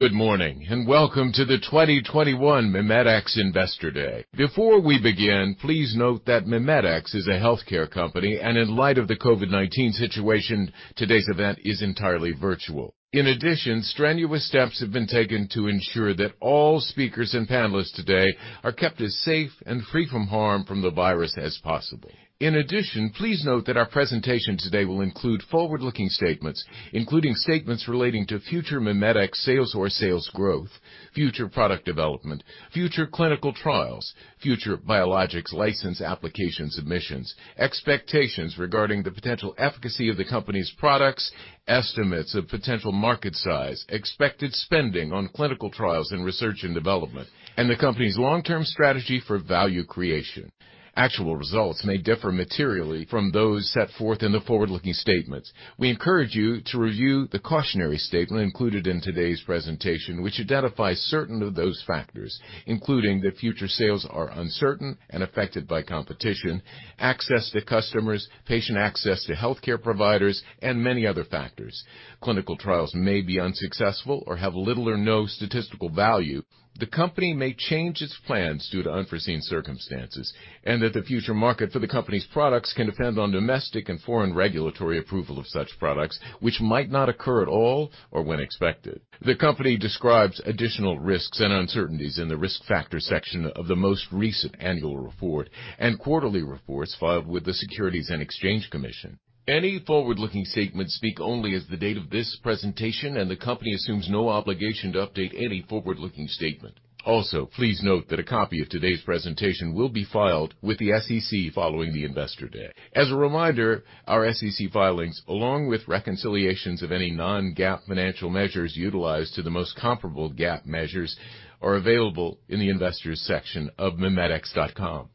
Good morning, and welcome to the 2021 MiMedx Investor Day. Before we begin, please note that MiMedx is a healthcare company, and in light of the COVID-19 situation, today's event is entirely virtual. In addition, strenuous steps have been taken to ensure that all speakers and panelists today are kept as safe and free from harm from the virus as possible. In addition, please note that our presentation today will include forward-looking statements, including statements relating to future MiMedx sales or sales growth, future product development, future clinical trials, future biologics license application submissions, expectations regarding the potential efficacy of the company's products, estimates of potential market size, expected spending on clinical trials and research and development, and the company's long-term strategy for value creation. Actual results may differ materially from those set forth in the forward-looking statements. We encourage you to review the cautionary statement included in today's presentation, which identifies certain of those factors, including that future sales are uncertain and affected by competition, access to customers, patient access to healthcare providers, and many other factors. Clinical trials may be unsuccessful or have little or no statistical value. The company may change its plans due to unforeseen circumstances, and that the future market for the company's products can depend on domestic and foreign regulatory approval of such products, which might not occur at all or when expected. The company describes additional risks and uncertainties in the Risk Factors section of the most recent annual report and quarterly reports filed with the Securities and Exchange Commission. Any forward-looking statements speak only as of the date of this presentation, and the company assumes no obligation to update any forward-looking statement. Also, please note that a copy of today's presentation will be filed with the SEC following the investor day. As a reminder, our SEC filings, along with reconciliations of any non-GAAP financial measures utilized to the most comparable GAAP measures, are available in the Investors section of mimedx.com.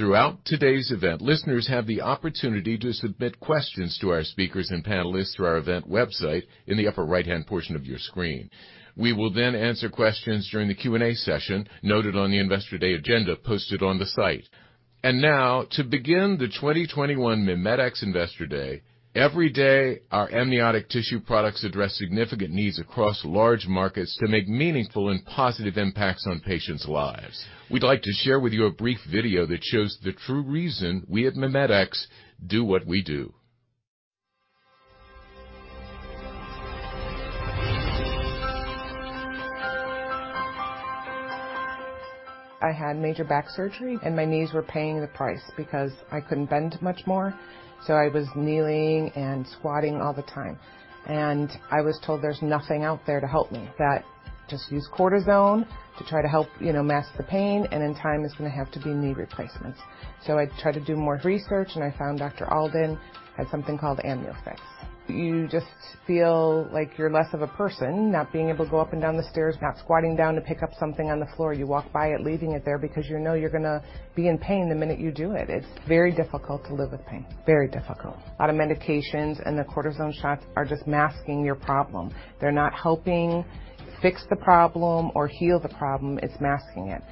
Throughout today's event, listeners have the opportunity to submit questions to our speakers and panelists through our event website in the upper right-hand portion of your screen. We will then answer questions during the Q&A session noted on the Investor Day agenda posted on the site. Now, to begin the 2021 MiMedx Investor Day, every day our amniotic tissue products address significant needs across large markets to make meaningful and positive impacts on patients' lives. We'd like to share with you a brief video that shows the true reason we at MiMedx do what we do. I had major back surgery, and my knees were paying the price because I couldn't bend much more, so I was kneeling and squatting all the time. I was told there's nothing out there to help me, that just use cortisone to try to help, you know, mask the pain, and in time it's gonna have to be knee replacements. I tried to do more research, and I found Dr. Alden had something called AmnioFix. You just feel like you're less of a person, not being able to go up and down the stairs, not squatting down to pick up something on the floor. You walk by it, leaving it there because you know you're gonna be in pain the minute you do it. It's very difficult to live with pain, very difficult. A lot of medications and the cortisone shots are just masking your problem. They're not helping fix the problem or heal the problem. It's masking it.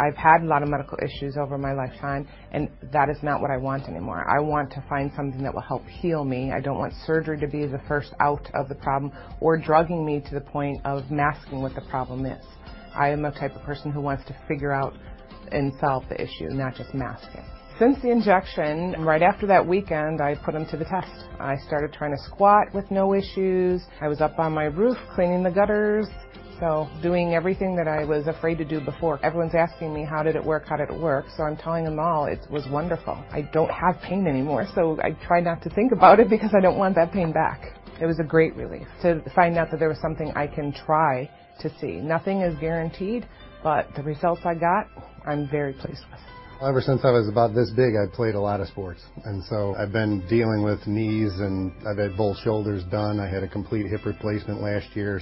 I've had a lot of medical issues over my lifetime, and that is not what I want anymore. I want to find something that will help heal me. I don't want surgery to be the first out of the problem or drugging me to the point of masking what the problem is. I am a type of person who wants to figure out and solve the issue, not just mask it. Since the injection, right after that weekend, I put them to the test. I started trying to squat with no issues. I was up on my roof cleaning the gutters. Doing everything that I was afraid to do before. Everyone's asking me, "How did it work? How did it work?" I'm telling them all it was wonderful. I don't have pain anymore. I try not to think about it because I don't want that pain back. It was a great relief to find out that there was something I can try to see. Nothing is guaranteed, but the results I got, I'm very pleased with. Ever since I was about this big, I played a lot of sports, and so I've been dealing with knees, and I've had both shoulders done. I had a complete hip replacement last year.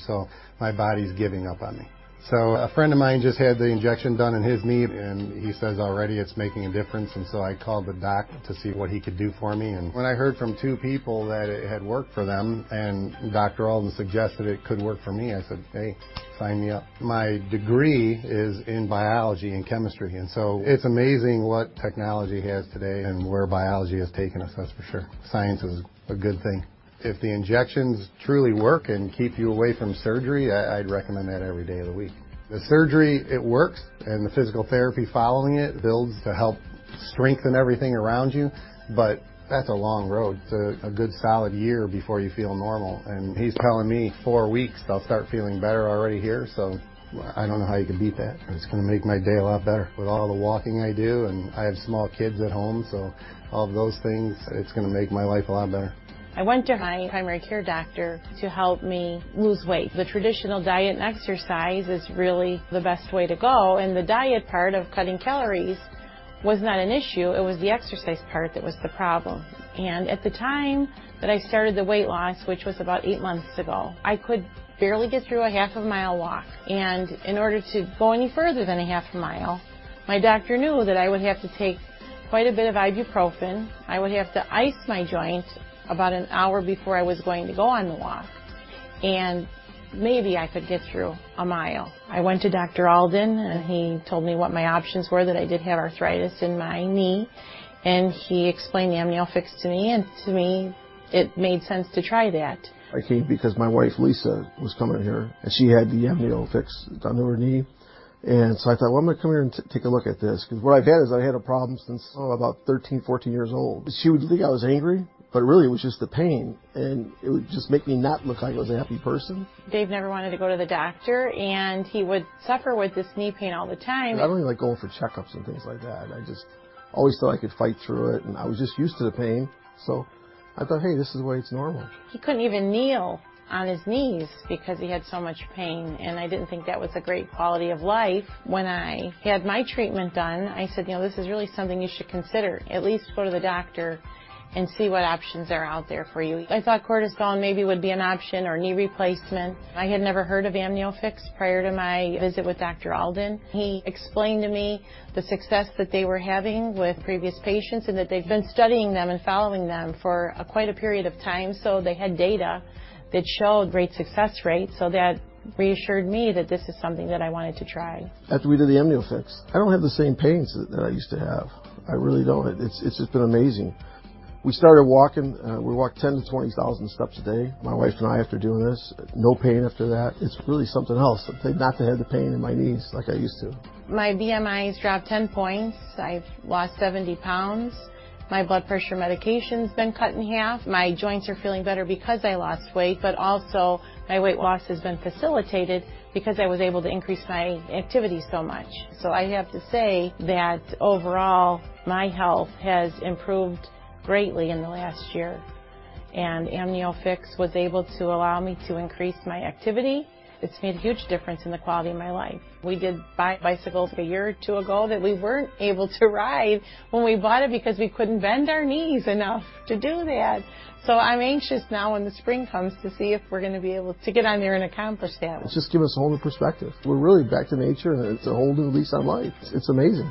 My body's giving up on me. A friend of mine just had the injection done in his knee, and he says already it's making a difference. I called the doc to see what he could do for me. When I heard from two people that it had worked for them, and Dr. Alden suggested it could work for me, I said, "Hey, sign me up." My degree is in biology and chemistry, and so it's amazing what technology has today and where biology has taken us. That's for sure. Science is a good thing. If the injections truly work and keep you away from surgery, I'd recommend that every day of the week. The surgery, it works, and the physical therapy following it builds to help strengthen everything around you. That's a long road to a good solid year before you feel normal. He's telling me four weeks I'll start feeling better already here. I don't know how you can beat that. It's gonna make my day a lot better. With all the walking I do, and I have small kids at home, so all of those things, it's gonna make my life a lot better. I went to my primary care doctor to help me lose weight. The traditional diet and exercise is really the best way to go, and the diet part of cutting calories was not an issue. It was the exercise part that was the problem. At the time that I started the weight loss, which was about eight months ago, I could barely get through a half a mile walk. In order to go any further than a half a mile, my doctor knew that I would have to take quite a bit of ibuprofen. I would have to ice my joint about an hour before I was going to go on the walk. Maybe I could get through a mile. I went to Dr. Alden, and he told me what my options were, that I did have arthritis in my knee, and he explained AmnioFix to me, and to me, it made sense to try that. I came because my wife, Lisa, was coming here, and she had the AmnioFix done to her knee. I thought, "Well, I'm gonna come here and take a look at this." 'Cause what I've had is I've had a problem since I was about 13, 14 years old. She would think I was angry, but really it was just the pain, and it would just make me not look like I was a happy person. Dave never wanted to go to the doctor, and he would suffer with this knee pain all the time. I don't really like going for checkups and things like that. I just always thought I could fight through it, and I was just used to the pain, so I thought, "Hey, this is the way it's normal. He couldn't even kneel on his knees because he had so much pain, and I didn't think that was a great quality of life. When I had my treatment done, I said, "You know, this is really something you should consider. At least go to the doctor and see what options are out there for you." I thought cortisone maybe would be an option or knee replacement. I had never heard of AmnioFix prior to my visit with Dr. Alden. He explained to me the success that they were having with previous patients and that they've been studying them and following them for quite a period of time, so they had data that showed great success rates, so that reassured me that this is something that I wanted to try. After we did the AmnioFix, I don't have the same pains that I used to have. I really don't. It's just been amazing. We started walking. We walk 10-20,000 steps a day, my wife and I, after doing this. No pain after that. It's really something else to not have the pain in my knees like I used to. My BMI's dropped 10 points. I've lost 70 pounds. My blood pressure medication's been cut in half. My joints are feeling better because I lost weight, but also my weight loss has been facilitated because I was able to increase my activity so much. I have to say that overall my health has improved greatly in the last year, and AmnioFix was able to allow me to increase my activity. It's made a huge difference in the quality of my life. We did buy bicycles a year or two ago that we weren't able to ride when we bought it because we couldn't bend our knees enough to do that. I'm anxious now when the spring comes to see if we're gonna be able to get on there and accomplish that. It's just given us a whole new perspective. We're really back to nature, and it's a whole new lease on life. It's amazing.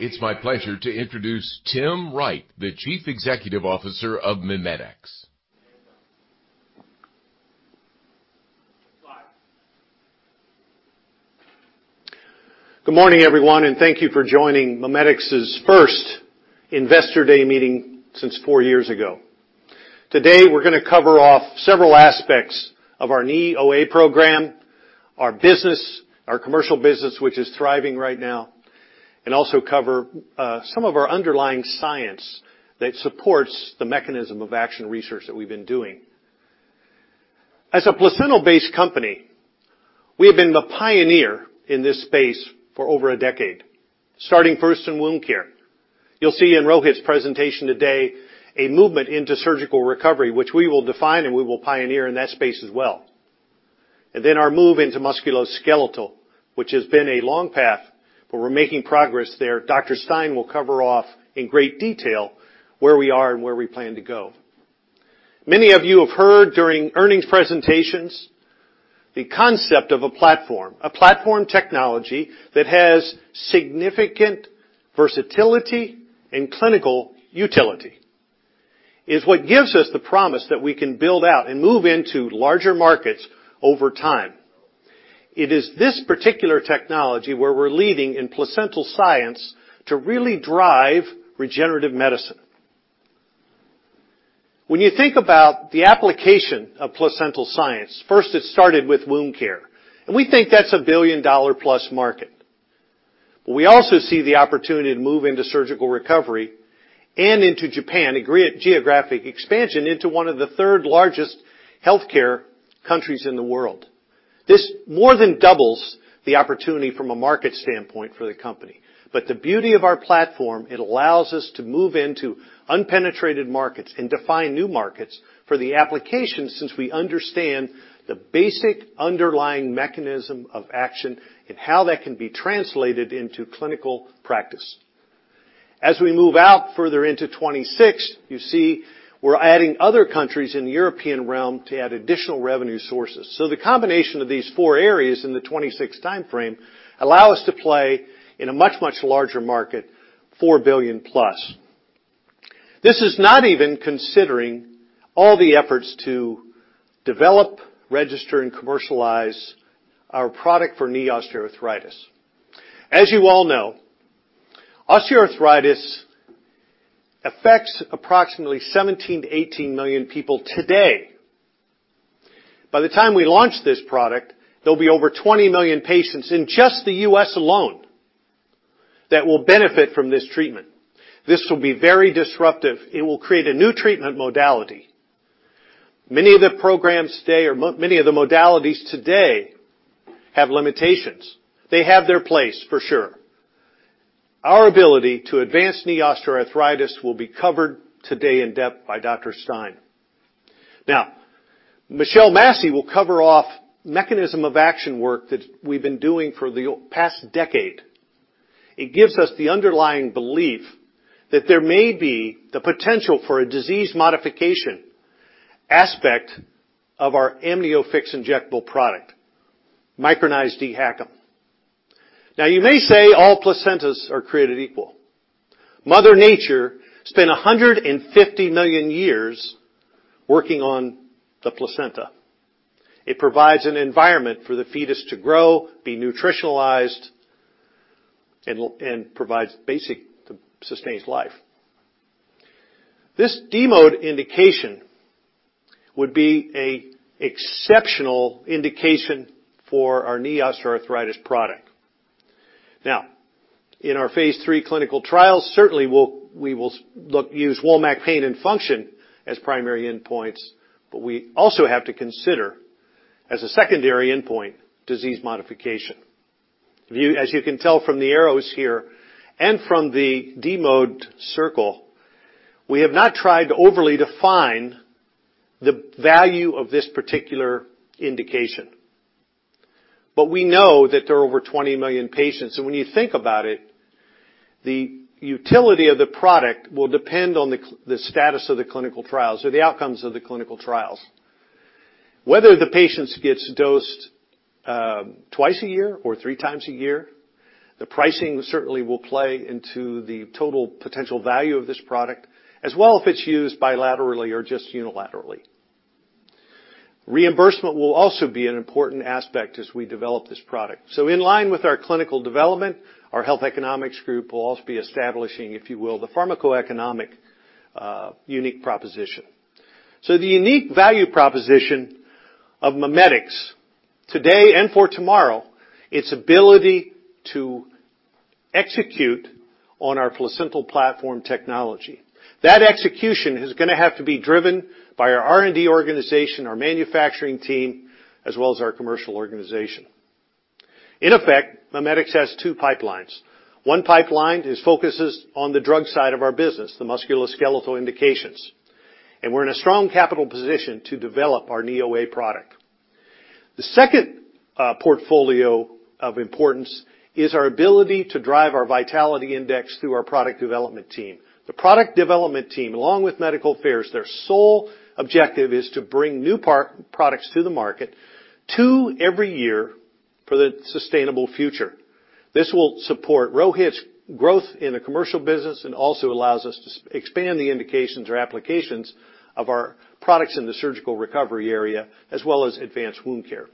Now it's my pleasure to introduce Tim Wright, the Chief Executive Officer of MiMedx. Good morning, everyone, and thank you for joining MiMedx's first Investor Day meeting since four years ago. Today, we're gonna cover off several aspects of our Knee OA program, our business, our commercial business, which is thriving right now, and also cover some of our underlying science that supports the mechanism of action research that we've been doing. As a placental-based company, we have been the pioneer in this space for over a decade, starting first in wound care. You'll see in Rohit's presentation today a movement into surgical recovery, which we will define, and we will pioneer in that space as well. Then our move into musculoskeletal, which has been a long path, but we're making progress there. Dr. Stein will cover off in great detail where we are and where we plan to go. Many of you have heard during earnings presentations the concept of a platform, a platform technology that has significant versatility and clinical utility, is what gives us the promise that we can build out and move into larger markets over time. It is this particular technology where we're leading in placental science to really drive regenerative medicine. When you think about the application of placental science, first it started with wound care, and we think that's a billion-dollar plus market. We also see the opportunity to move into surgical recovery and into Japan, a great geographic expansion into one of the third-largest healthcare countries in the world. This more than doubles the opportunity from a market standpoint for the company. The beauty of our platform, it allows us to move into unpenetrated markets and define new markets for the application since we understand the basic underlying mechanism of action and how that can be translated into clinical practice. As we move out further into 2026, you see we're adding other countries in the European realm to add additional revenue sources. The combination of these four areas in the 2026 timeframe allow us to play in a much, much larger market, $4 billion plus. This is not even considering all the efforts to develop, register, and commercialize our product for knee osteoarthritis. As you all know, osteoarthritis affects approximately 17-18 million people today. By the time we launch this product, there'll be over 20 million patients in just the U.S. alone that will benefit from this treatment. This will be very disruptive. It will create a new treatment modality. Many of the programs today or many of the modalities today have limitations. They have their place for sure. Our ability to advance knee osteoarthritis will be covered today in depth by Dr. Stein. Now, Michelle Massee will cover off mechanism of action work that we've been doing for the past decade. It gives us the underlying belief that there may be the potential for a disease modification aspect of our AmnioFix injectable product, micronized dHACM. Now you may say all placentas are created equal. Mother Nature spent 150 million years working on the placenta. It provides an environment for the fetus to grow, be nutritionalized, and live, and sustains life. This DMARD indication would be an exceptional indication for our knee osteoarthritis product. Now, in our phase III clinical trials, certainly we will use WOMAC pain and function as primary endpoints, but we also have to consider as a secondary endpoint disease modification. As you can tell from the arrows here and from the DMARD circle, we have not tried to overly define the value of this particular indication. We know that there are over 20 million patients. When you think about it, the utility of the product will depend on the status of the clinical trials or the outcomes of the clinical trials. Whether the patients gets dosed twice a year or three times a year, the pricing certainly will play into the total potential value of this product, as well if it's used bilaterally or just unilaterally. Reimbursement will also be an important aspect as we develop this product. In line with our clinical development, our health economics group will also be establishing, if you will, the pharmacoeconomic unique proposition. The unique value proposition of MiMedx today and for tomorrow, its ability to execute on our placental platform technology. That execution is gonna have to be driven by our R&D organization, our manufacturing team, as well as our commercial organization. In effect, MiMedx has two pipelines. One pipeline focuses on the drug side of our business, the musculoskeletal indications, and we're in a strong capital position to develop our NeoA product. The second portfolio of importance is our ability to drive our vitality index through our product development team. The product development team, along with medical affairs, their sole objective is to bring new products to the market, two every year for the sustainable future. This will support Rohit's growth in the commercial business and also allows us to expand the indications or applications of our products in the surgical recovery area, as well as advanced wound care.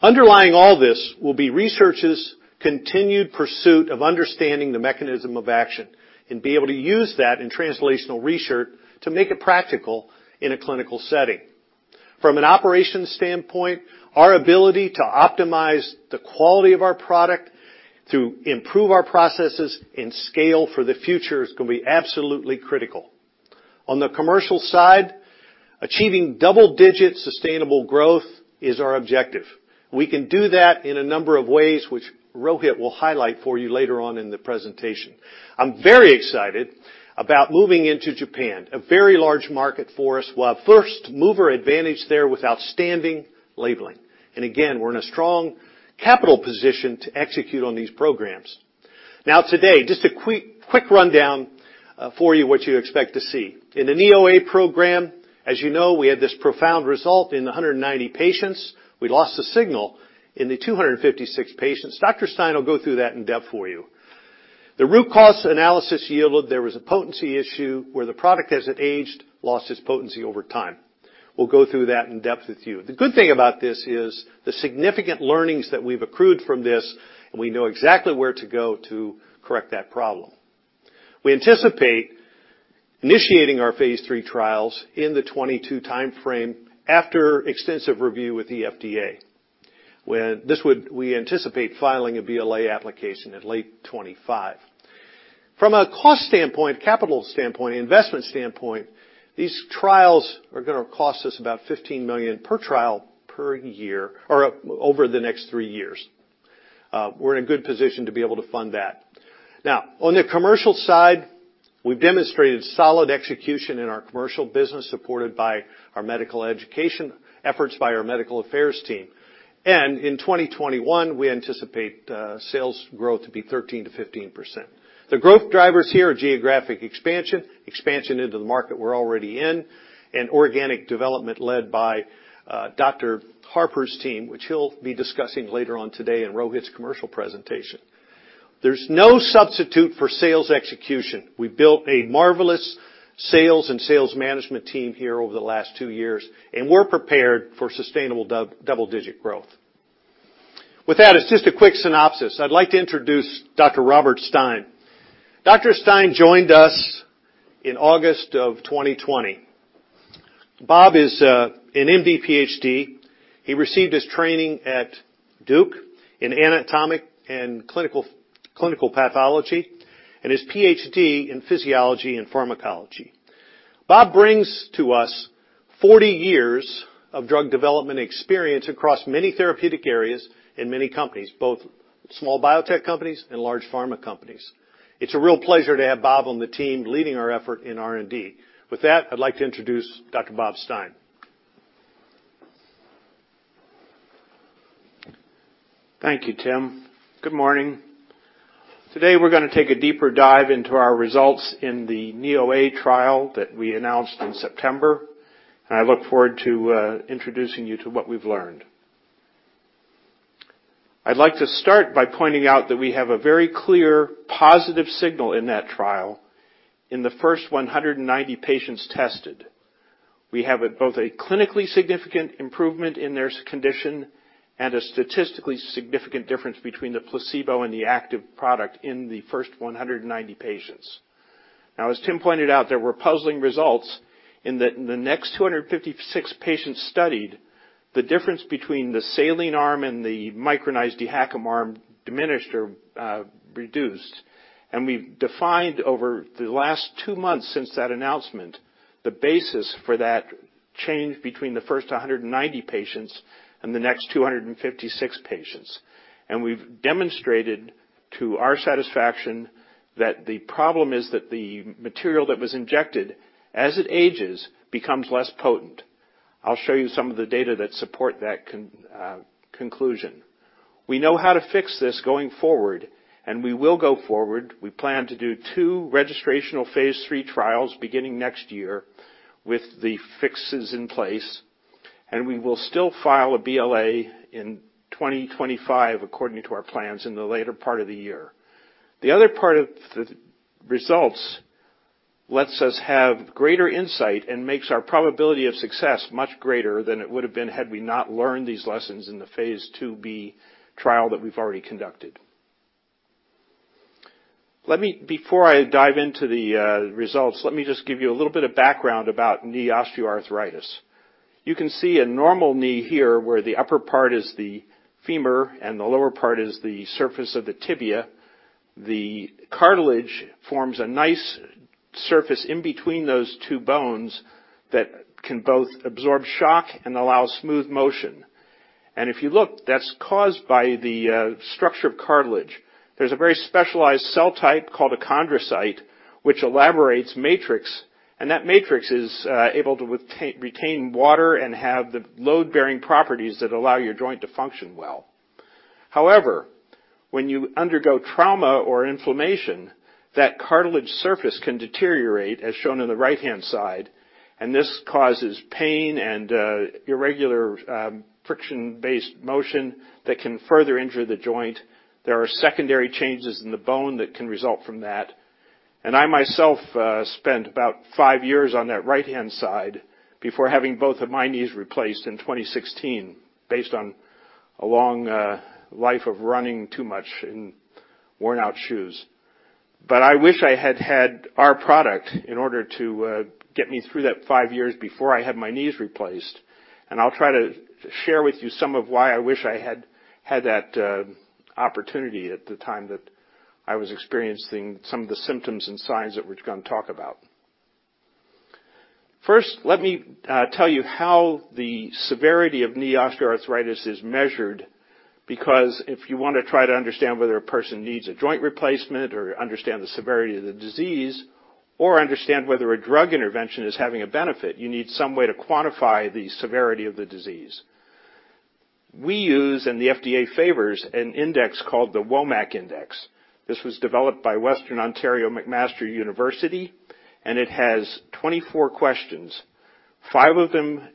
Underlying all this will be research's continued pursuit of understanding the mechanism of action and be able to use that in translational research to make it practical in a clinical setting. From an operations standpoint, our ability to optimize the quality of our product, to improve our processes, and scale for the future is gonna be absolutely critical. On the commercial side, achieving double-digit sustainable growth is our objective. We can do that in a number of ways, which Rohit will highlight for you later on in the presentation. I'm very excited about moving into Japan, a very large market for us. We'll have first mover advantage there with outstanding labeling. We're in a strong capital position to execute on these programs. Now today, just a quick rundown for you what you expect to see. In the NeoA program, as you know, we had this profound result in the 190 patients. We lost the signal in the 256 patients. Dr. Stein will go through that in depth for you. The root cause analysis yielded there was a potency issue where the product, as it aged, lost its potency over time. We'll go through that in depth with you. The good thing about this is the significant learnings that we've accrued from this, and we know exactly where to go to correct that problem. We anticipate initiating our phase III trials in the 2022 timeframe after extensive review with the FDA. We anticipate filing a BLA application in late 2025. From a cost standpoint, capital standpoint, investment standpoint, these trials are gonna cost us about $15 million per trial per year or over the next three years. We're in a good position to be able to fund that. Now, on the commercial side, we've demonstrated solid execution in our commercial business, supported by our medical education efforts by our medical affairs team. In 2021, we anticipate sales growth to be 13%-15%. The growth drivers here are geographic expansion into the market we're already in, and organic development led by Dr. Harper's team, which he'll be discussing later on today in Rohit's commercial presentation. There's no substitute for sales execution. We built a marvelous sales and sales management team here over the last two years, and we're prepared for sustainable double-digit growth. With that, it's just a quick synopsis. I'd like to introduce Dr. Robert Stein. Dr. Stein joined us in August of 2020. Bob is an MD PhD. He received his training at Duke in anatomic and clinical pathology and his PhD in physiology and pharmacology. Bob brings to us 40 years of drug development experience across many therapeutic areas in many companies, both small biotech companies and large pharma companies. It's a real pleasure to have Bob on the team leading our effort in R&D. With that, I'd like to introduce Dr. Bob Stein. Thank you, Tim. Good morning. Today, we're gonna take a deeper dive into our results in the Knee OA trial that we announced in September. I look forward to introducing you to what we've learned. I'd like to start by pointing out that we have a very clear positive signal in that trial in the first 190 patients tested. We have both a clinically significant improvement in their condition and a statistically significant difference between the placebo and the active product in the first 190 patients. Now, as Tim pointed out, there were puzzling results in the next 256 patients studied, the difference between the saline arm and the micronized dHACM arm diminished or reduced. We've defined over the last two months since that announcement, the basis for that change between the first 190 patients and the next 256 patients. We've demonstrated to our satisfaction that the problem is that the material that was injected, as it ages, becomes less potent. I'll show you some of the data that support that conclusion. We know how to fix this going forward, and we will go forward. We plan to do two registrational phase III trials beginning next year with the fixes in place, and we will still file a BLA in 2025 according to our plans in the later part of the year. The other part of the results lets us have greater insight and makes our probability of success much greater than it would have been had we not learned these lessons in the phase IIb trial that we've already conducted. Before I dive into the results, let me just give you a little bit of background about knee osteoarthritis. You can see a normal knee here where the upper part is the femur and the lower part is the surface of the tibia. The cartilage forms a nice surface in between those two bones that can both absorb shock and allow smooth motion. If you look, that's caused by the structure of cartilage. There's a very specialized cell type called a chondrocyte, which elaborates matrix, and that matrix is able to retain water and have the load-bearing properties that allow your joint to function well. However, when you undergo trauma or inflammation, that cartilage surface can deteriorate, as shown on the right-hand side, and this causes pain and irregular friction-based motion that can further injure the joint. There are secondary changes in the bone that can result from that. I, myself, spent about five years on that right-hand side before having both of my knees replaced in 2016 based on a long life of running too much in worn-out shoes. I wish I had had our product in order to get me through that five years before I had my knees replaced. I'll try to share with you some of why I wish I had had that opportunity at the time that I was experiencing some of the symptoms and signs that we're gonna talk about. First, let me tell you how the severity of knee osteoarthritis is measured, because if you wanna try to understand whether a person needs a joint replacement or understand the severity of the disease or understand whether a drug intervention is having a benefit, you need some way to quantify the severity of the disease. We use, and the FDA favors, an index called the WOMAC index. This was developed by Western Ontario and McMaster Universities, and it has 24 questions. Five of them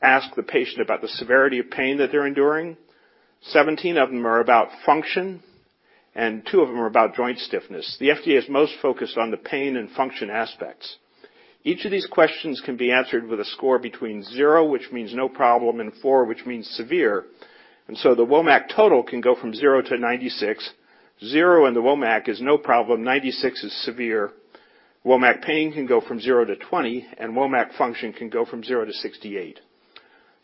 ask the patient about the severity of pain that they're enduring, 17 of them are about function, and two of them are about joint stiffness. The FDA is most focused on the pain and function aspects. Each of these questions can be answered with a score between 0, which means no problem, and 4, which means severe. The WOMAC total can go from 0 to 96. 0 in the WOMAC is no problem, 96 is severe. WOMAC pain can go from 0 to 20, and WOMAC function can go from 0 to 68.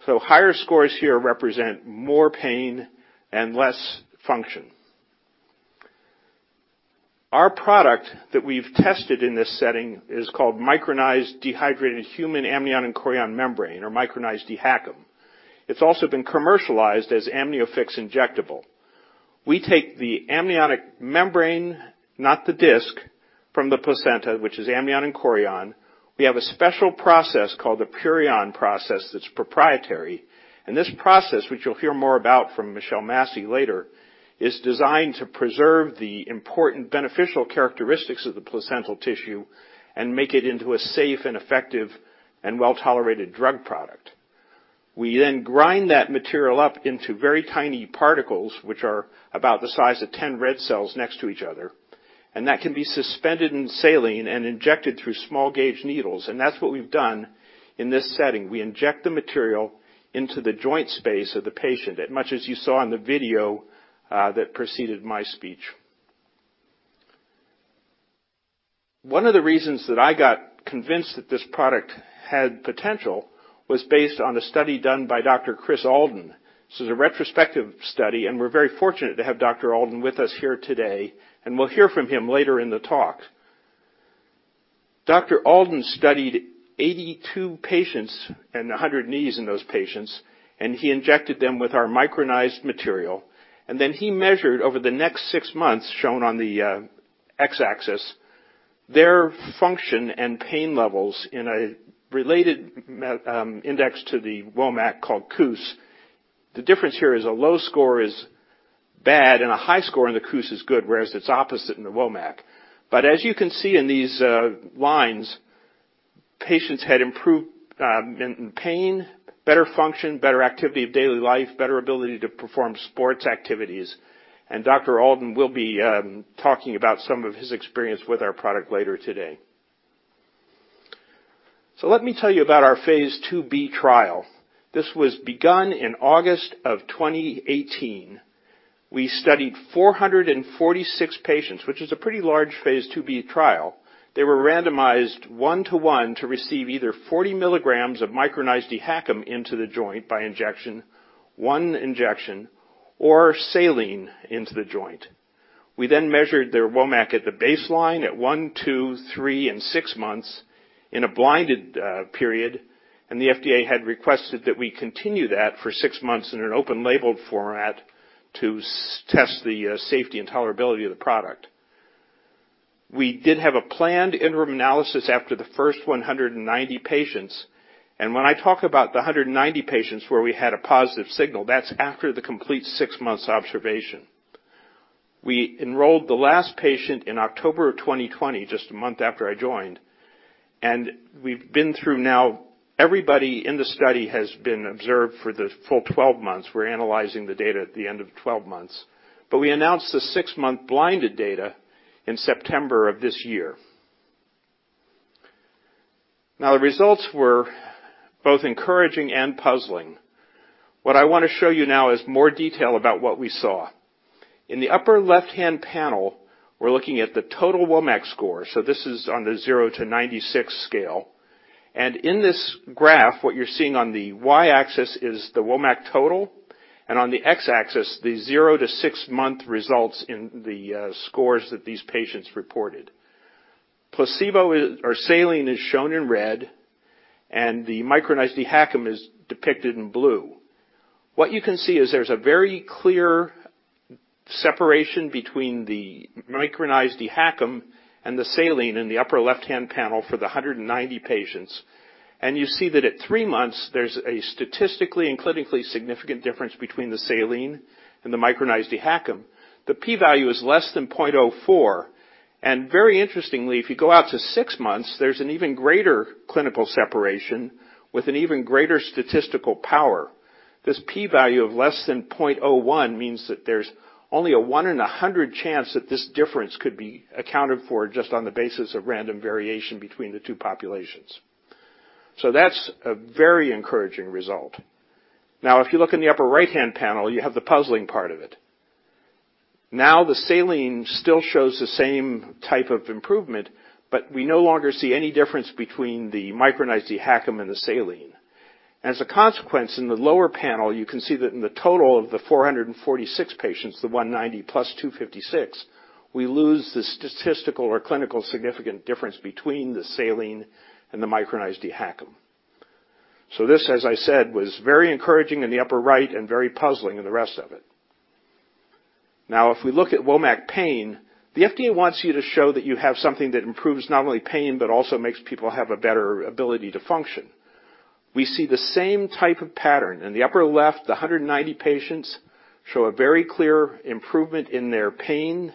Higher scores here represent more pain and less function. Our product that we've tested in this setting is called micronized dehydrated human amnion and chorion membrane or micronized dHACM. It's also been commercialized as AmnioFix Injectable. We take the amniotic membrane, not the disk, from the placenta, which is amnion and chorion. We have a special process called the Purion process that's proprietary. This process, which you'll hear more about from Michelle Massee later, is designed to preserve the important beneficial characteristics of the placental tissue and make it into a safe and effective and well-tolerated drug product. We then grind that material up into very tiny particles, which are about the size of 10 red cells next to each other, and that can be suspended in saline and injected through small gauge needles. That's what we've done in this setting. We inject the material into the joint space of the patient as much as you saw in the video, that preceded my speech. One of the reasons that I got convinced that this product had potential was based on a study done by Dr. Kris Alden. This is a retrospective study, and we're very fortunate to have Dr. Alden is with us here today, and we'll hear from him later in the talk. Dr. Alden studied 82 patients and 100 knees in those patients, and he injected them with our micronized material. Then he measured over the next six months, shown on the X-axis, their function and pain levels in a related index to the WOMAC called KOOS. The difference here is a low score is bad and a high score in the KOOS is good, whereas it's opposite in the WOMAC. As you can see in these lines, patients had improved in pain, better function, better activity of daily life, better ability to perform sports activities. Dr. Alden will be talking about some of his experience with our product later today. Let me tell you about our phase IIb trial. This was begun in August 2018. We studied 446 patients, which is a pretty large phase IIb trial. They were randomized 1:1 to receive either 40 mg of micronized dHACM into the joint by injection, one injection, or saline into the joint. We then measured their WOMAC at the baseline at one, two, three, and s ix months in a blinded period, and the FDA had requested that we continue that for six months in an open-label format to assess the safety and tolerability of the product. We did have a planned interim analysis after the first 190 patients, and when I talk about the 190 patients where we had a positive signal, that's after the complete six months observation. We enrolled the last patient in October of 2020, just a month after I joined, and we've been through now... Everybody in the study has been observed for the full 12 months. We're analyzing the data at the end of 12 months. We announced the 6-month blinded data in September of this year. Now, the results were both encouraging and puzzling. What I wanna show you now is more detail about what we saw. In the upper left-hand panel, we're looking at the total WOMAC score, so this is on the 0 to 96 scale. In this graph, what you're seeing on the Y-axis is the WOMAC total, and on the X-axis, the 0 to six-month results in the scores that these patients reported. Placebo or saline is shown in red, and the micronized dHACM is depicted in blue. What you can see is there's a very clear separation between the micronized dHACM and the saline in the upper left-hand panel for the 190 patients. You see that at three months, there's a statistically and clinically significant difference between the saline and the micronized dHACM. The P value is less than 0.04. Very interestingly, if you go out to six months, there's an even greater clinical separation with an even greater statistical power. This P value of less than 0.01 means that there's only a 1 in 100 chance that this difference could be accounted for just on the basis of random variation between the two populations. That's a very encouraging result. Now, if you look in the upper right-hand panel, you have the puzzling part of it. Now, the saline still shows the same type of improvement, but we no longer see any difference between the micronized dHACM and the saline. As a consequence, in the lower panel, you can see that in the total of the 446 patients, the 190 plus 256, we lose the statistical or clinical significant difference between the saline and the micronized dHACM. This, as I said, was very encouraging in the upper right and very puzzling in the rest of it. Now, if we look at WOMAC pain, the FDA wants you to show that you have something that improves not only pain, but also makes people have a better ability to function. We see the same type of pattern. In the upper left, the 190 patients show a very clear improvement in their pain,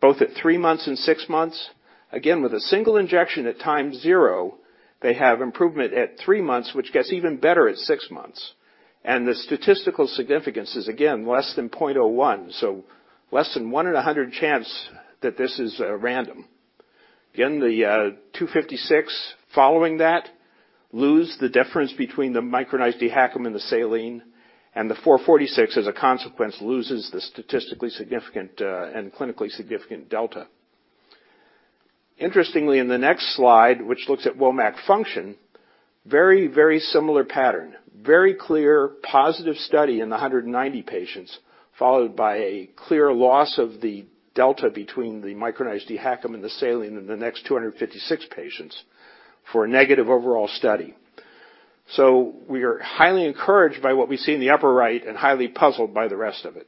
both at three months and six months. With a single injection at time zero, they have improvement at three months, which gets even better at six months. The statistical significance is, again, less than 0.01, so less than 1 in 100 chance that this is random. Again, the 256 following that lose the difference between the micronized dHACM and the saline, and the 446, as a consequence, loses the statistically significant and clinically significant delta. Interestingly, in the next slide, which looks at WOMAC function, very, very similar pattern. Very clear, positive study in the 190 patients, followed by a clear loss of the delta between the micronized dHACM and the saline in the next 256 patients for a negative overall study. We are highly encouraged by what we see in the upper right and highly puzzled by the rest of it.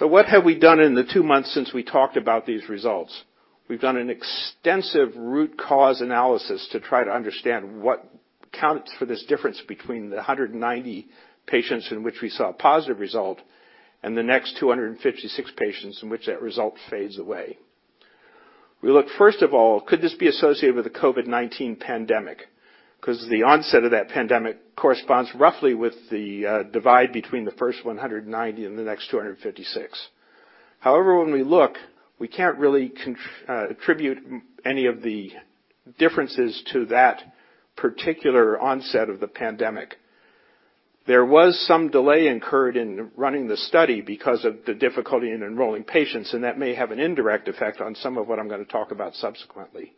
What have we done in the two months since we talked about these results? We've done an extensive root cause analysis to try to understand what counts for this difference between the 190 patients in which we saw a positive result and the next 256 patients in which that result fades away. We looked, first of all, could this be associated with the COVID-19 pandemic? 'Cause the onset of that pandemic corresponds roughly with the divide between the first 190 and the next 256. However, when we look, we can't really attribute any of the differences to that particular onset of the pandemic. There was some delay incurred in running the study because of the difficulty in enrolling patients, and that may have an indirect effect on some of what I'm gonna talk about subsequently.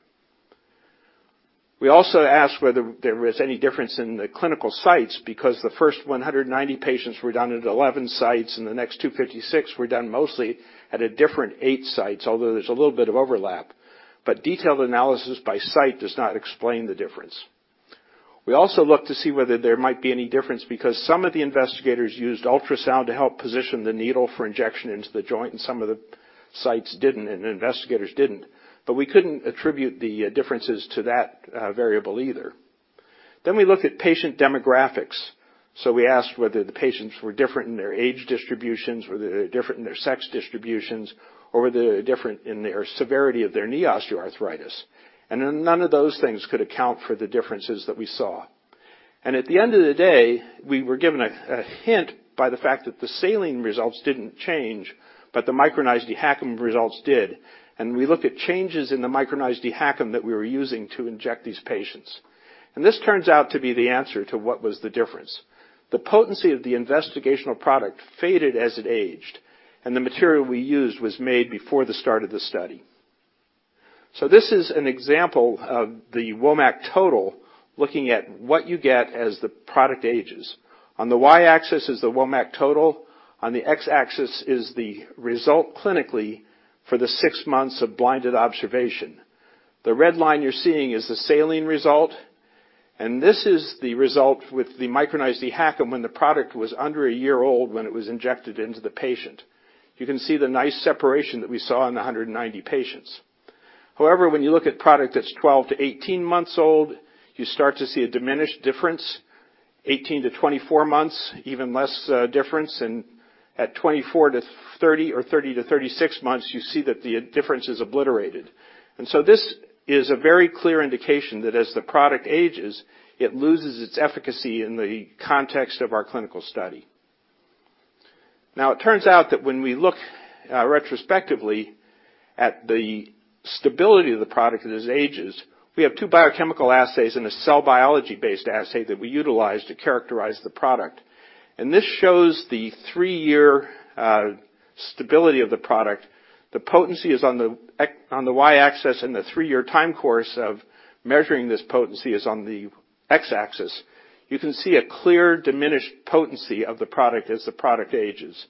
We also asked whether there was any difference in the clinical sites because the first 190 patients were done at 11 sites, and the next 256 were done mostly at a different 8 sites, although there's a little bit of overlap. Detailed analysis by site does not explain the difference. We also looked to see whether there might be any difference because some of the investigators used ultrasound to help position the needle for injection into the joint, and some of the sites didn't and the investigators didn't. We couldn't attribute the differences to that variable either. We looked at patient demographics. We asked whether the patients were different in their age distributions, whether they were different in their sex distributions, or were they different in their severity of their knee osteoarthritis. None of those things could account for the differences that we saw. At the end of the day, we were given a hint by the fact that the saline results didn't change, but the micronized dHACM results did. We looked at changes in the micronized dHACM that we were using to inject these patients. This turns out to be the answer to what was the difference. The potency of the investigational product faded as it aged, and the material we used was made before the start of the study. This is an example of the WOMAC total, looking at what you get as the product ages. On the Y-axis is the WOMAC total, on the X-axis is the result clinically for the six months of blinded observation. The red line you're seeing is the saline result, and this is the result with the micronized dHACM when the product was under a year old when it was injected into the patient. You can see the nice separation that we saw in the 190 patients. However, when you look at product that's 12-18 months old, you start to see a diminished difference. 18-24 months, even less difference. At 24-30 or 30-36 months, you see that the difference is obliterated. This is a very clear indication that as the product ages, it loses its efficacy in the context of our clinical study. Now, it turns out that when we look retrospectively at the stability of the product as it ages, we have two biochemical assays and a cell biology-based assay that we utilize to characterize the product. This shows the three-year stability of the product. The potency is on the Y-axis, and the three-year time course of measuring this potency is on the X-axis. You can see a clear diminished potency of the product as the product ages.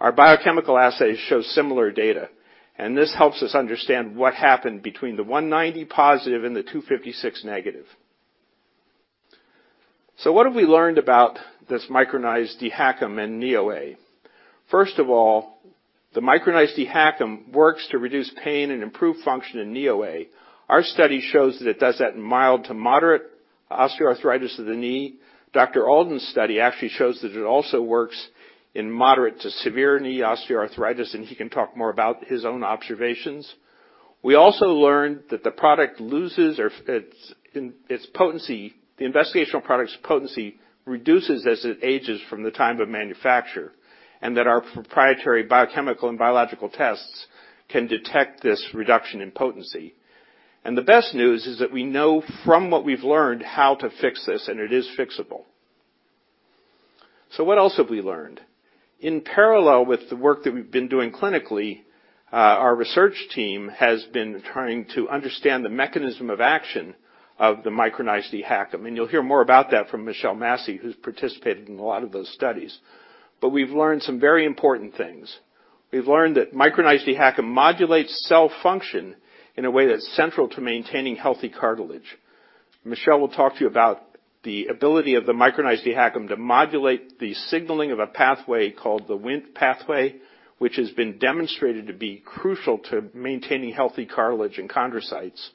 Our biochemical assays show similar data, and this helps us understand what happened between the 190 positive and the 256 negative. What have we learned about this micronized dHACM and OA? First of all, the micronized dHACM works to reduce pain and improve function in OA. Our study shows that it does that in mild to moderate osteoarthritis of the knee. Dr. Alden's study actually shows that it also works in moderate to severe knee osteoarthritis, and he can talk more about his own observations. We also learned that the product loses its potency, the investigational product's potency reduces as it ages from the time of manufacture, and that our proprietary biochemical and biological tests can detect this reduction in potency. The best news is that we know from what we've learned how to fix this, and it is fixable. What else have we learned? In parallel with the work that we've been doing clinically, our research team has been trying to understand the mechanism of action of the micronized dHACM, and you'll hear more about that from Michelle Massee, who's participated in a lot of those studies. We've learned some very important things. We've learned that micronized dHACM modulates cell function in a way that's central to maintaining healthy cartilage. Michelle will talk to you about the ability of the micronized dHACM to modulate the signaling of a pathway called the Wnt pathway, which has been demonstrated to be crucial to maintaining healthy cartilage and chondrocytes.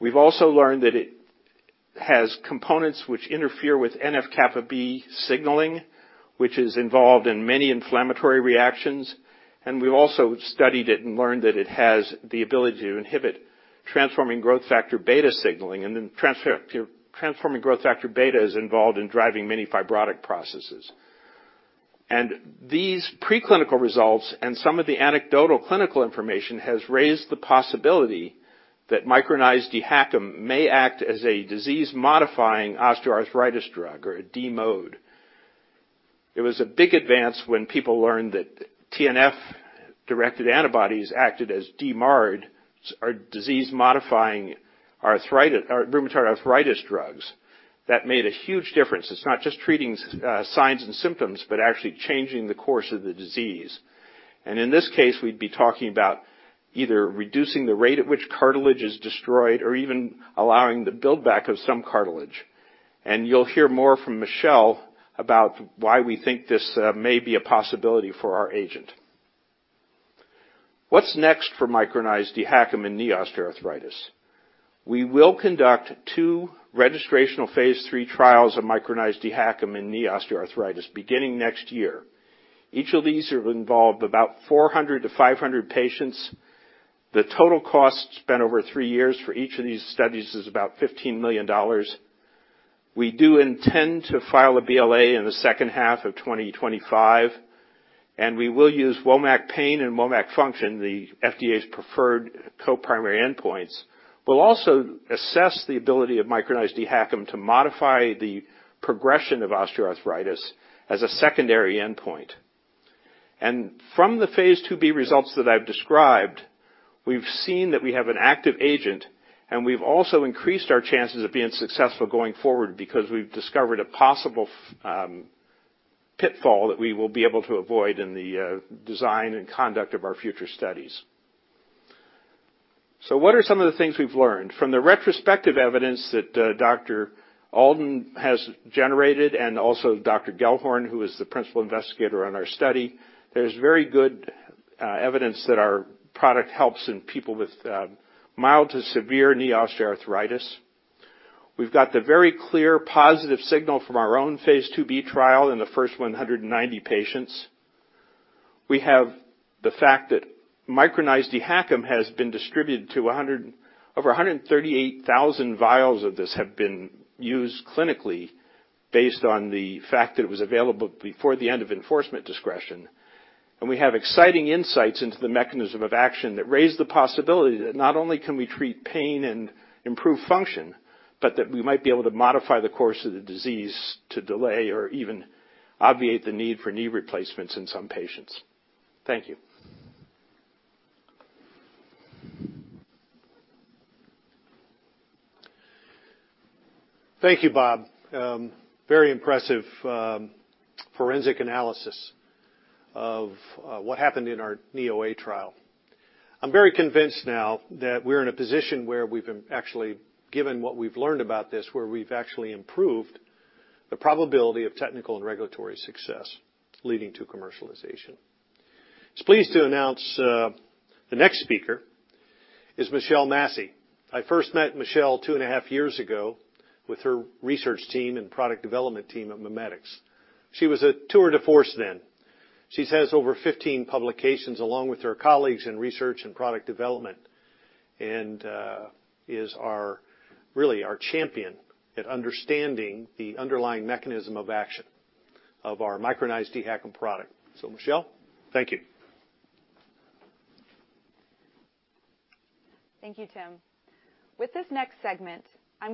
We've also learned that it has components which interfere with NF-kappa B signaling, which is involved in many inflammatory reactions. We've also studied it and learned that it has the ability to inhibit transforming growth factor beta signaling, transforming growth factor beta is involved in driving many fibrotic processes. These preclinical results and some of the anecdotal clinical information has raised the possibility that micronized dHACM may act as a disease-modifying osteoarthritis drug or a DMOAD. It was a big advance when people learned that TNF-directed antibodies acted as DMARD, or disease-modifying rheumatoid arthritis drugs. That made a huge difference. It's not just treating signs and symptoms, but actually changing the course of the disease. In this case, we'd be talking about either reducing the rate at which cartilage is destroyed or even allowing the build-back of some cartilage. You'll hear more from Michelle about why we think this may be a possibility for our agent. What's next for micronized dHACM in knee osteoarthritis? We will conduct two registrational phase III trials of micronized dHACM in knee osteoarthritis beginning next year. Each of these will involve about 400-500 patients. The total cost spent over three years for each of these studies is about $15 million. We do intend to file a BLA in the second half of 2025. We will use WOMAC pain and WOMAC function, the FDA's preferred co-primary endpoints. We'll also assess the ability of micronized DHACM to modify the progression of osteoarthritis as a secondary endpoint. From the phase IIb results that I've described, we've seen that we have an active agent, and we've also increased our chances of being successful going forward because we've discovered a possible pitfall that we will be able to avoid in the design and conduct of our future studies. What are some of the things we've learned? From the retrospective evidence that Dr. Alden has generated and also Dr. Gellhorn, who is the principal investigator on our study, there's very good evidence that our product helps in people with mild to severe knee osteoarthritis. We've got the very clear positive signal from our own phase IIb trial in the first 190 patients. We have the fact that micronized DHACM has been distributed over 138,000 vials of this have been used clinically based on the fact that it was available before the end of enforcement discretion. We have exciting insights into the mechanism of action that raise the possibility that not only can we treat pain and improve function, but that we might be able to modify the course of the disease to delay or even obviate the need for knee replacements in some patients. Thank you. Thank you, Bob. Very impressive forensic analysis of what happened in our Knee OA trial. I'm very convinced now that we're in a position where we've actually, given what we've learned about this, where we've actually improved the probability of technical and regulatory success leading to commercialization. Just pleased to announce the next speaker is Michelle Massee. I first met Michelle two and a half years ago with her research team and product development team at MiMedx. She was a tour de force then. She has over 15 publications along with her colleagues in research and product development, and is really our champion at understanding the underlying mechanism of action of our micronized DHACM product. Michelle, thank Chief Medical Officer of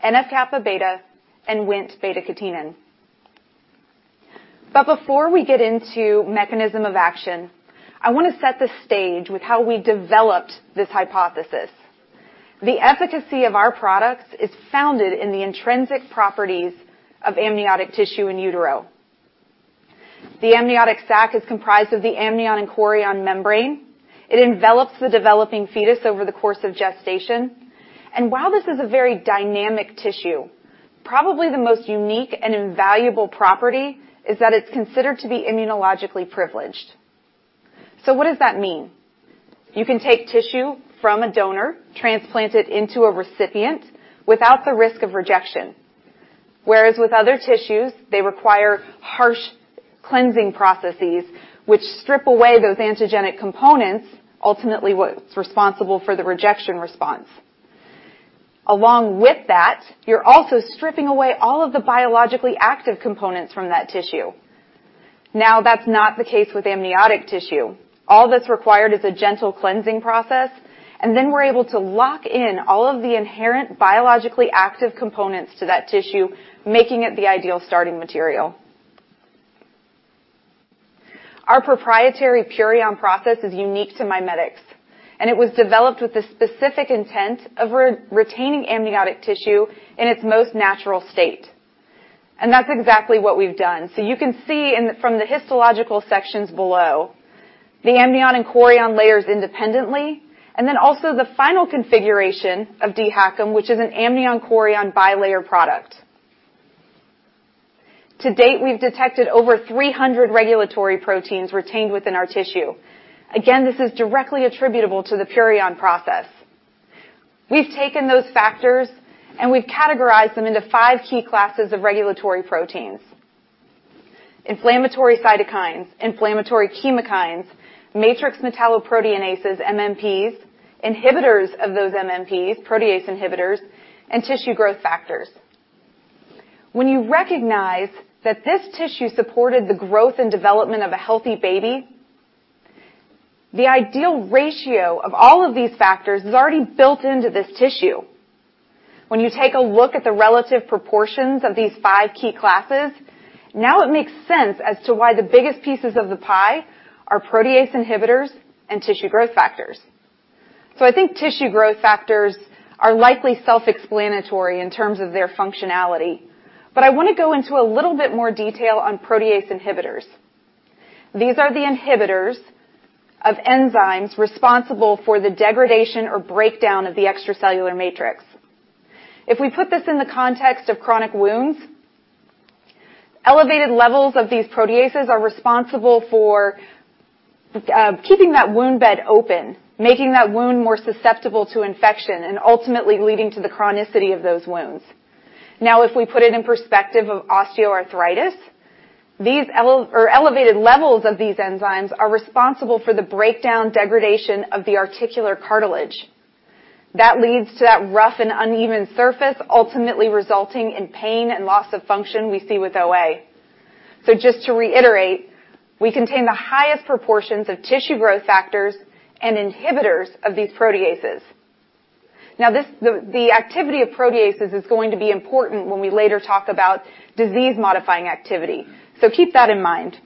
RestorixHealth. While this is a very dynamic tissue, probably the most unique and invaluable property is that it's considered to be immunologically privileged. What does that mean? You can take tissue from a donor, transplant it into a recipient without the risk of rejection. Whereas with other tissues, they require harsh cleansing processes, which strip away those antigenic components, ultimately what's responsible for the rejection response. Along with that, you're also stripping away all of the biologically active components from that tissue. Now, that's not the case with amniotic tissue. All that's required is a gentle cleansing process, and then we're able to lock in all of the inherent biologically active components to that tissue, making it the ideal starting material. Our proprietary PURION process is unique to MiMedx, and it was developed with the specific intent of retaining amniotic tissue in its most natural state. That's exactly what we've done. You can see in the, from the histological sections below the amnion and chorion layers independently, and then also the final configuration of DHACM, which is an amnion/chorion bilayer product. To date, we've detected over 300 regulatory proteins retained within our tissue. Again, this is directly attributable to the PURION process. We've taken those factors, and we've categorized them into five key classes of regulatory proteins. Inflammatory cytokines, inflammatory chemokines, matrix metalloproteinases, MMPs, inhibitors of those MMPs, protease inhibitors, and tissue growth factors. When you recognize that this tissue supported the growth and development of a healthy baby, the ideal ratio of all of these factors is already built into this tissue. When you take a look at the relative proportions of these five key classes, now it makes sense as to why the biggest pieces of the pie are protease inhibitors and tissue growth factors. I think tissue growth factors are likely self-explanatory in terms of their functionality, but I wanna go into a little bit more detail on protease inhibitors. These are the inhibitors of enzymes responsible for the degradation or breakdown of the extracellular matrix. If we put this in the context of chronic wounds, elevated levels of these proteases are responsible for keeping that wound bed open, making that wound more susceptible to infection, and ultimately leading to the chronicity of those wounds. Now, if we put it in perspective of osteoarthritis, these elevated levels of these enzymes are responsible for the breakdown and degradation of the articular cartilage. That leads to that rough and uneven surface, ultimately resulting in pain and loss of function we see with OA. Just to reiterate, we contain the highest proportions of tissue growth factors and inhibitors of these proteases. Now, the activity of proteases is going to be important when we later talk about disease-modifying activity. Keep that in mind.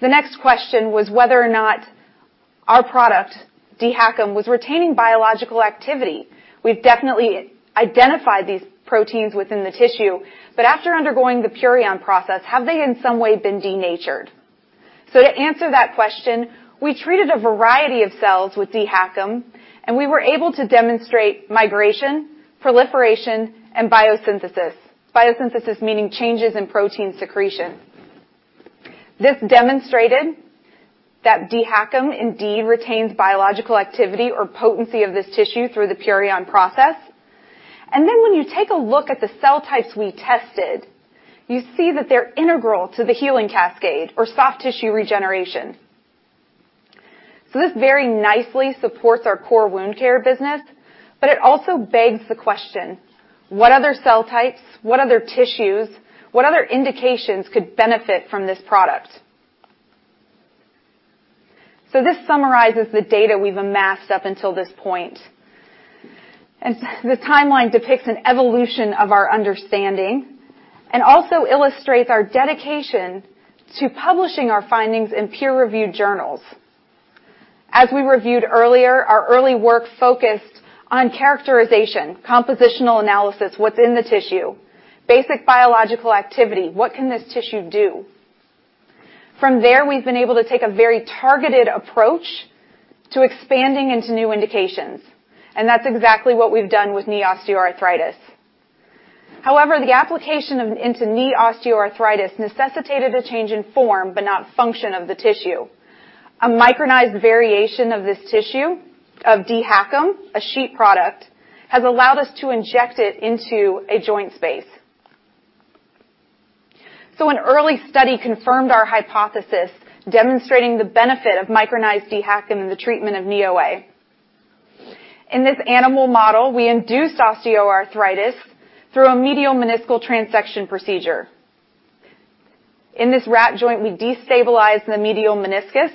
The next question was whether or not our product, DHACM, was retaining biological activity. We've definitely identified these proteins within the tissue, but after undergoing the PURION process, have they in some way been denatured? To answer that question, we treated a variety of cells with DHACM, and we were able to demonstrate migration, proliferation, and biosynthesis, meaning changes in protein secretion. This demonstrated that DHACM indeed retains biological activity or potency of this tissue through the PURION process. Then when you take a look at the cell types we tested, you see that they're integral to the healing cascade or soft tissue regeneration. This very nicely supports our core wound care business, but it also begs the question, what other cell types, what other tissues, what other indications could benefit from this product? This summarizes the data we've amassed up until this point. The timeline depicts an evolution of our understanding and also illustrates our dedication to publishing our findings in peer-reviewed journals. As we reviewed earlier, our early work focused on characterization, compositional analysis within the tissue, basic biological activity, what can this tissue do? From there, we've been able to take a very targeted approach to expanding into new indications, and that's exactly what we've done with knee osteoarthritis. However, the application of into knee osteoarthritis necessitated a change in form but not function of the tissue. A micronized variation of this tissue of DHACM, a sheet product, has allowed us to inject it into a joint space. An early study confirmed our hypothesis demonstrating the benefit of micronized DHACM in the treatment of knee OA. In this animal model, we induced osteoarthritis through a medial meniscal transection procedure. In this rat joint, we destabilized the medial meniscus,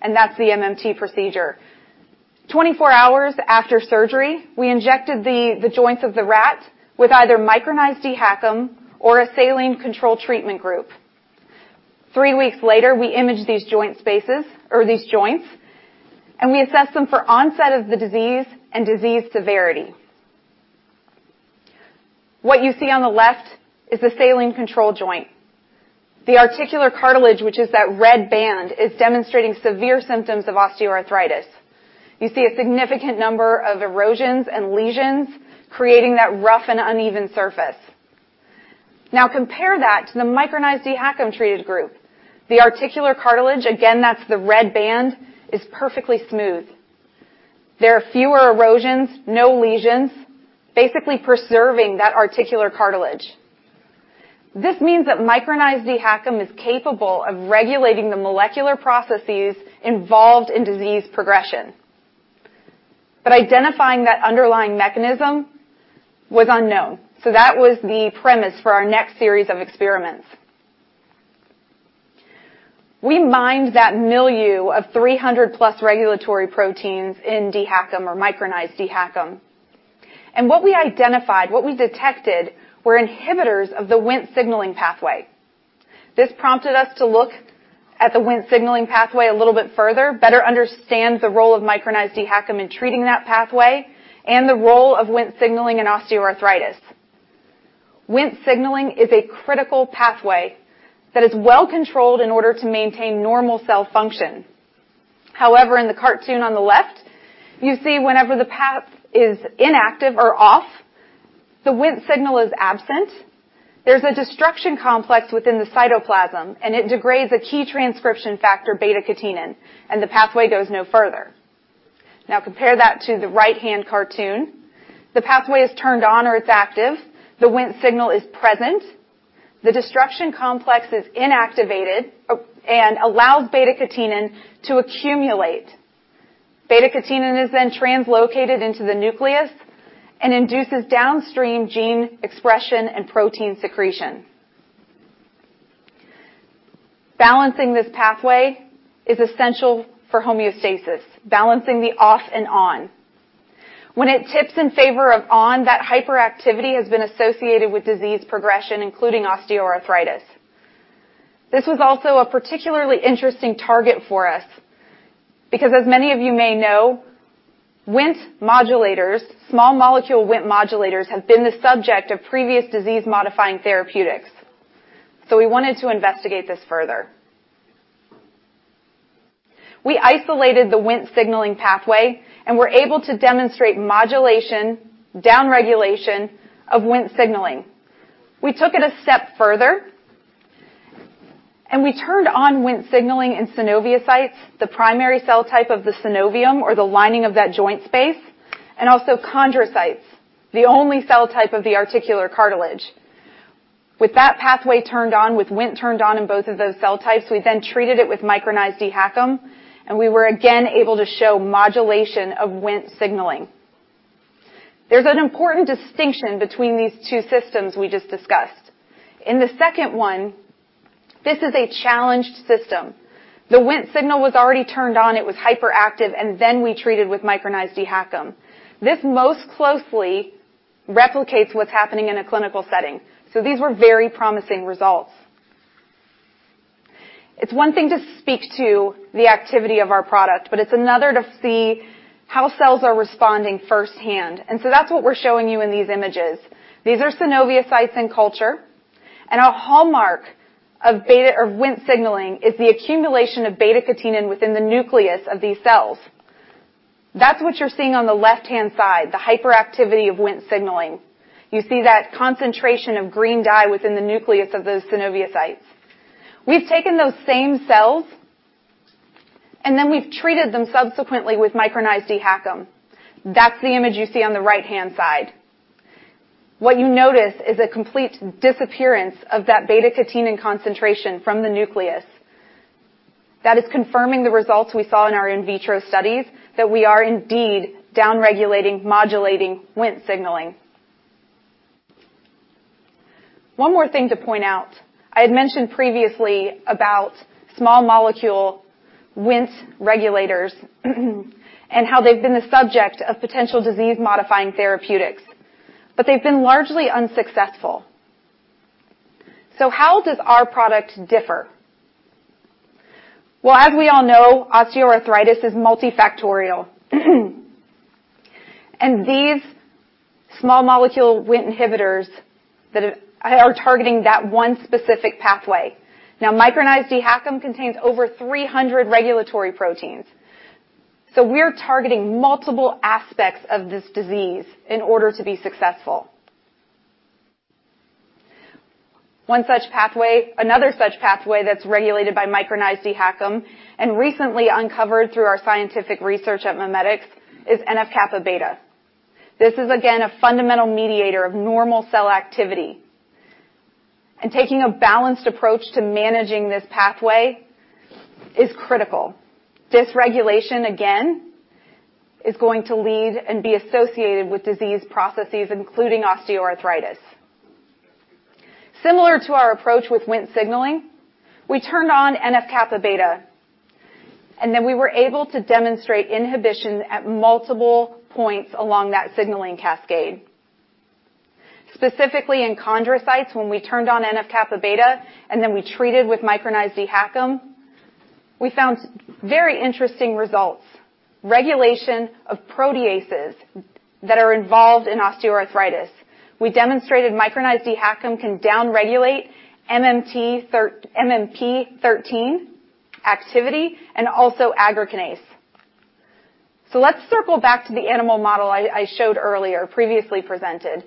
and that's the MMT procedure. 24 hours after surgery, we injected the joints of the rat with either micronized DHACM or a saline control treatment group. 3 weeks later, we imaged these joint spaces or these joints, and we assessed them for onset of the disease and disease severity. What you see on the left is a saline control joint. The articular cartilage, which is that red band, is demonstrating severe symptoms of osteoarthritis. You see a significant number of erosions and lesions creating that rough and uneven surface. Now compare that to the micronized DHACM-treated group. The articular cartilage, again, that's the red band, is perfectly smooth. There are fewer erosions, no lesions, basically preserving that articular cartilage. This means that micronized DHACM is capable of regulating the molecular processes involved in disease progression. Identifying that underlying mechanism was unknown. That was the premise for our next series of experiments. We mined that milieu of 300+ regulatory proteins in DHACM or micronized DHACM. What we identified, what we detected, were inhibitors of the Wnt signaling pathway. This prompted us to look at the Wnt signaling pathway a little bit further, better understand the role of micronized dHACM in treating that pathway, and the role of Wnt signaling in osteoarthritis. Wnt signaling is a critical pathway that is well controlled in order to maintain normal cell function. However, in the cartoon on the left, you see whenever the path is inactive or off, the Wnt signal is absent. There's a destruction complex within the cytoplasm, and it degrades a key transcription factor, β-catenin, and the pathway goes no further. Now compare that to the right-hand cartoon. The pathway is turned on or it's active. The Wnt signal is present. The destruction complex is inactivated and allows β-catenin to accumulate. β-Catenin is then translocated into the nucleus and induces downstream gene expression and protein secretion. Balancing this pathway is essential for homeostasis, balancing the off and on. When it tips in favor of on, that hyperactivity has been associated with disease progression, including osteoarthritis. This was also a particularly interesting target for us because, as many of you may know, Wnt modulators, small molecule Wnt modulators, have been the subject of previous disease-modifying therapeutics. We wanted to investigate this further. We isolated the Wnt signaling pathway and were able to demonstrate modulation, downregulation of Wnt signaling. We took it a step further, and we turned on Wnt signaling in synoviocytes, the primary cell type of the synovium, or the lining of that joint space, and also chondrocytes, the only cell type of the articular cartilage. With that pathway turned on, with Wnt turned on in both of those cell types, we then treated it with micronized DHACM, and we were again able to show modulation of Wnt signaling. There's an important distinction between these two systems we just discussed. In the second one, this is a challenged system. The Wnt signal was already turned on, it was hyperactive, and then we treated with micronized DHACM. This most closely replicates what's happening in a clinical setting, so these were very promising results. It's one thing to speak to the activity of our product, but it's another to see how cells are responding firsthand, and so that's what we're showing you in these images. These are synoviocytes in culture, and a hallmark of Wnt signaling is the accumulation of beta-catenin within the nucleus of these cells. That's what you're seeing on the left-hand side, the hyperactivity of Wnt signaling. You see that concentration of green dye within the nucleus of those synoviocytes. We've taken those same cells, and then we've treated them subsequently with micronized DHACM. That's the image you see on the right-hand side. What you notice is a complete disappearance of that beta-catenin concentration from the nucleus. That is confirming the results we saw in our in vitro studies that we are indeed downregulating, modulating Wnt signaling. One more thing to point out. I had mentioned previously about small molecule Wnt regulators and how they've been the subject of potential disease-modifying therapeutics, but they've been largely unsuccessful. So how does our product differ? Well, as we all know, osteoarthritis is multifactorial. These small molecule Wnt inhibitors that are targeting that one specific pathway. Now, micronized DHACM contains over 300 regulatory proteins, so we're targeting multiple aspects of this disease in order to be successful. Another such pathway that's regulated by micronized DHACM and recently uncovered through our scientific research at MiMedx is NF-kappa B. This is, again, a fundamental mediator of normal cell activity. Taking a balanced approach to managing this pathway is critical. Dysregulation, again, is going to lead and be associated with disease processes, including osteoarthritis. Similar to our approach with Wnt signaling, we turned on NF-kappa B, and then we were able to demonstrate inhibition at multiple points along that signaling cascade. Specifically in chondrocytes, when we turned on NF-kappa B, and then we treated with micronized DHACM, we found very interesting results. Regulation of proteases that are involved in osteoarthritis. We demonstrated micronized DHACM can downregulate MMP-13 activity and also aggrecanase. Let's circle back to the animal model I showed earlier, previously presented.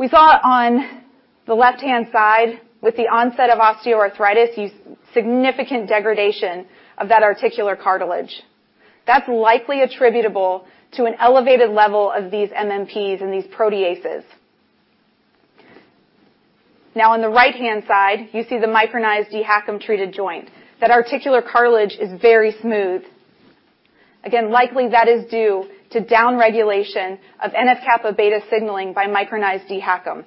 We saw on the left-hand side, with the onset of osteoarthritis, significant degradation of that articular cartilage. That's likely attributable to an elevated level of these MMPs and these proteases. Now, on the right-hand side, you see the micronized DHACM-treated joint. That articular cartilage is very smooth. Again, likely that is due to downregulation of NF-kappa B signaling by micronized DHACM.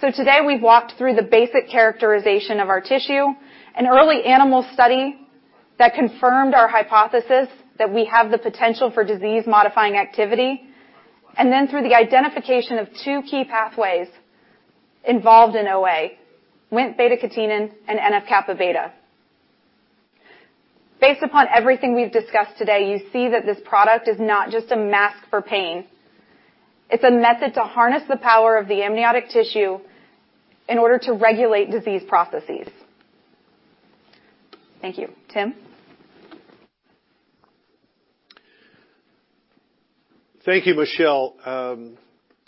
Today we've walked through the basic characterization of our tissue, an early animal study that confirmed our hypothesis that we have the potential for disease-modifying activity, and then through the identification of two key pathways involved in OA: Wnt beta-catenin and NF-kappa B. Based upon everything we've discussed today, you see that this product is not just a mask for pain. It's a method to harness the power of the amniotic tissue in order to regulate disease processes. Thank you. Tim? Thank you, Michelle.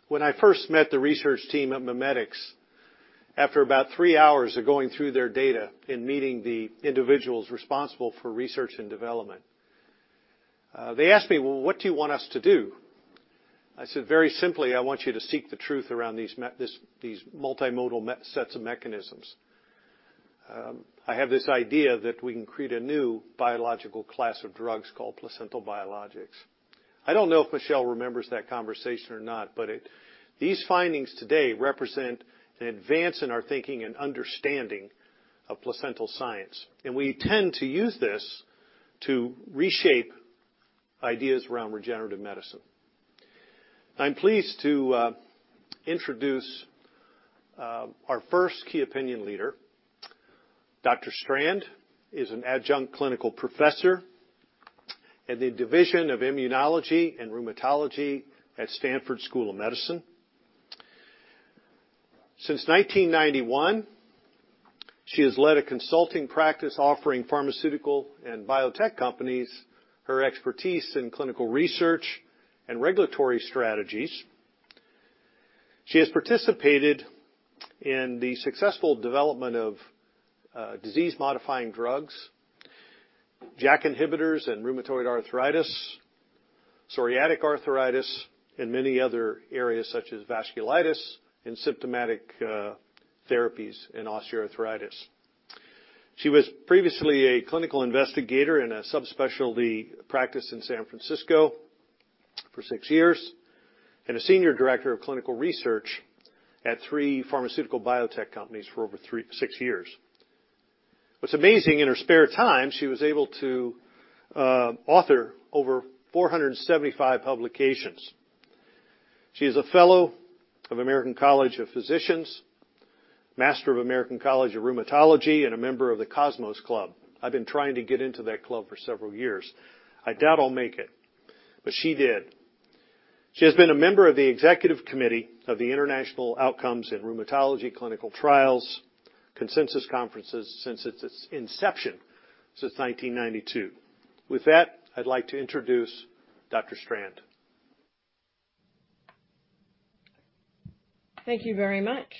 When I first met the research team at MiMedx, after about three hours of going through their data and meeting the individuals responsible for research and development, they asked me, "Well, what do you want us to do?" I said, "Very simply, I want you to seek the truth around these multimodal sets of mechanisms. I have this idea that we can create a new biological class of drugs called placental biologics." I don't know if Michelle remembers that conversation or not, but these findings today represent an advance in our thinking and understanding of placental science, and we intend to use this to reshape ideas around regenerative medicine. I'm pleased to introduce our first key opinion leader. Dr. Strand is an adjunct clinical professor in the Division of Immunology and Rheumatology at Stanford School of Medicine. Since 1991, she has led a consulting practice offering pharmaceutical and biotech companies her expertise in clinical research and regulatory strategies. She has participated in the successful development of disease-modifying drugs, JAK inhibitors in rheumatoid arthritis, psoriatic arthritis, and many other areas such as vasculitis and symptomatic therapies in osteoarthritis. She was previously a clinical investigator in a subspecialty practice in San Francisco for six years, and a senior director of clinical research at three pharmaceutical biotech companies for over six years. What's amazing, in her spare time, she was able to author over 475 publications. She is a fellow of American College of Physicians, Master of American College of Rheumatology, and a member of the Cosmos Club. I've been trying to get into that club for several years. I doubt I'll make it, but she did. She has been a member of the executive committee of the Outcome Measures in Rheumatology Clinical Trials Consensus Conferences since its inception, since 1992. With that, I'd like to introduce Dr. Strand. Thank you very much.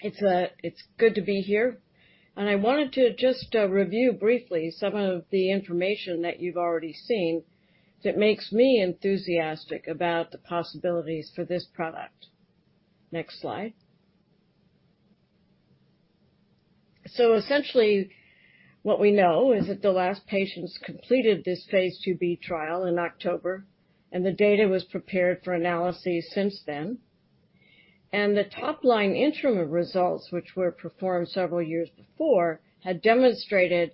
It's good to be here. I wanted to just review briefly some of the information that you've already seen that makes me enthusiastic about the possibilities for this product. Next slide. Essentially, what we know is that the last patients completed this phase II-B trial in October, and the data was prepared for analysis since then. The top line interim results, which were performed several years before, had demonstrated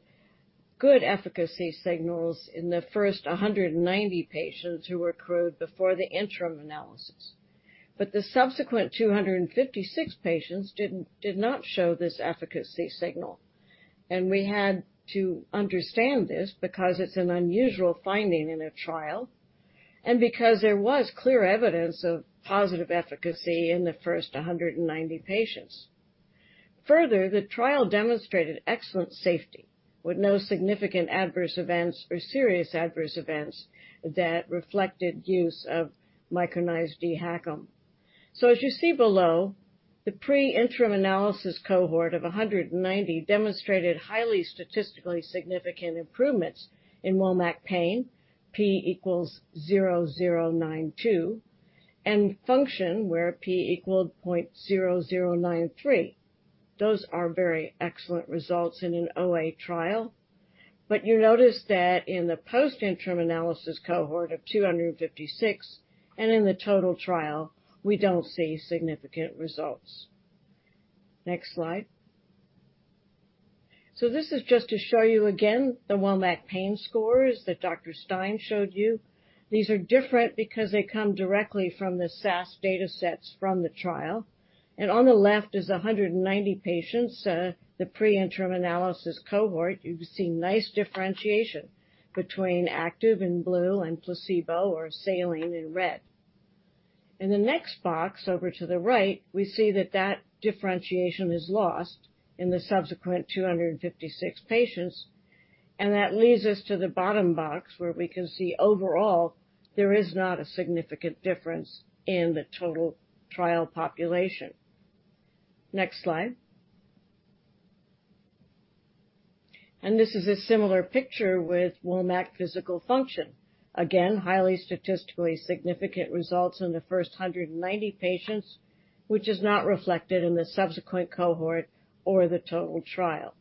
good efficacy signals in the first 190 patients who were accrued before the interim analysis. The subsequent 256 patients did not show this efficacy signal. We had to understand this because it's an unusual finding in a trial and because there was clear evidence of positive efficacy in the first 190 patients. Further, the trial demonstrated excellent safety with no significant adverse events or serious adverse events that reflected use of micronized dHACM. As you see below, the pre-interim analysis cohort of 190 demonstrated highly statistically significant improvements in WOMAC pain, p = 0.0092, and function where p = 0.0093. Those are very excellent results in an OA trial. You notice that in the post-interim analysis cohort of 256 and in the total trial, we don't see significant results. Next slide. This is just to show you again the WOMAC pain scores that Dr. Stein showed you. These are different because they come directly from the SAS datasets from the trial. On the left is 190 patients, the pre-interim analysis cohort. You can see nice differentiation between active in blue and placebo or saline in red. In the next box over to the right, we see that differentiation is lost in the subsequent 256 patients. That leads us to the bottom box where we can see overall, there is not a significant difference in the total trial population. Next slide. This is a similar picture with WOMAC physical function. Again, highly statistically significant results in the first 190 patients, which is not reflected in the subsequent cohort or the total trial.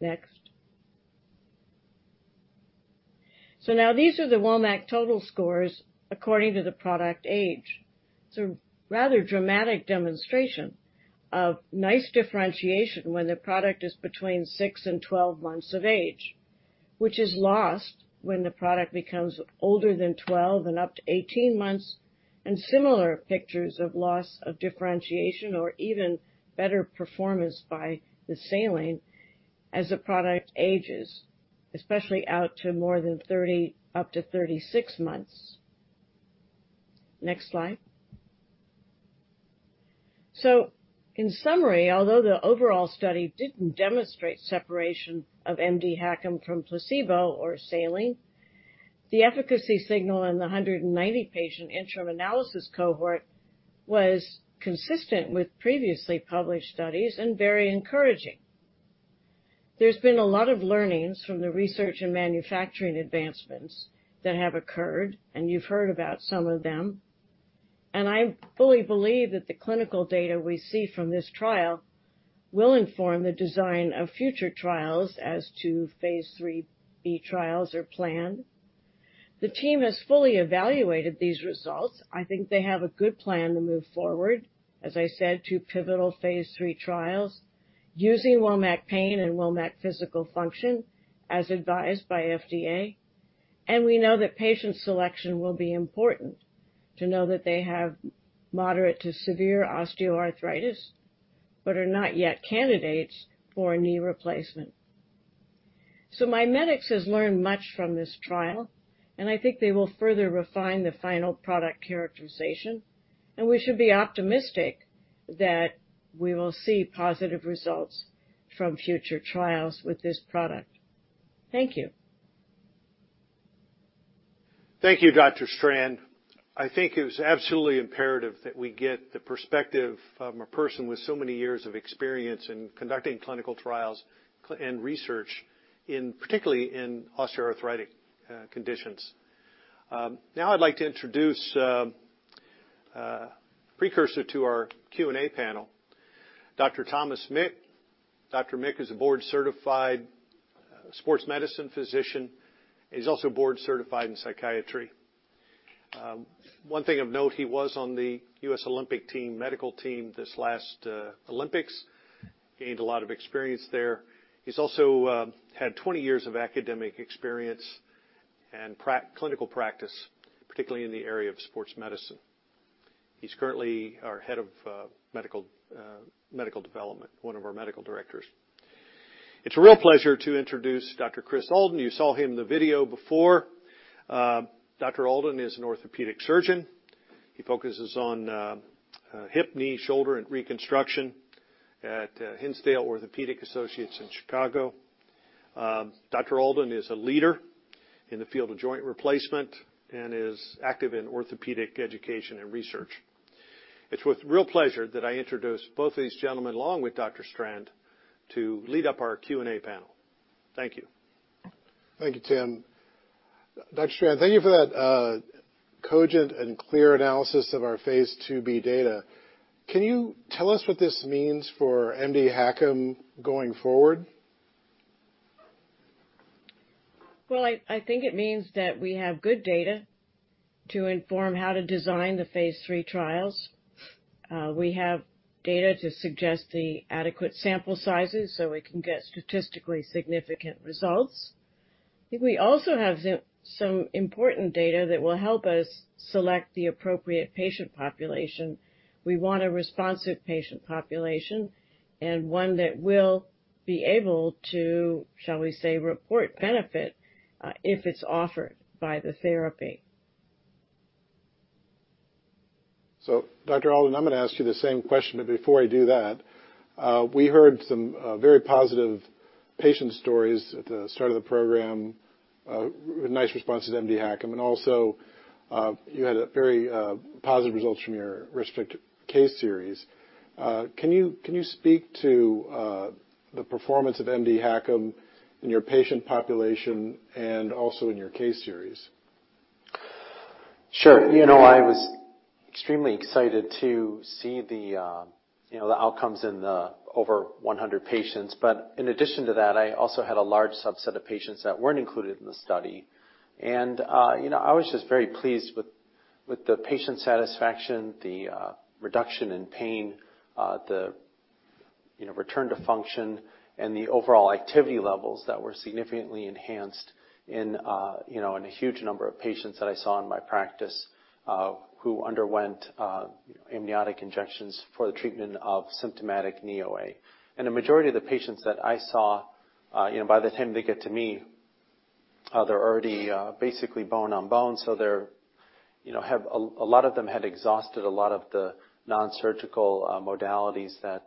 Next. Now these are the WOMAC total scores according to the product age. It's a rather dramatic demonstration of nice differentiation when the product is between six months and 12 months of age, which is lost when the product becomes older than 12 and up to 18 months, and similar pictures of loss of differentiation or even better performance by the saline as the product ages, especially out to more than 30, up to 36 months. Next slide. In summary, although the overall study didn't demonstrate separation of mdHACM from placebo or saline, the efficacy signal in the 190-patient interim analysis cohort was consistent with previously published studies and very encouraging. There's been a lot of learnings from the research and manufacturing advancements that have occurred, and you've heard about some of them. I fully believe that the clinical data we see from this trial will inform the design of future trials as to phase III-B trials are planned. The team has fully evaluated these results. I think they have a good plan to move forward, as I said, to pivotal phase III trials using WOMAC pain and WOMAC physical function as advised by FDA. We know that patient selection will be important to know that they have moderate to severe osteoarthritis, but are not yet candidates for knee replacement. MiMedx has learned much from this trial, and I think they will further refine the final product characterization, and we should be optimistic that we will see positive results from future trials with this product. Thank you. Thank you, Dr. Strand. I think it was absolutely imperative that we get the perspective of a person with so many years of experience in conducting clinical trials and research in, particularly in osteoarthritic conditions. Now I'd like to introduce a precursor to our Q&A panel, Dr. Thomas Mick. Dr. Mick is a board-certified sports medicine physician. He's also board-certified in psychiatry. One thing of note, he was on the US Olympic team medical team, this last Olympics. Gained a lot of experience there. He's also had 20 years of academic experience and clinical practice, particularly in the area of sports medicine. He's currently our head of medical development, one of our medical directors. It's a real pleasure to introduce Dr. Kris Alden. You saw him in the video before. Dr. Alden is an orthopedic surgeon. He focuses on hip, knee, shoulder and reconstruction at Hinsdale Orthopaedic Associates in Chicago. Dr. Alden is a leader in the field of joint replacement and is active in orthopedic education and research. It's with real pleasure that I introduce both of these gentlemen, along with Dr. Strand, to lead our Q&A panel. Thank you. Thank you, Tim. Dr. Strand, thank you for that cogent and clear analysis of our phase IIb data. Can you tell us what this means for mdHACM going forward? Well, I think it means that we have good data to inform how to design the phase III trials. We have data to suggest the adequate sample sizes, so we can get statistically significant results. I think we also have some important data that will help us select the appropriate patient population. We want a responsive patient population and one that will be able to, shall we say, report benefit, if it's offered by the therapy. Dr. Alden, I'm gonna ask you the same question, but before I do that, we heard some very positive patient stories at the start of the program, nice responses to mdHACM, and also, you had very positive results from your retrospective case series. Can you speak to the performance of mdHACM in your patient population and also in your case series? Sure. You know, I was extremely excited to see the outcomes in the over 100 patients. In addition to that, I also had a large subset of patients that weren't included in the study. You know, I was just very pleased with the patient satisfaction, the reduction in pain, the return to function, and the overall activity levels that were significantly enhanced, you know, in a huge number of patients that I saw in my practice, who underwent amniotic injections for the treatment of symptomatic knee OA. The majority of the patients that I saw, you know, by the time they get to me, they're already basically bone on bone, so they're, you know, a lot of them had exhausted a lot of the non-surgical modalities that,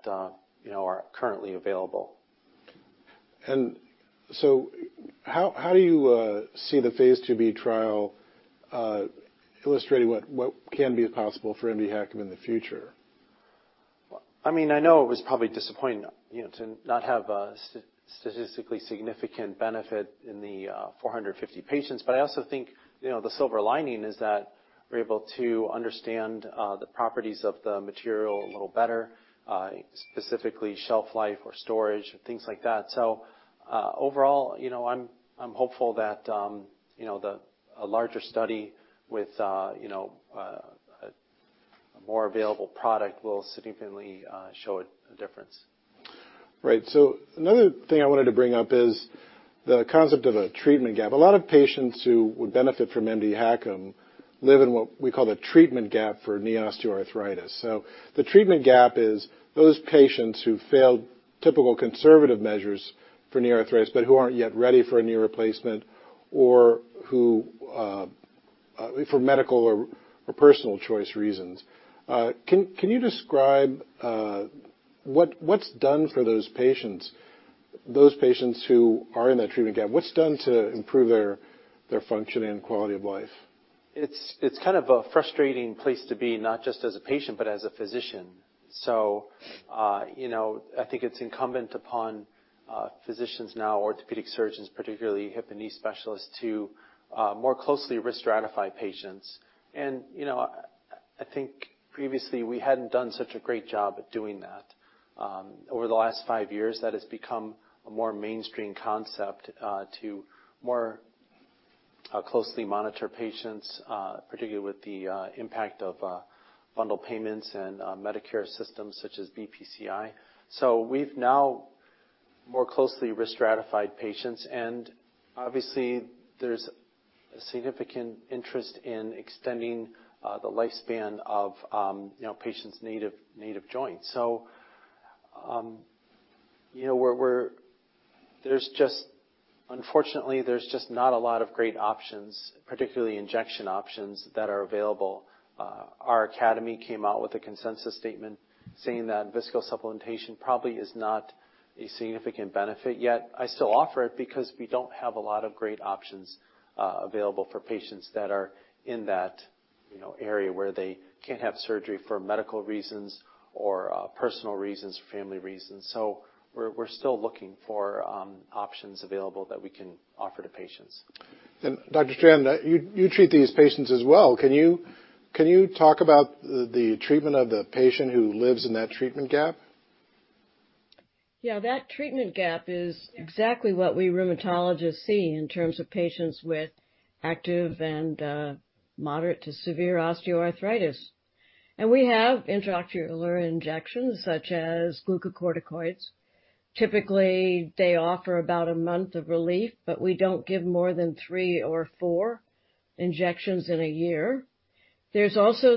you know, are currently available. How do you see the phase IIb trial illustrating what can be possible for mdHACM in the future? Well, I mean, I know it was probably disappointing, you know, to not have a statistically significant benefit in the 450 patients, but I also think, you know, the silver lining is that we're able to understand the properties of the material a little better, specifically shelf life or storage, things like that. Overall, you know, I'm hopeful that a larger study with a more available product will significantly show a difference. Right. Another thing I wanted to bring up is the concept of a treatment gap. A lot of patients who would benefit from mdHACM live in what we call the treatment gap for knee osteoarthritis. The treatment gap is those patients who failed typical conservative measures for knee arthritis, but who aren't yet ready for a knee replacement or who for medical or personal choice reasons. Can you describe what’s done for those patients who are in that treatment gap? What’s done to improve their functioning and quality of life? It's kind of a frustrating place to be, not just as a patient, but as a physician. You know, I think it's incumbent upon physicians now, orthopedic surgeons, particularly hip and knee specialists, to more closely risk stratify patients. You know, I think previously we hadn't done such a great job at doing that. Over the last five years, that has become a more mainstream concept to more closely monitor patients, particularly with the impact of bundle payments and Medicare systems such as BPCI. We've now more closely risk stratified patients, and obviously there's significant interest in extending the lifespan of patients' native joints. You know, there's just unfortunately not a lot of great options, particularly injection options that are available. Our academy came out with a consensus statement saying that viscosupplementation probably is not a significant benefit, yet I still offer it because we don't have a lot of great options available for patients that are in that, you know, area where they can't have surgery for medical reasons or personal reasons, family reasons. We're still looking for options available that we can offer to patients. Dr. Strand, you treat these patients as well. Can you talk about the treatment of the patient who lives in that treatment gap? Yeah, that treatment gap is exactly what we rheumatologists see in terms of patients with active and moderate to severe osteoarthritis. We have intra-articular injections such as glucocorticoids. Typically, they offer about a month of relief, but we don't give more than three or four injections in a year. There's also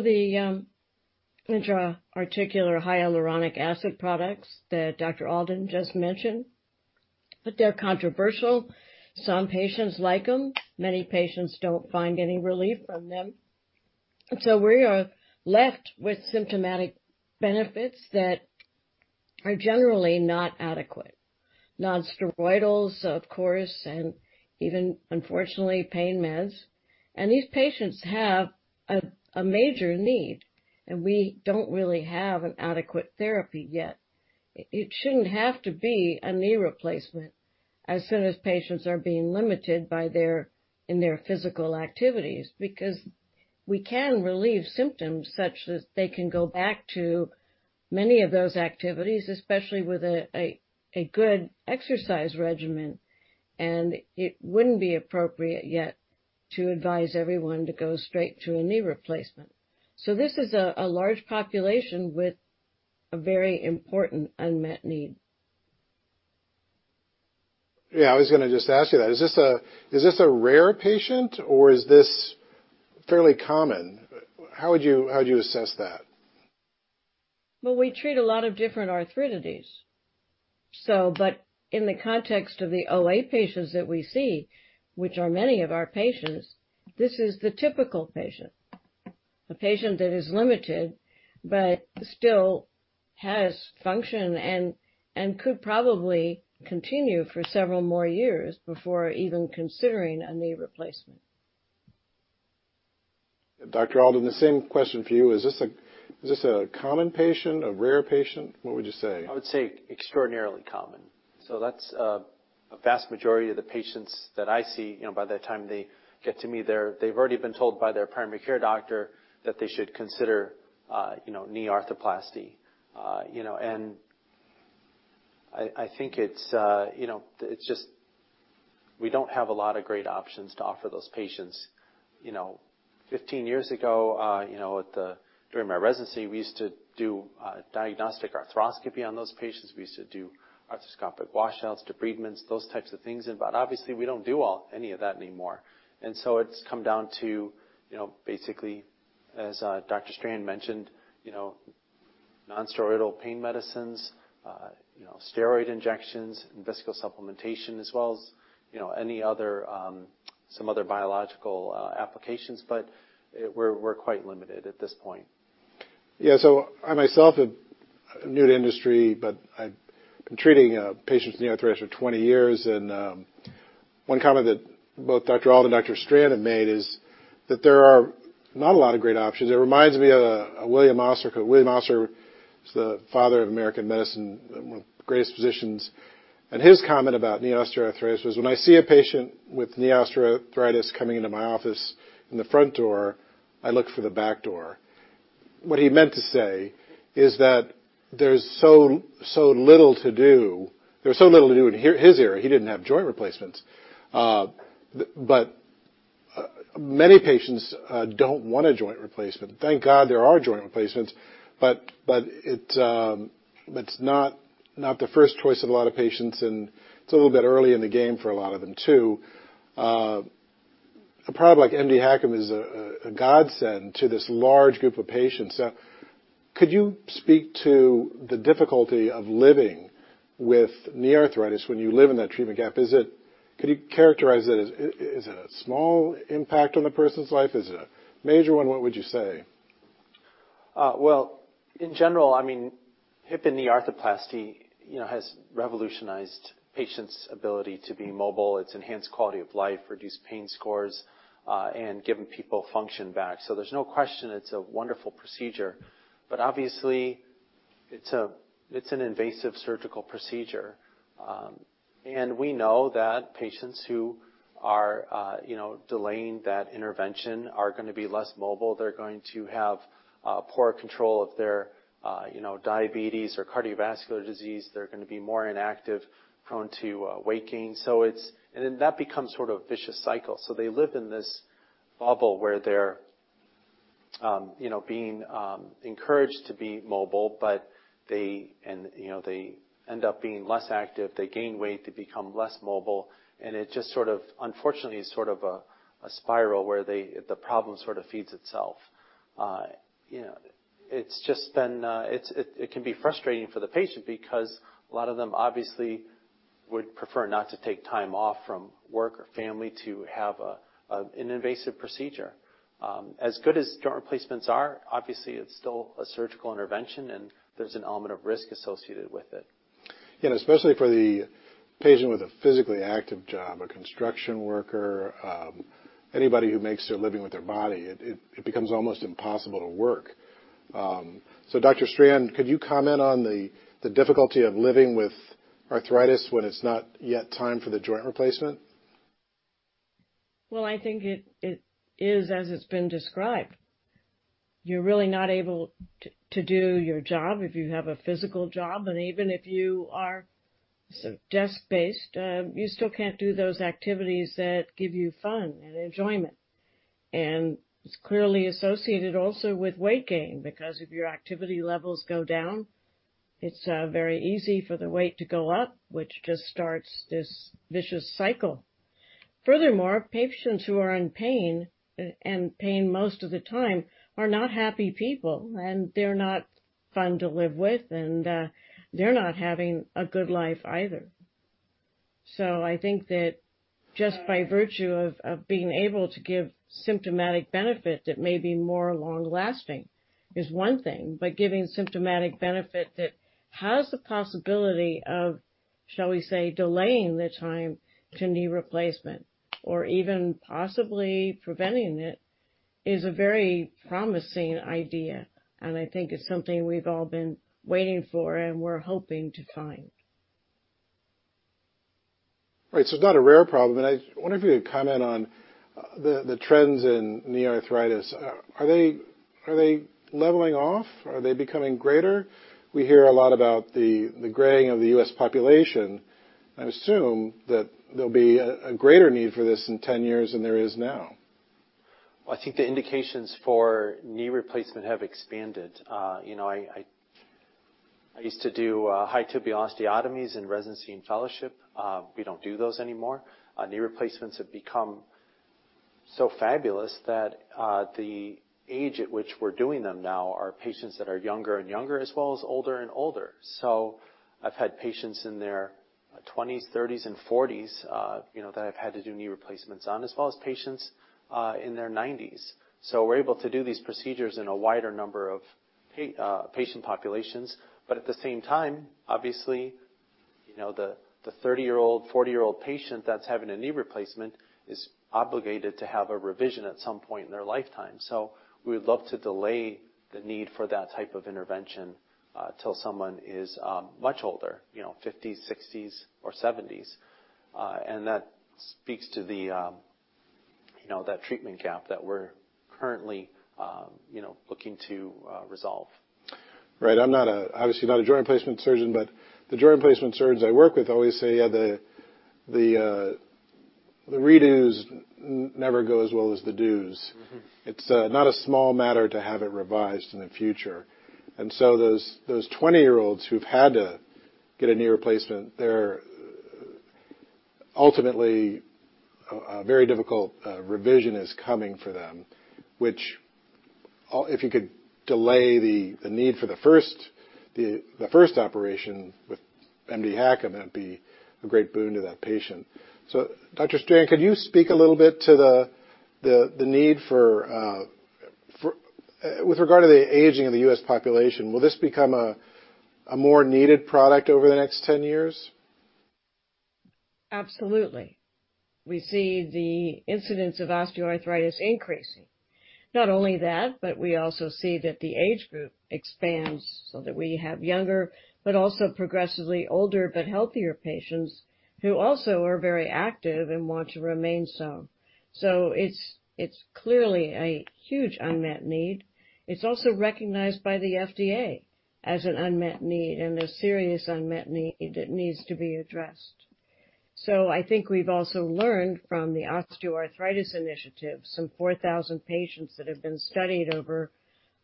intra-articular hyaluronic acid products that Dr. Alden just mentioned, but they're controversial. Some patients like them, many patients don't find any relief from them. We are left with symptomatic benefits that are generally not adequate. Nonsteroidals, of course, and even unfortunately, pain meds. These patients have a major need, and we don't really have an adequate therapy yet. It shouldn't have to be a knee replacement as soon as patients are being limited in their physical activities, because we can relieve symptoms such that they can go back to many of those activities, especially with a good exercise regimen. It wouldn't be appropriate yet to advise everyone to go straight to a knee replacement. This is a large population with a very important unmet need. Yeah. I was gonna just ask you that. Is this a, is this a rare patient or is this fairly common? How would you, how would you assess that? Well, we treat a lot of different arthritides. But in the context of the OA patients that we see, which are many of our patients, this is the typical patient. A patient that is limited but still has function and could probably continue for several more years before even considering a knee replacement. Dr. Alden, the same question for you. Is this a common patient, a rare patient? What would you say? I would say extraordinarily common. That's a vast majority of the patients that I see, you know, by the time they get to me, they've already been told by their primary care doctor that they should consider, you know, knee arthroplasty. You know, and I think it's, you know, it's just we don't have a lot of great options to offer those patients. You know, 15 years ago, you know, at the during my residency, we used to do diagnostic arthroscopy on those patients. We used to do arthroscopic washouts, debridements, those types of things. Obviously, we don't do any of that anymore. It's come down to, you know, basically, as Dr. Strand mentioned, you know, nonsteroidal pain medicines, steroid injections and viscosupplementation as well as, you know, any other, some other biological applications. We're quite limited at this point. Yeah. I, myself am new to the industry, but I've been treating patients with knee arthritis for 20 years. One comment that both Dr. Alden and Dr. Strand have made is that there are not a lot of great options. It reminds me of William Osler 'cause William Osler is the father of American medicine, one of the greatest physicians. His comment about knee osteoarthritis was, "When I see a patient with knee osteoarthritis coming into my office in the front door, I look for the back door." What he meant to say is that there's so little to do in his era, he didn't have joint replacements. Many patients don't want a joint replacement. Thank God there are joint replacements, but it is not the first choice of a lot of patients, and it is a little bit early in the game for a lot of them, too. A product like mdHACM is a godsend to this large group of patients. Could you speak to the difficulty of living with knee arthritis when you live in that treatment gap? Could you characterize it as, is it a small impact on a person's life? Is it a major one? What would you say? Well, in general, I mean, hip and knee arthroplasty, you know, has revolutionized patients' ability to be mobile. It's enhanced quality of life, reduced pain scores, and given people function back. There's no question it's a wonderful procedure. Obviously it's an invasive surgical procedure. We know that patients who are, you know, delaying that intervention are gonna be less mobile. They're going to have poor control of their, you know, diabetes or cardiovascular disease. They're gonna be more inactive, prone to weight gain, and then that becomes sort of a vicious cycle. They live in this bubble where they're you know, being encouraged to be mobile, but they, you know, end up being less active, they gain weight, they become less mobile, and it just sort of, unfortunately, it's sort of a spiral where the problem sort of feeds itself. You know, it's just been. It can be frustrating for the patient because a lot of them obviously would prefer not to take time off from work or family to have an invasive procedure. As good as joint replacements are, obviously, it's still a surgical intervention, and there's an element of risk associated with it. You know, especially for the patient with a physically active job, a construction worker, anybody who makes their living with their body, it becomes almost impossible to work. Dr. Strand, could you comment on the difficulty of living with arthritis when it's not yet time for the joint replacement? Well, I think it is as it's been described. You're really not able to do your job if you have a physical job, and even if you are sort of desk-based, you still can't do those activities that give you fun and enjoyment. It's clearly associated also with weight gain because if your activity levels go down, it's very easy for the weight to go up, which just starts this vicious cycle. Furthermore, patients who are in pain and pain most of the time are not happy people, and they're not fun to live with, and they're not having a good life either. I think that just by virtue of being able to give symptomatic benefit that may be more long-lasting is one thing, but giving symptomatic benefit that has the possibility of, shall we say, delaying the time to knee replacement or even possibly preventing it is a very promising idea, and I think it's something we've all been waiting for and we're hoping to find. Right. It's not a rare problem, and I wonder if you could comment on the trends in knee arthritis. Are they leveling off? Are they becoming greater? We hear a lot about the graying of the U.S. population. I assume that there'll be a greater need for this in 10 years than there is now. I think the indications for knee replacement have expanded. You know, I used to do high tibial osteotomies in residency and fellowship. We don't do those anymore. Knee replacements have become so fabulous that the age at which we're doing them now are patients that are younger and younger as well as older and older. I've had patients in their 20s, 30s, and 40s, you know, that I've had to do knee replacements on as well as patients in their 90s. We're able to do these procedures in a wider number of patient populations. At the same time, obviously, you know, the 30-year-old, 40-year-old patient that's having a knee replacement is obligated to have a revision at some point in their lifetime. We would love to delay the need for that type of intervention till someone is much older, you know, fifties, sixties or seventies. That speaks to the, you know, that treatment gap that we're currently, you know, looking to resolve. Right. I'm not obviously a joint replacement surgeon, but the joint replacement surgeons I work with always say, yeah, the redos never go as well as the dos. Mm-hmm. It's not a small matter to have it revised in the future. Those 20-year-olds who've had to get a knee replacement, they're ultimately a very difficult revision is coming for them, which if you could delay the need for the first operation with mdHACM, it'd be a great boon to that patient. Dr. Strand, could you speak a little bit to the need for with regard to the aging of the U.S. population, will this become a more needed product over the next 10 years? Absolutely. We see the incidence of osteoarthritis increasing. Not only that, but we also see that the age group expands so that we have younger but also progressively older but healthier patients who also are very active and want to remain so. It's clearly a huge unmet need. It's also recognized by the FDA as an unmet need and a serious unmet need that needs to be addressed. I think we've also learned from the Osteoarthritis Initiative, some 4,000 patients that have been studied over,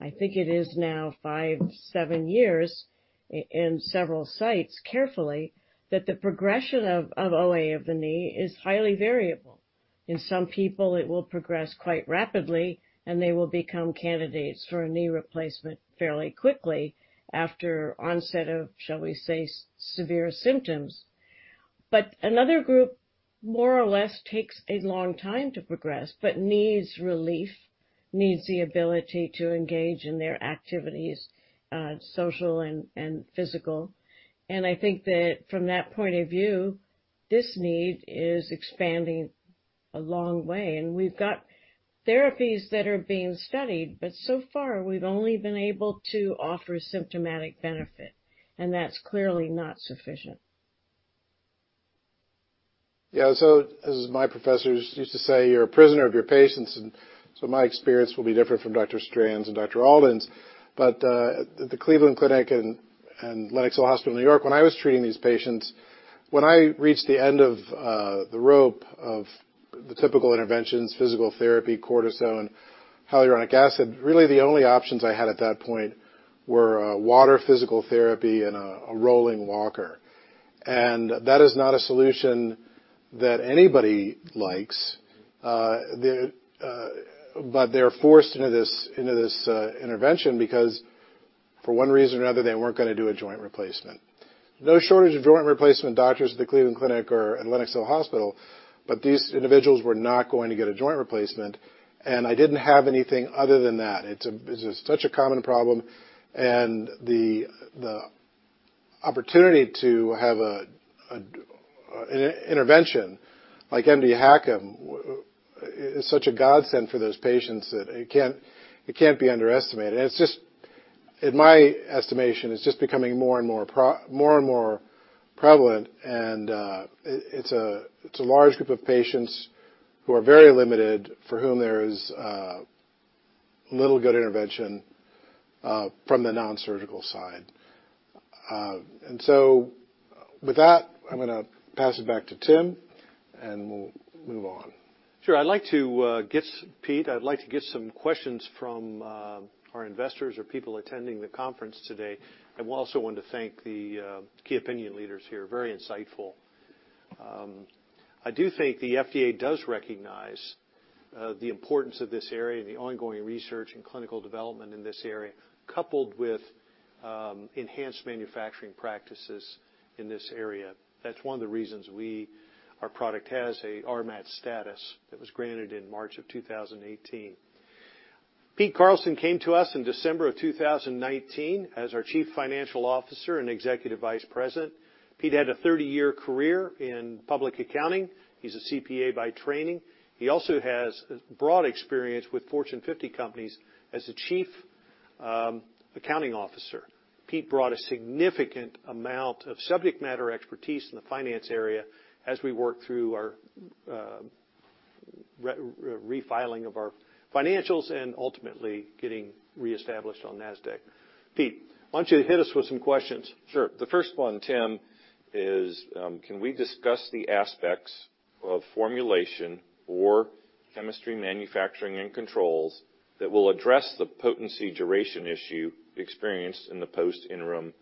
I think, five-seven years in several sites carefully, that the progression of OA of the knee is highly variable. In some people, it will progress quite rapidly, and they will become candidates for a knee replacement fairly quickly after onset of, shall we say, severe symptoms. Another group more or less takes a long time to progress but needs relief, needs the ability to engage in their activities, social and physical. I think that from that point of view, this need is expanding a long way. We've got therapies that are being studied, but so far we've only been able to offer symptomatic benefit, and that's clearly not sufficient. Yeah. As my professors used to say, you're a prisoner of your patients. My experience will be different from Dr. Strand's and Dr. Alden's. At the Cleveland Clinic and Lenox Hill Hospital in New York, when I was treating these patients, when I reached the end of the rope of the typical interventions, physical therapy, cortisone, hyaluronic acid, really the only options I had at that point were water physical therapy and a rolling walker. That is not a solution that anybody likes. They're forced into this intervention because for one reason or another, they weren't gonna do a joint replacement. No shortage of joint replacement doctors at the Cleveland Clinic or at Lenox Hill Hospital, but these individuals were not going to get a joint replacement, and I didn't have anything other than that. This is such a common problem, and the opportunity to have an intervention like mdHACM is such a godsend for those patients that it can't be underestimated. It's just, in my estimation, it's just becoming more and more prevalent, and it's a large group of patients who are very limited for whom there is little good intervention from the nonsurgical side. With that, I'm gonna pass it back to Tim, and we'll move on. Sure. I'd like to get Pete, I'd like to get some questions from our investors or people attending the conference today. I also want to thank the key opinion leaders here. Very insightful. I do think the FDA does recognize the importance of this area and the ongoing research and clinical development in this area, coupled with enhanced manufacturing practices in this area. That's one of the reasons our product has a RMAT status that was granted in March of 2018. Pete Carlson came to us in December of 2019 as our Chief Financial Officer and Executive Vice President. Pete had a 30-year career in public accounting. He's a CPA by training. He also has broad experience with Fortune 50 companies as the Chief Accounting Officer. Pete brought a significant amount of subject matter expertise in the finance area as we work through our re-refiling of our financials and ultimately getting reestablished on Nasdaq. Pete, why don't you hit us with some questions? Sure. The first one, Tim, is, can we discuss the aspects of formulation or chemistry manufacturing and controls that will address the potency duration issue experienced in the post-interim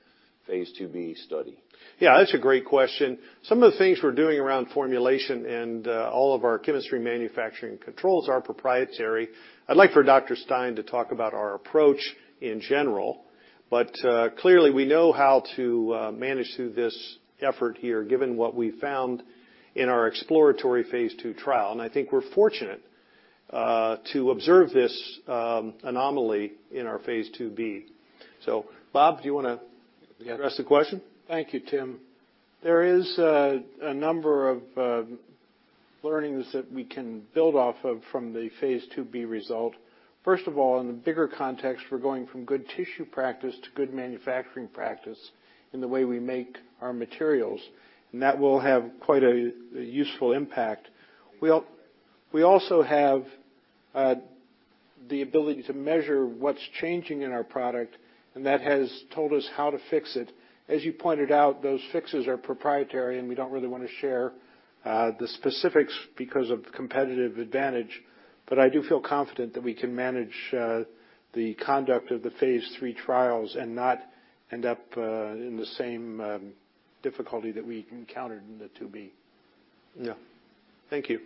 phase IIb study? Yeah, that's a great question. Some of the things we're doing around formulation and all of our chemistry manufacturing controls are proprietary. I'd like for Dr. Stein to talk about our approach in general, but clearly, we know how to manage through this effort here, given what we found in our exploratory phase II trial. I think we're fortunate to observe this anomaly in our phase IIb. Bob, do you wanna- Yes. address the question? Thank you, Tim. There is a number of learnings that we can build off of from the phase IIb result. First of all, in the bigger context, we're going from good tissue practice to good manufacturing practice in the way we make our materials, and that will have quite a useful impact. We also have the ability to measure what's changing in our product, and that has told us how to fix it. As you pointed out, those fixes are proprietary, and we don't really wanna share the specifics because of competitive advantage. I do feel confident that we can manage the conduct of the phase III trials and not end up in the same difficulty that we encountered in the IIb. Yeah. Thank you.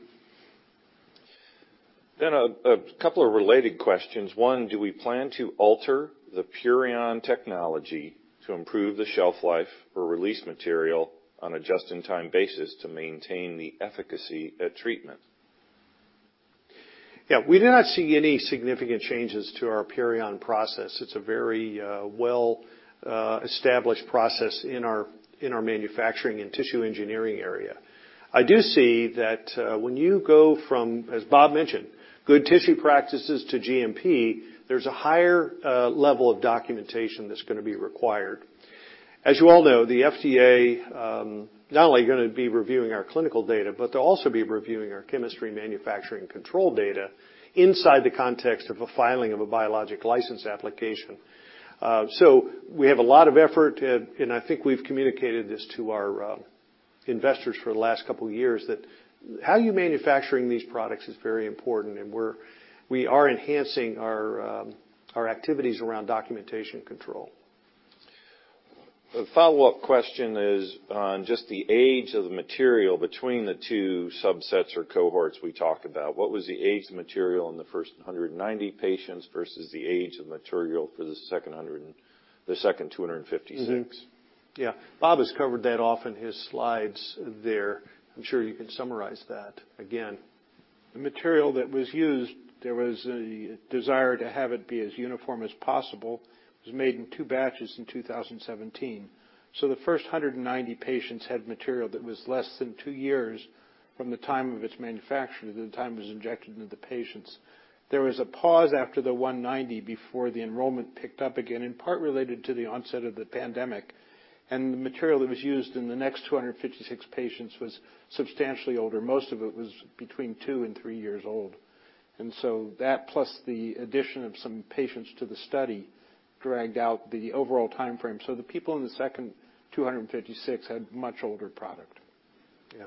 A couple of related questions. One, do we plan to alter the PURION technology to improve the shelf life or release material on a just-in-time basis to maintain the efficacy at treatment? Yeah. We do not see any significant changes to our PURION process. It's a very well established process in our manufacturing and tissue engineering area. I do see that when you go from, as Bob mentioned, good tissue practices to GMP, there's a higher level of documentation that's gonna be required. As you all know, the FDA not only are gonna be reviewing our clinical data, but they'll also be reviewing our chemistry and manufacturing control data inside the context of a filing of a biologic license application. So we have a lot of effort, and I think we've communicated this to our investors for the last couple years, that how you're manufacturing these products is very important, and we are enhancing our activities around documentation control. A follow-up question is on just the age of the material between the two subsets or cohorts we talked about. What was the age of the material in the first 190 patients versus the age of material for the second 256? Bob has covered that off in his slides there. I'm sure you can summarize that again. The material that was used, there was a desire to have it be as uniform as possible. It was made in two batches in 2017. The first 190 patients had material that was less than two years from the time of its manufacture to the time it was injected into the patients. There was a pause after the 190 before the enrollment picked up again, in part related to the onset of the pandemic, and the material that was used in the next 256 patients was substantially older. Most of it was between two and three years old. That plus the addition of some patients to the study dragged out the overall time frame. The people in the second 256 had much older product. Yeah.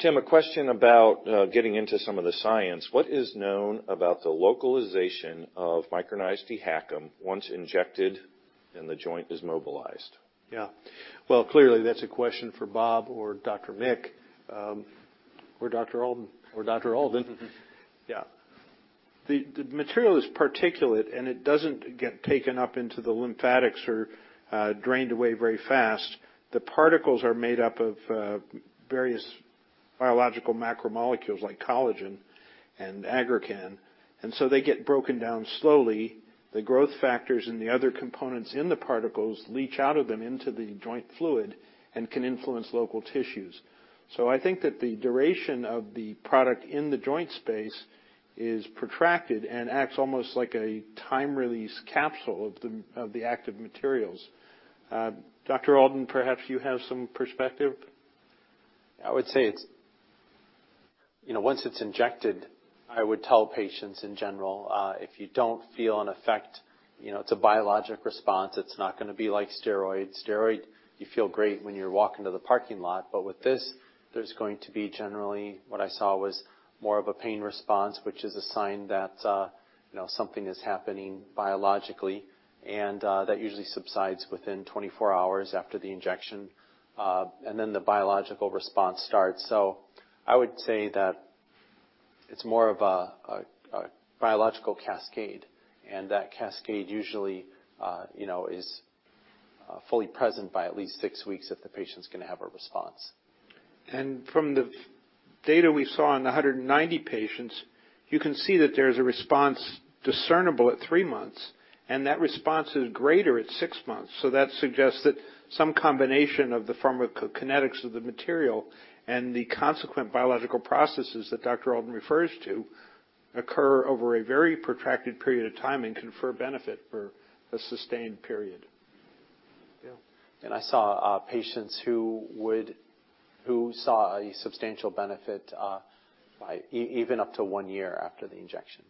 Tim, a question about getting into some of the science. What is known about the localization of micronized DHACM once injected and the joint is mobilized? Yeah. Well, clearly, that's a question for Bob or Dr. Mick. Dr. Alden. Dr. Alden. Yeah. The material is particulate, and it doesn't get taken up into the lymphatics or drained away very fast. The particles are made up of various biological macromolecules like collagen and aggrecan, and so they get broken down slowly. The growth factors and the other components in the particles leach out of them into the joint fluid and can influence local tissues. I think that the duration of the product in the joint space is protracted and acts almost like a time-release capsule of the active materials. Dr. Alden, perhaps you have some perspective. I would say it's, you know, once it's injected, I would tell patients in general, if you don't feel an effect, you know, it's a biologic response. It's not gonna be like steroids. You feel great when you walk into the parking lot. With this, there's going to be generally what I saw was more of a pain response, which is a sign that, you know, something is happening biologically, and that usually subsides within 24 hours after the injection. The biological response starts. I would say that it's more of a biological cascade, and that cascade usually, you know, is fully present by at least six weeks if the patient's gonna have a response. From the data we saw in the 190 patients, you can see that there's a response discernible at three months, and that response is greater at six months. That suggests that some combination of the pharmacokinetics of the material and the consequent biological processes that Dr. Alden refers to occur over a very protracted period of time and confer benefit for a sustained period. I saw patients who saw a substantial benefit by even up to one year after the injection.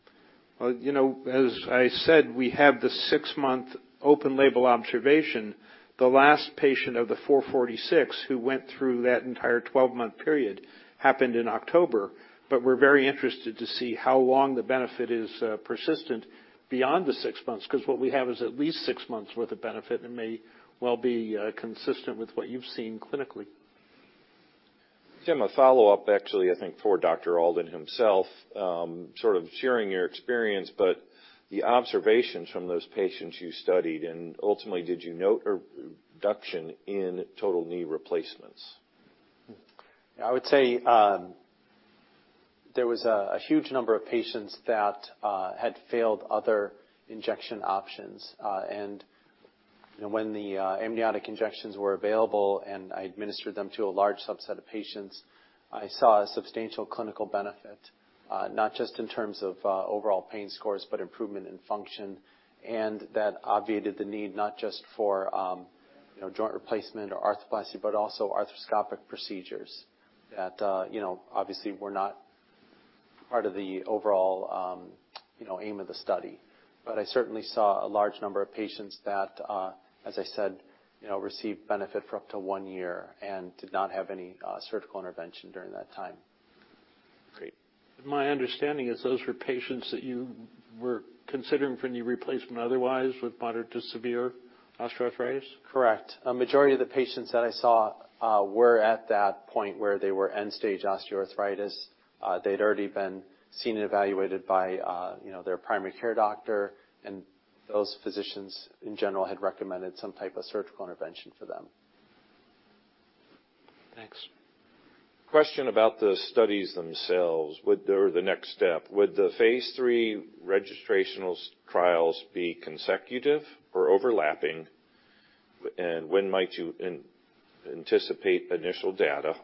Well, you know, as I said, we have the six-month open label observation. The last patient of the 446 who went through that entire 12-month period happened in October. We're very interested to see how long the benefit is persistent beyond the six months, 'cause what we have is at least six months worth of benefit, and may well be consistent with what you've seen clinically. Tim, a follow-up actually, I think, for Dr. Alden himself, sort of sharing your experience, but the observations from those patients you studied, and ultimately, did you note a reduction in total knee replacements? I would say there was a huge number of patients that had failed other injection options. You know, when the amniotic injections were available and I administered them to a large subset of patients, I saw a substantial clinical benefit, not just in terms of overall pain scores, but improvement in function. That obviated the need not just for you know, joint replacement or arthroplasty, but also arthroscopic procedures that you know, obviously were not part of the overall you know, aim of the study. I certainly saw a large number of patients that as I said, you know, received benefit for up to one year and did not have any surgical intervention during that time. Great. My understanding is those were patients that you were considering for knee replacement otherwise with moderate to severe osteoarthritis? Correct. A majority of the patients that I saw were at that point where they were end-stage osteoarthritis. They'd already been seen and evaluated by, you know, their primary care doctor, and those physicians, in general, had recommended some type of surgical intervention for them. Thanks. Question about the studies themselves. Would the phase III registrational trials be consecutive or overlapping? When might you anticipate initial data?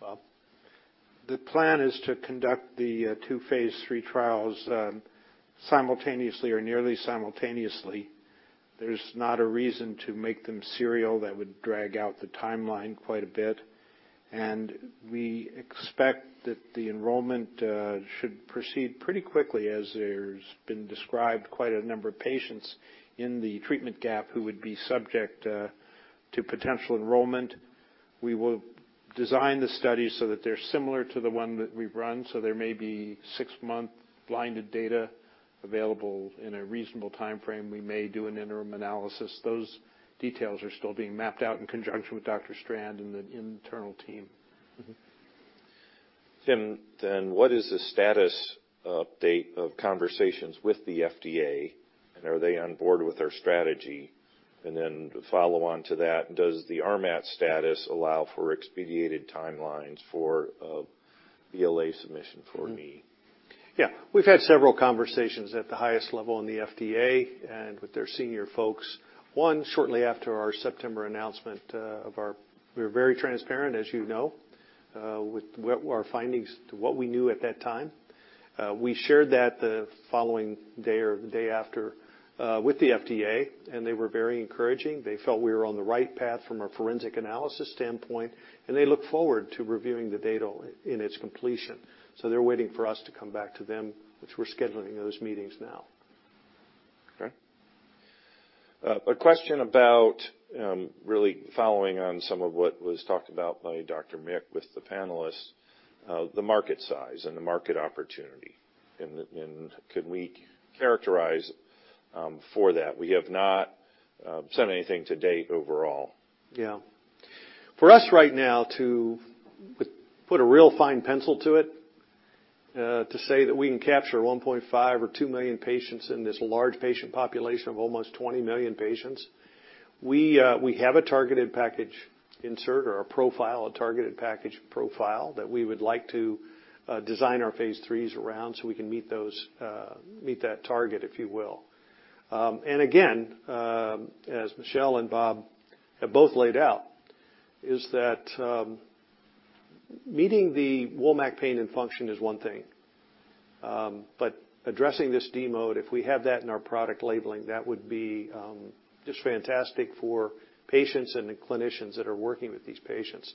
Bob. The plan is to conduct the two phase III trials simultaneously or nearly simultaneously. There's not a reason to make them serial that would drag out the timeline quite a bit. We expect that the enrollment should proceed pretty quickly as there's been described quite a number of patients in the treatment gap who would be subject to potential enrollment. We will design the studies so that they're similar to the one that we've run, so there may be six-month blinded data available in a reasonable timeframe. We may do an interim analysis. Those details are still being mapped out in conjunction with Dr. Strand and the internal team. Mm-hmm. Tim, what is the status update of conversations with the FDA? Are they on board with their strategy? To follow on to that, does the RMAT status allow for expedited timelines for BLA submission for me? Yeah. We've had several conversations at the highest level in the FDA and with their senior folks. One, shortly after our September announcement. We were very transparent, as you know, with what were our findings to what we knew at that time. We shared that the following day or the day after with the FDA, and they were very encouraging. They felt we were on the right path from a forensic analysis standpoint, and they look forward to reviewing the data upon its completion. They're waiting for us to come back to them, which we're scheduling those meetings now. Okay. A question about really following on some of what was talked about by Dr. Mick with the panelists, the market size and the market opportunity and can we characterize for that? We have not said anything to date overall. Yeah. For us right now to put a real fine pencil to it, to say that we can capture 1.5 or 2 million patients in this large patient population of almost 20 million patients, we have a targeted package insert or a profile, a targeted package profile that we would like to design our phase IIIs around so we can meet that target, if you will. Again, as Michelle and Bob have both laid out, meeting the WOMAC pain and function is one thing. Addressing this DMARD, if we have that in our product labeling, that would be just fantastic for patients and the clinicians that are working with these patients.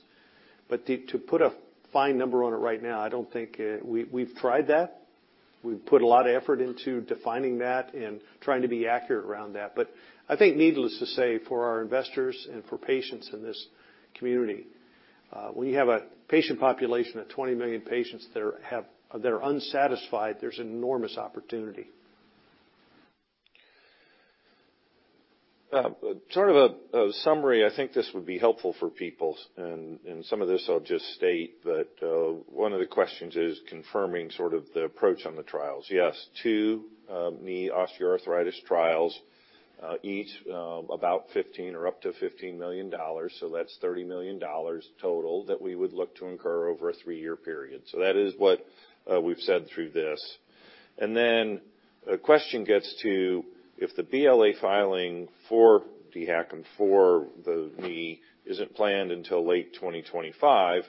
To put a fine number on it right now, I don't think. We've tried that. We've put a lot of effort into defining that and trying to be accurate around that. I think needless to say, for our investors and for patients in this community, when you have a patient population of 20 million patients that are unsatisfied, there's enormous opportunity. Sort of a summary. I think this would be helpful for people. Some of this I'll just state that one of the questions is confirming sort of the approach on the trials. Yes, two knee osteoarthritis trials, each about $15 million or up to $15 million, so that's $30 million total that we would look to incur over a three-year period. That is what we've said through this. Then a question gets to, if the BLA filing for DHACM and for the knee isn't planned until late 2025,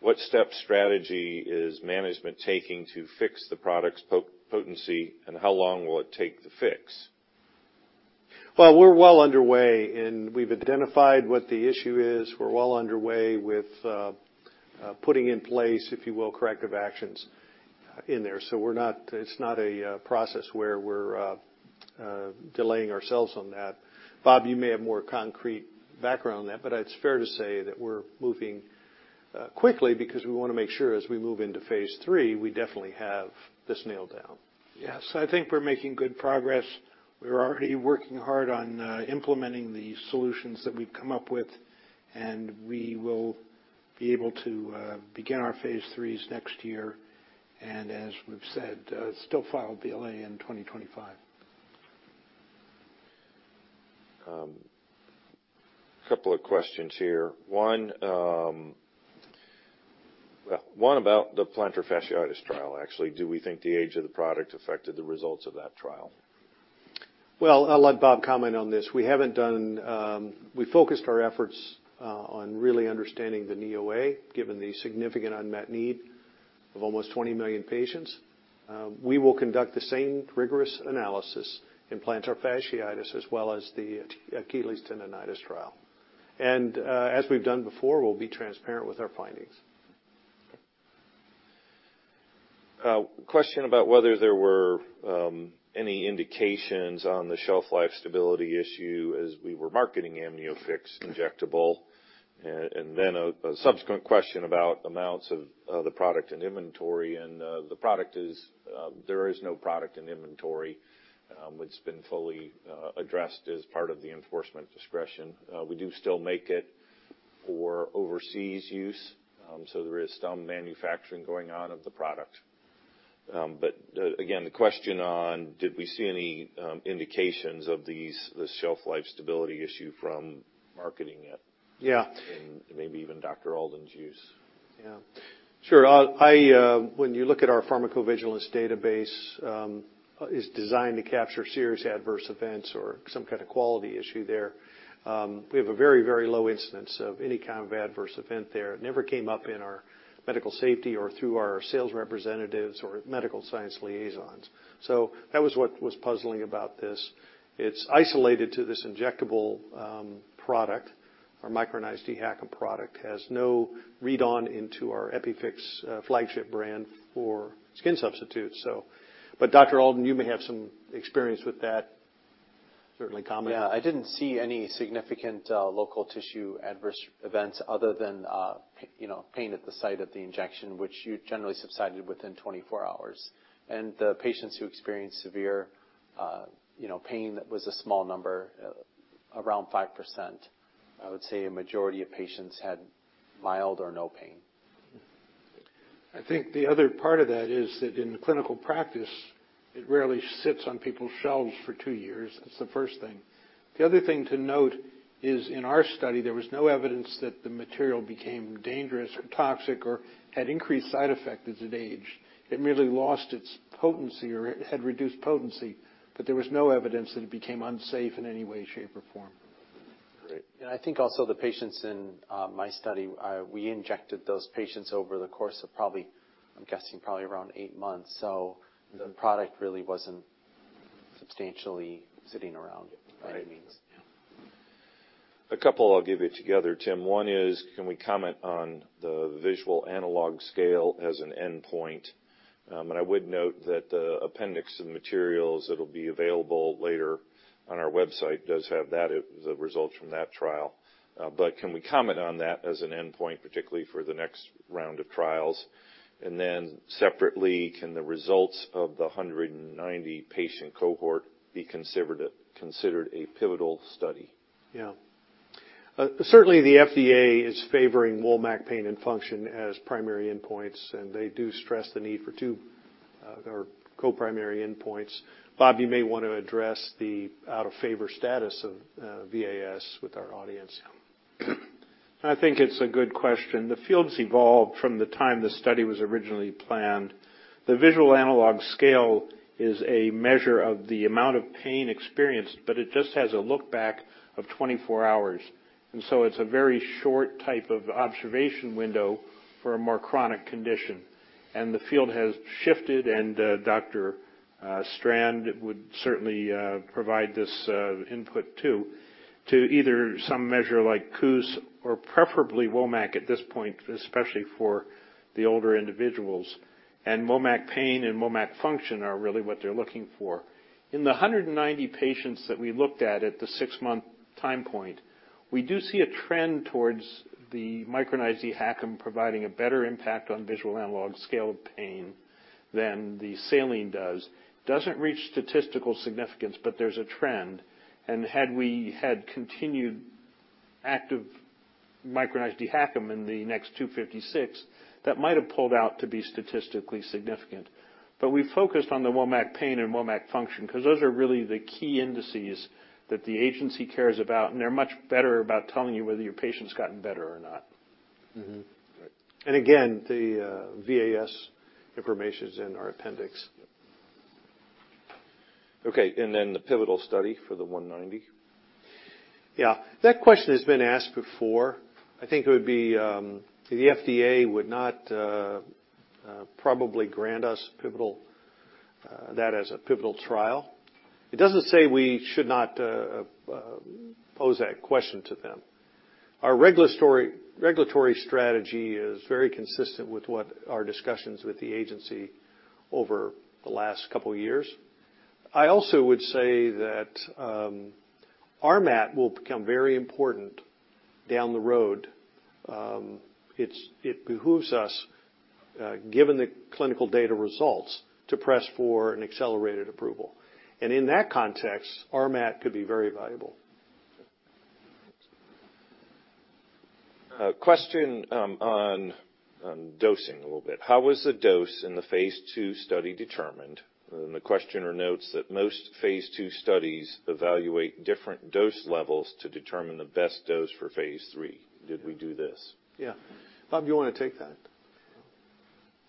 what stopgap strategy is management taking to fix the product's potency, and how long will it take to fix? Well, we're well underway, and we've identified what the issue is. We're well underway with putting in place, if you will, corrective actions in there. We're not. It's not a process where we're delaying ourselves on that. Bob, you may have more concrete background on that, but it's fair to say that we're moving quickly because we wanna make sure as we move into phase III, we definitely have this nailed down. Yes. I think we're making good progress. We're already working hard on implementing the solutions that we've come up with, and we will be able to begin our phase IIIs next year. As we've said, still file BLA in 2025. Couple of questions here. One, well, one about the plantar fasciitis trial, actually. Do we think the age of the product affected the results of that trial? Well, I'll let Bob comment on this. We focused our efforts on really understanding the Knee OA, given the significant unmet need of almost 20 million patients. We will conduct the same rigorous analysis in plantar fasciitis as well as the Achilles tendonitis trial. As we've done before, we'll be transparent with our findings. Question about whether there were any indications on the shelf life stability issue as we were marketing AmnioFix Injectable. Then a subsequent question about amounts of the product and inventory and there is no product in inventory which has been fully addressed as part of the Enforcement Discretion. We do still make it for overseas use so there is some manufacturing going on of the product. Again, the question on did we see any indications of the shelf life stability issue from marketing it. Yeah maybe even Dr. Alden's use. Yeah. Sure. When you look at our pharmacovigilance database, it is designed to capture serious adverse events or some kind of quality issue there. We have a very, very low incidence of any kind of adverse event there. It never came up in our medical safety or through our sales representatives or medical science liaisons. That was what was puzzling about this. It's isolated to this injectable product. Our micronized dHACM product has no read-on into our EpiFix flagship brand for skin substitutes. Dr. Alden, you may have some experience with that. Certainly comment. Yeah. I didn't see any significant local tissue adverse events other than pain at the site of the injection, which generally subsided within 24 hours. The patients who experienced severe pain was a small number, around 5%. I would say a majority of patients had mild or no pain. I think the other part of that is that in clinical practice, it rarely sits on people's shelves for two years. That's the first thing. The other thing to note is, in our study, there was no evidence that the material became dangerous or toxic or had increased side effect as it aged. It merely lost its potency or it had reduced potency, but there was no evidence that it became unsafe in any way, shape, or form. I think also the patients in my study, we injected those patients over the course of probably, I'm guessing, probably around eight months. So the product really wasn't substantially sitting around by any means. Right. Yeah. A couple I'll give you together, Tim. One is, can we comment on the visual analog scale as an endpoint? I would note that the appendix and materials that'll be available later on our website does have that, the results from that trial. Can we comment on that as an endpoint, particularly for the next round of trials? Separately, can the results of the 190 patient cohort be considered a pivotal study? Yeah. Certainly the FDA is favoring WOMAC pain and function as primary endpoints, and they do stress the need for two or co-primary endpoints. Bob, you may wanna address the out-of-favor status of VAS with our audience. I think it's a good question. The field's evolved from the time the study was originally planned. The visual analog scale is a measure of the amount of pain experienced, but it just has a look back of 24 hours. It's a very short type of observation window for a more chronic condition. The field has shifted, and Dr. Strand would certainly provide this input too, to either some measure like KOOS or preferably WOMAC at this point, especially for the older individuals. WOMAC pain and WOMAC function are really what they're looking for. In the 190 patients that we looked at at the six-month time point, we do see a trend towards the micronized dHACM providing a better impact on visual analog scale of pain than the saline does. Doesn't reach statistical significance, but there's a trend. Had we continued active micronized dHACM in the next 256, that might have pulled out to be statistically significant. We focused on the WOMAC pain and WOMAC function 'cause those are really the key indices that the agency cares about, and they're much better about telling you whether your patient's gotten better or not. Mm-hmm. Again, the VAS information is in our appendix. Okay. Then the pivotal study for the 190. Yeah. That question has been asked before. The FDA would not probably grant us that as a pivotal trial. It doesn't say we should not pose that question to them. Our regulatory strategy is very consistent with what our discussions with the agency over the last couple of years. I also would say that RMAT will become very important down the road. It behooves us, given the clinical data results, to press for an accelerated approval. In that context, RMAT could be very valuable. A question on dosing a little bit. How was the dose in the phase II study determined? The questioner notes that most phase II studies evaluate different dose levels to determine the best dose for phase III. Did we do this? Yeah. Bob, you wanna take that?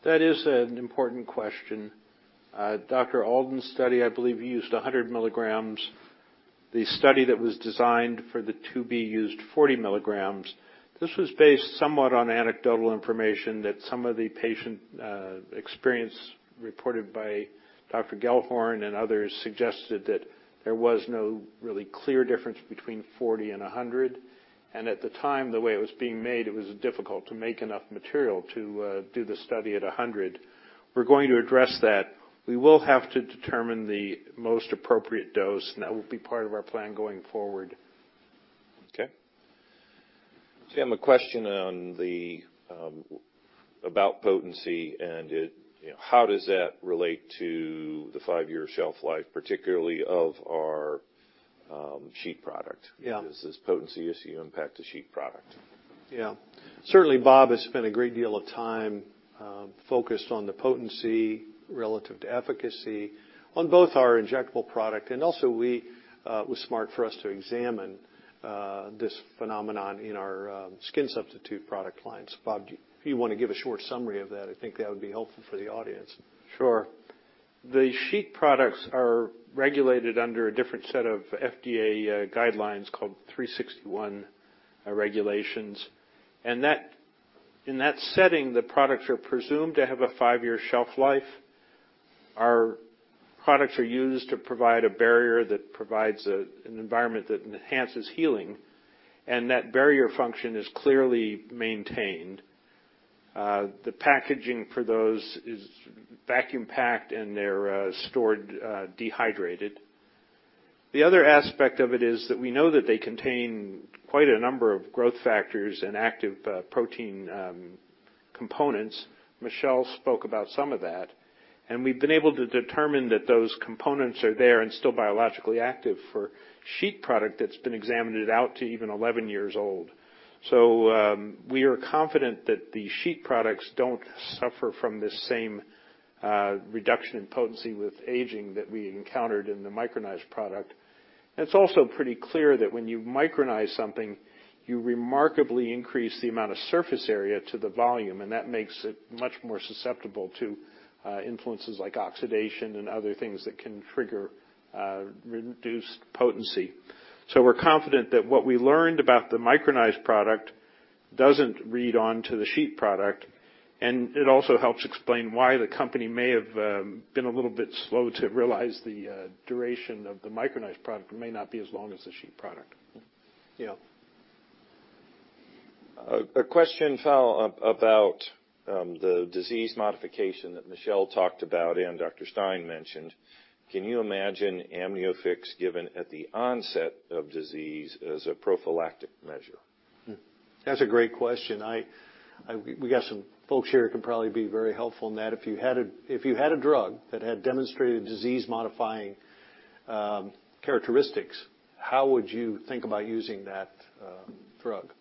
That is an important question. Dr. Alden's study, I believe, used 100 milligrams. The study that was designed for the IIb used 40 milligrams. This was based somewhat on anecdotal information that some of the patient experience reported by Dr. Gellhorn and others suggested that there was no really clear difference between 40 and 100. At the time, the way it was being made, it was difficult to make enough material to do the study at 100. We're going to address that. We will have to determine the most appropriate dose, and that will be part of our plan going forward. Okay. Tim, a question about potency and it, you know, how does that relate to the five-year shelf life, particularly of our sheet product? Yeah. Does this potency issue impact the sheet product? Yeah. Certainly, Bob has spent a great deal of time focused on the potency relative to efficacy on both our injectable product, and also it was smart for us to examine this phenomenon in our skin substitute product lines. Bob, do you wanna give a short summary of that? I think that would be helpful for the audience. Sure. The sheet products are regulated under a different set of FDA guidelines called Section 361 regulations. In that setting, the products are presumed to have a five-year shelf life. Our products are used to provide a barrier that provides an environment that enhances healing, and that barrier function is clearly maintained. The packaging for those is vacuum-packed, and they're stored dehydrated. The other aspect of it is that we know that they contain quite a number of growth factors and active protein components. Michelle spoke about some of that. We've been able to determine that those components are there and still biologically active for sheet product that's been examined out to even 11-year-old. We are confident that the sheet products don't suffer from the same reduction in potency with aging that we encountered in the micronized product. It's also pretty clear that when you micronize something, you remarkably increase the amount of surface area to the volume, and that makes it much more susceptible to influences like oxidation and other things that can trigger reduced potency. We're confident that what we learned about the micronized product Doesn't read onto the sheet product. It also helps explain why the company may have been a little bit slow to realize the duration of the micronized product. It may not be as long as the sheet product. Yeah. I have a question about the disease modification that Michelle talked about and Dr. Stein mentioned. Can you imagine AmnioFix given at the onset of disease as a prophylactic measure? That's a great question. We got some folks here who can probably be very helpful in that. If you had a drug that had demonstrated disease-modifying characteristics, how would you think about using that drug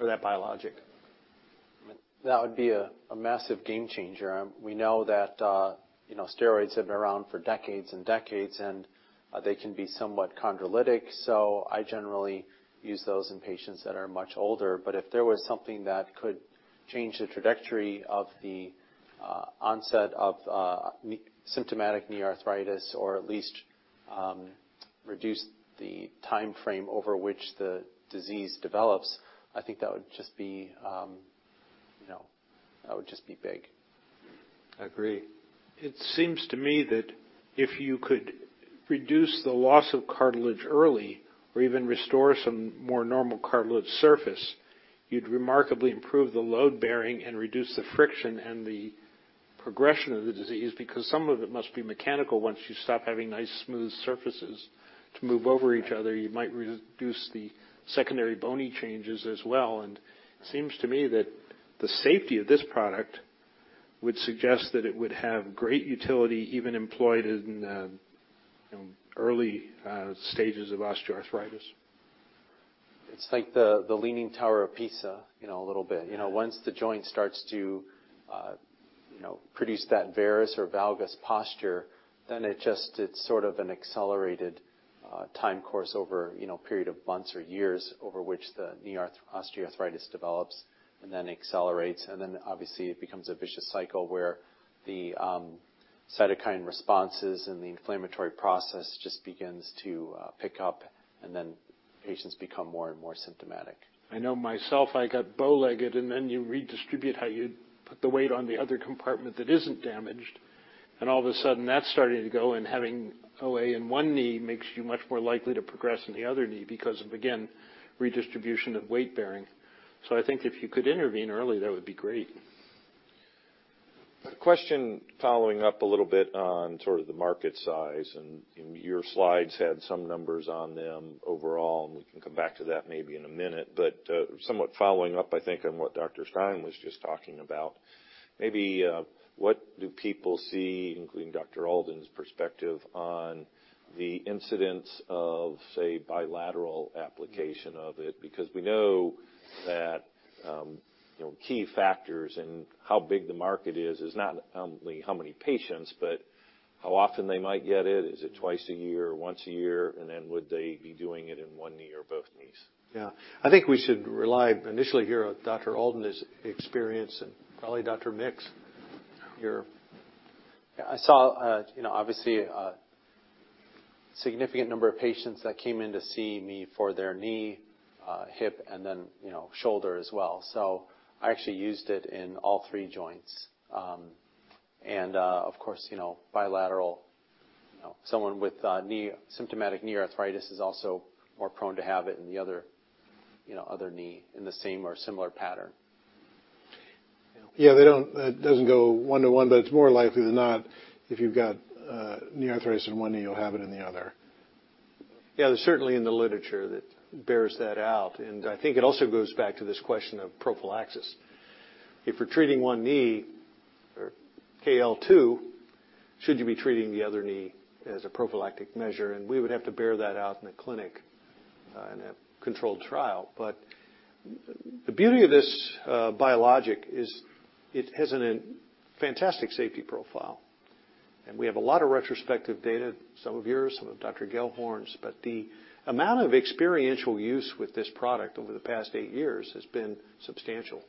or that biologic? That would be a massive game changer. We know that you know, steroids have been around for decades and decades, and they can be somewhat chondrolytic, so I generally use those in patients that are much older. If there was something that could change the trajectory of the onset of symptomatic knee arthritis or at least reduce the timeframe over which the disease develops, I think that would just be you know, that would just be big. I agree. It seems to me that if you could reduce the loss of cartilage early or even restore some more normal cartilage surface, you'd remarkably improve the load-bearing and reduce the friction and the progression of the disease, because some of it must be mechanical once you stop having nice, smooth surfaces to move over each other. You might reduce the secondary bony changes as well. It seems to me that the safety of this product would suggest that it would have great utility even employed in, you know, early stages of osteoarthritis. It's like the Leaning Tower of Pisa, you know, a little bit. You know, once the joint starts to, you know, produce that varus or valgus posture, then it just, it's sort of an accelerated time course over, you know, a period of months or years over which the knee osteoarthritis develops and then accelerates. Obviously, it becomes a vicious cycle where the cytokine responses and the inflammatory process just begins to pick up, and then patients become more and more symptomatic. I know myself, I got bow-legged, and then you redistribute how you put the weight on the other compartment that isn't damaged. All of a sudden, that's starting to go, and having OA in one knee makes you much more likely to progress in the other knee because of, again, redistribution of weight-bearing. I think if you could intervene early, that would be great. A question following up a little bit on sort of the market size, and your slides had some numbers on them overall, and we can come back to that maybe in a minute. Somewhat following up, I think, on what Dr. Stein was just talking about, maybe, what do people see, including Dr. Alden's perspective, on the incidence of a bilateral application of it? Because we know that, you know, key factors in how big the market is not only how many patients, but how often they might get it. Is it twice a year or once a year? And then would they be doing it in one knee or both knees? Yeah. I think we should rely initially here on Dr. Alden's experience and probably Dr. Mick, your- I saw, you know, obviously a significant number of patients that came in to see me for their knee, hip, and then, you know, shoulder as well. I actually used it in all three joints. Of course, you know, bilateral, you know, someone with symptomatic knee arthritis is also more prone to have it in the other, you know, other knee in the same or similar pattern. Yeah, it doesn't go one to one, but it's more likely than not, if you've got knee arthritis in one knee, you'll have it in the other. Yeah, certainly in the literature that bears that out, and I think it also goes back to this question of prophylaxis. If you're treating one knee or KL 2, should you be treating the other knee as a prophylactic measure? We would have to bear that out in a clinic, in a controlled trial. The beauty of this biologic is it has a fantastic safety profile. We have a lot of retrospective data, some of yours, some of Dr. Gellhorn's. The amount of experiential use with this product over the past eight years has been substantial.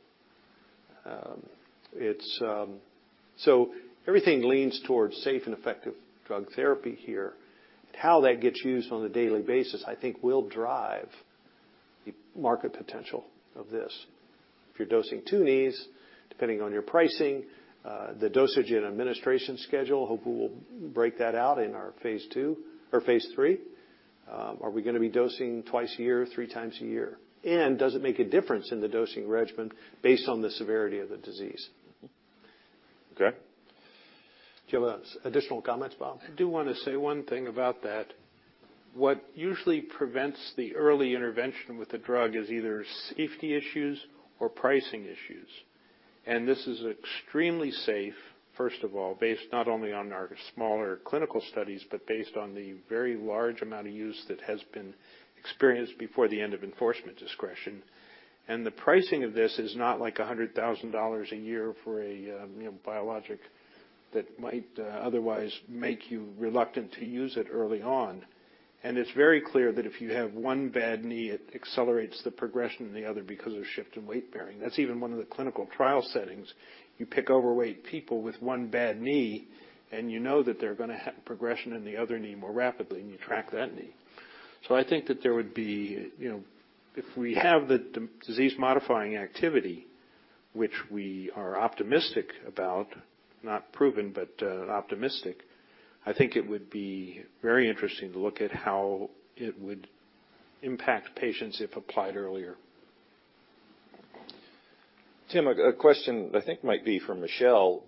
Everything leans towards safe and effective drug therapy here. How that gets used on a daily basis, I think, will drive the market potential of this. If you're dosing two knees, depending on your pricing, the dosage and administration schedule, hopefully we'll break that out in our phase II or phase III. Are we gonna be dosing twice a year, three times a year? Does it make a difference in the dosing regimen based on the severity of the disease? Okay. Do you have additional comments, Bob? I do wanna say one thing about that. What usually prevents the early intervention with the drug is either safety issues or pricing issues. This is extremely safe, first of all, based not only on our smaller clinical studies, but based on the very large amount of use that has been experienced before the end of Enforcement Discretion. The pricing of this is not like $100,000 a year for a, you know, biologic that might otherwise make you reluctant to use it early on. It's very clear that if you have one bad knee, it accelerates the progression in the other because of shift in weight bearing. That's even one of the clinical trial settings. You pick overweight people with one bad knee, and you know that they're gonna have progression in the other knee more rapidly, and you track that knee. I think that there would be, you know, if we have the disease-modifying activity, which we are optimistic about, not proven, but optimistic, I think it would be very interesting to look at how it would impact patients if applied earlier. Tim, a question I think might be for Michelle.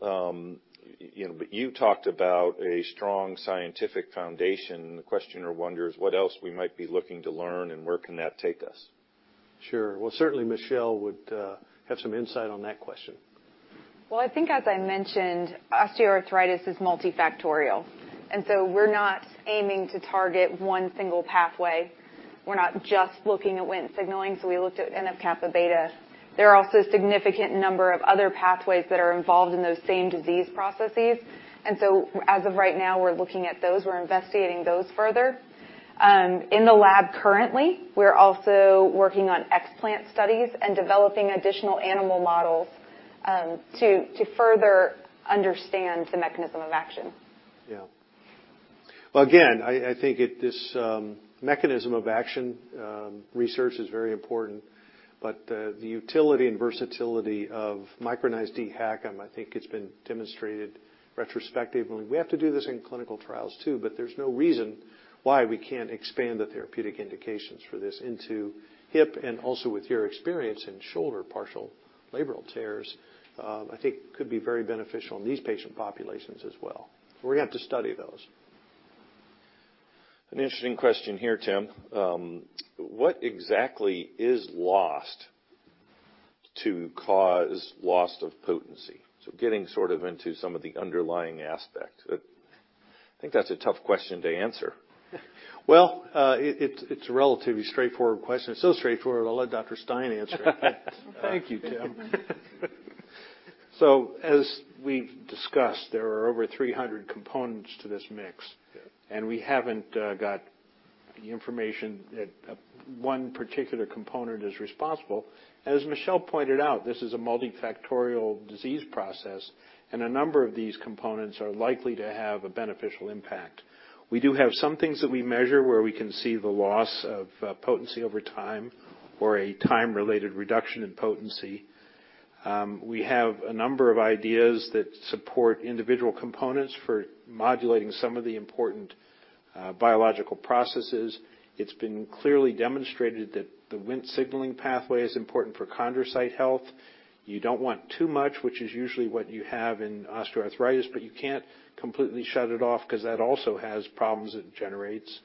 You know, you talked about a strong scientific foundation. The questioner wonders what else we might be looking to learn and where can that take us? Sure. Well, certainly Michelle would have some insight on that question. Well, I think as I mentioned, osteoarthritis is multifactorial, and so we're not aiming to target one single pathway. We're not just looking at Wnt signaling, so we looked at NF-kappa B. There are also a significant number of other pathways that are involved in those same disease processes. As of right now, we're looking at those. We're investigating those further. In the lab currently, we're also working on explant studies and developing additional animal models to further understand the mechanism of action. Yeah. Well, again, I think this mechanism of action research is very important, but the utility and versatility of micronized dHACM, I think it's been demonstrated retrospectively. We have to do this in clinical trials too, but there's no reason why we can't expand the therapeutic indications for this into hip and also with your experience in shoulder partial labral tears. I think it could be very beneficial in these patient populations as well. We're gonna have to study those. An interesting question here, Tim. What exactly is lost to cause loss of potency? Getting sort of into some of the underlying aspects. I think that's a tough question to answer. Well, it's a relatively straightforward question. It's so straightforward, I'll let Dr. Stein answer it. Thank you, Tim. as we've discussed, there are over 300 components to this mix. Yeah. We haven't got the information that one particular component is responsible. As Michelle pointed out, this is a multifactorial disease process, and a number of these components are likely to have a beneficial impact. We do have some things that we measure where we can see the loss of potency over time or a time-related reduction in potency. We have a number of ideas that support individual components for modulating some of the important biological processes. It's been clearly demonstrated that the Wnt signaling pathway is important for chondrocyte health. You don't want too much, which is usually what you have in osteoarthritis, but you can't completely shut it off 'cause that also has problems it generates.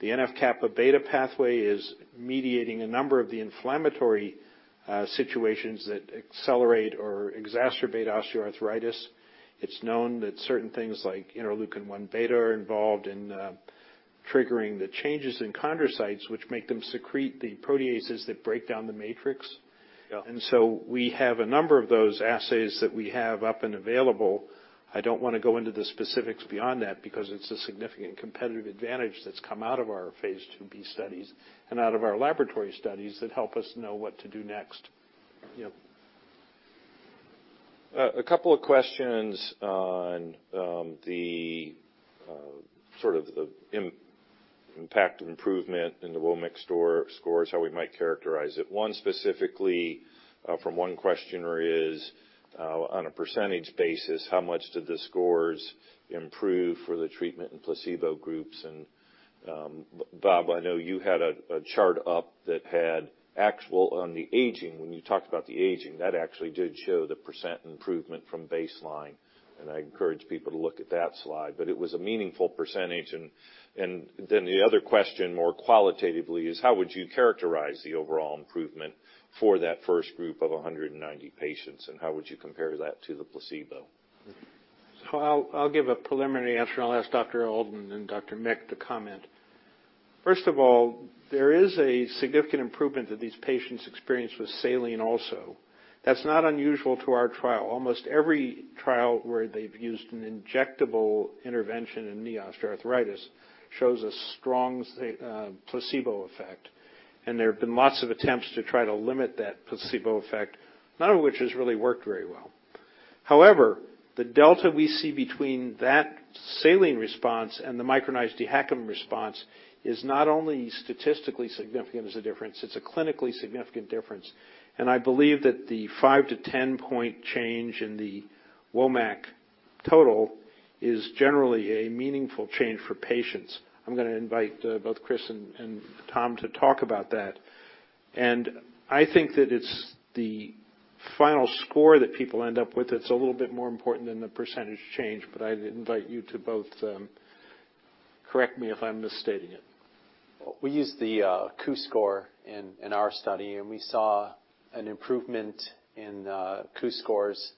The NF-kappa B pathway is mediating a number of the inflammatory situations that accelerate or exacerbate osteoarthritis. It's known that certain things like interleukin-1 beta are involved in triggering the changes in chondrocytes, which make them secrete the proteases that break down the matrix. Yeah. We have a number of those assays that we have up and available. I don't wanna go into the specifics beyond that because it's a significant competitive advantage that's come out of our phase IIb studies and out of our laboratory studies that help us know what to do next. Yeah. A couple of questions on the sort of the impact of improvement in the WOMAC scores, how we might characterize it. One specifically from one questioner is on a percentage basis, how much did the scores improve for the treatment and placebo groups? Bob, I know you had a chart up that had actual on the x-axis, when you talked about the x-axis, that actually did show the % improvement from baseline. I encourage people to look at that slide, but it was a meaningful %. Then the other question, more qualitatively, is how would you characterize the overall improvement for that first group of 190 patients, and how would you compare that to the placebo? I'll give a preliminary answer, and I'll ask Dr. Alden and Dr. Mick to comment. First of all, there is a significant improvement that these patients experienced with saline also. That's not unusual to our trial. Almost every trial where they've used an injectable intervention in knee osteoarthritis shows a strong placebo effect. There have been lots of attempts to try to limit that placebo effect, none of which has really worked very well. However, the delta we see between that saline response and the micronized dHACM response is not only statistically significant as a difference, it's a clinically significant difference. I believe that the 5- to 10-point change in the WOMAC total is generally a meaningful change for patients. I'm gonna invite both Chris and Tom to talk about that. I think that it's the final score that people end up with that's a little bit more important than the percentage change, but I'd invite you to both, correct me if I'm misstating it. We used the KOOS score in our study, and we saw an improvement in KOOS scores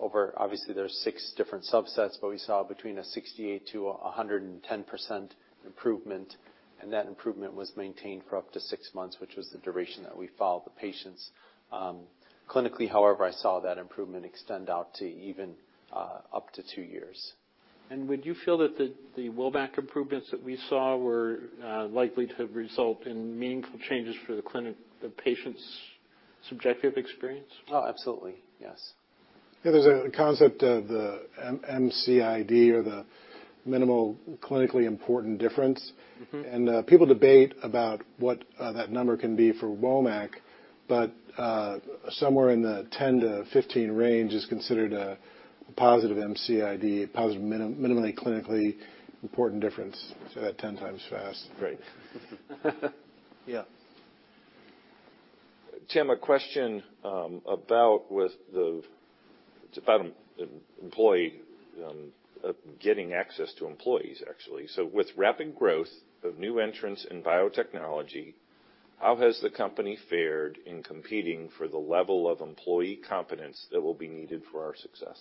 over, obviously, there's six different subsets, but we saw between 68%-110% improvement, and that improvement was maintained for up to six months, which was the duration that we followed the patients. Clinically, however, I saw that improvement extend out to even up to two years. Would you feel that the WOMAC improvements that we saw were likely to result in meaningful changes for the clinic, the patient's subjective experience? Oh, absolutely, yes. Yeah, there's a concept of the MCID or the Minimal Clinically Important Difference. Mm-hmm. People debate about what that number can be for WOMAC, but somewhere in the 10-15 range is considered a positive MCID, positive Minimally Clinically Important Difference. Say that 10 times fast. Great. Yeah. Tim, a question about getting access to employees actually. With rapid growth of new entrants in biotechnology, how has the company fared in competing for the level of employee competence that will be needed for our success?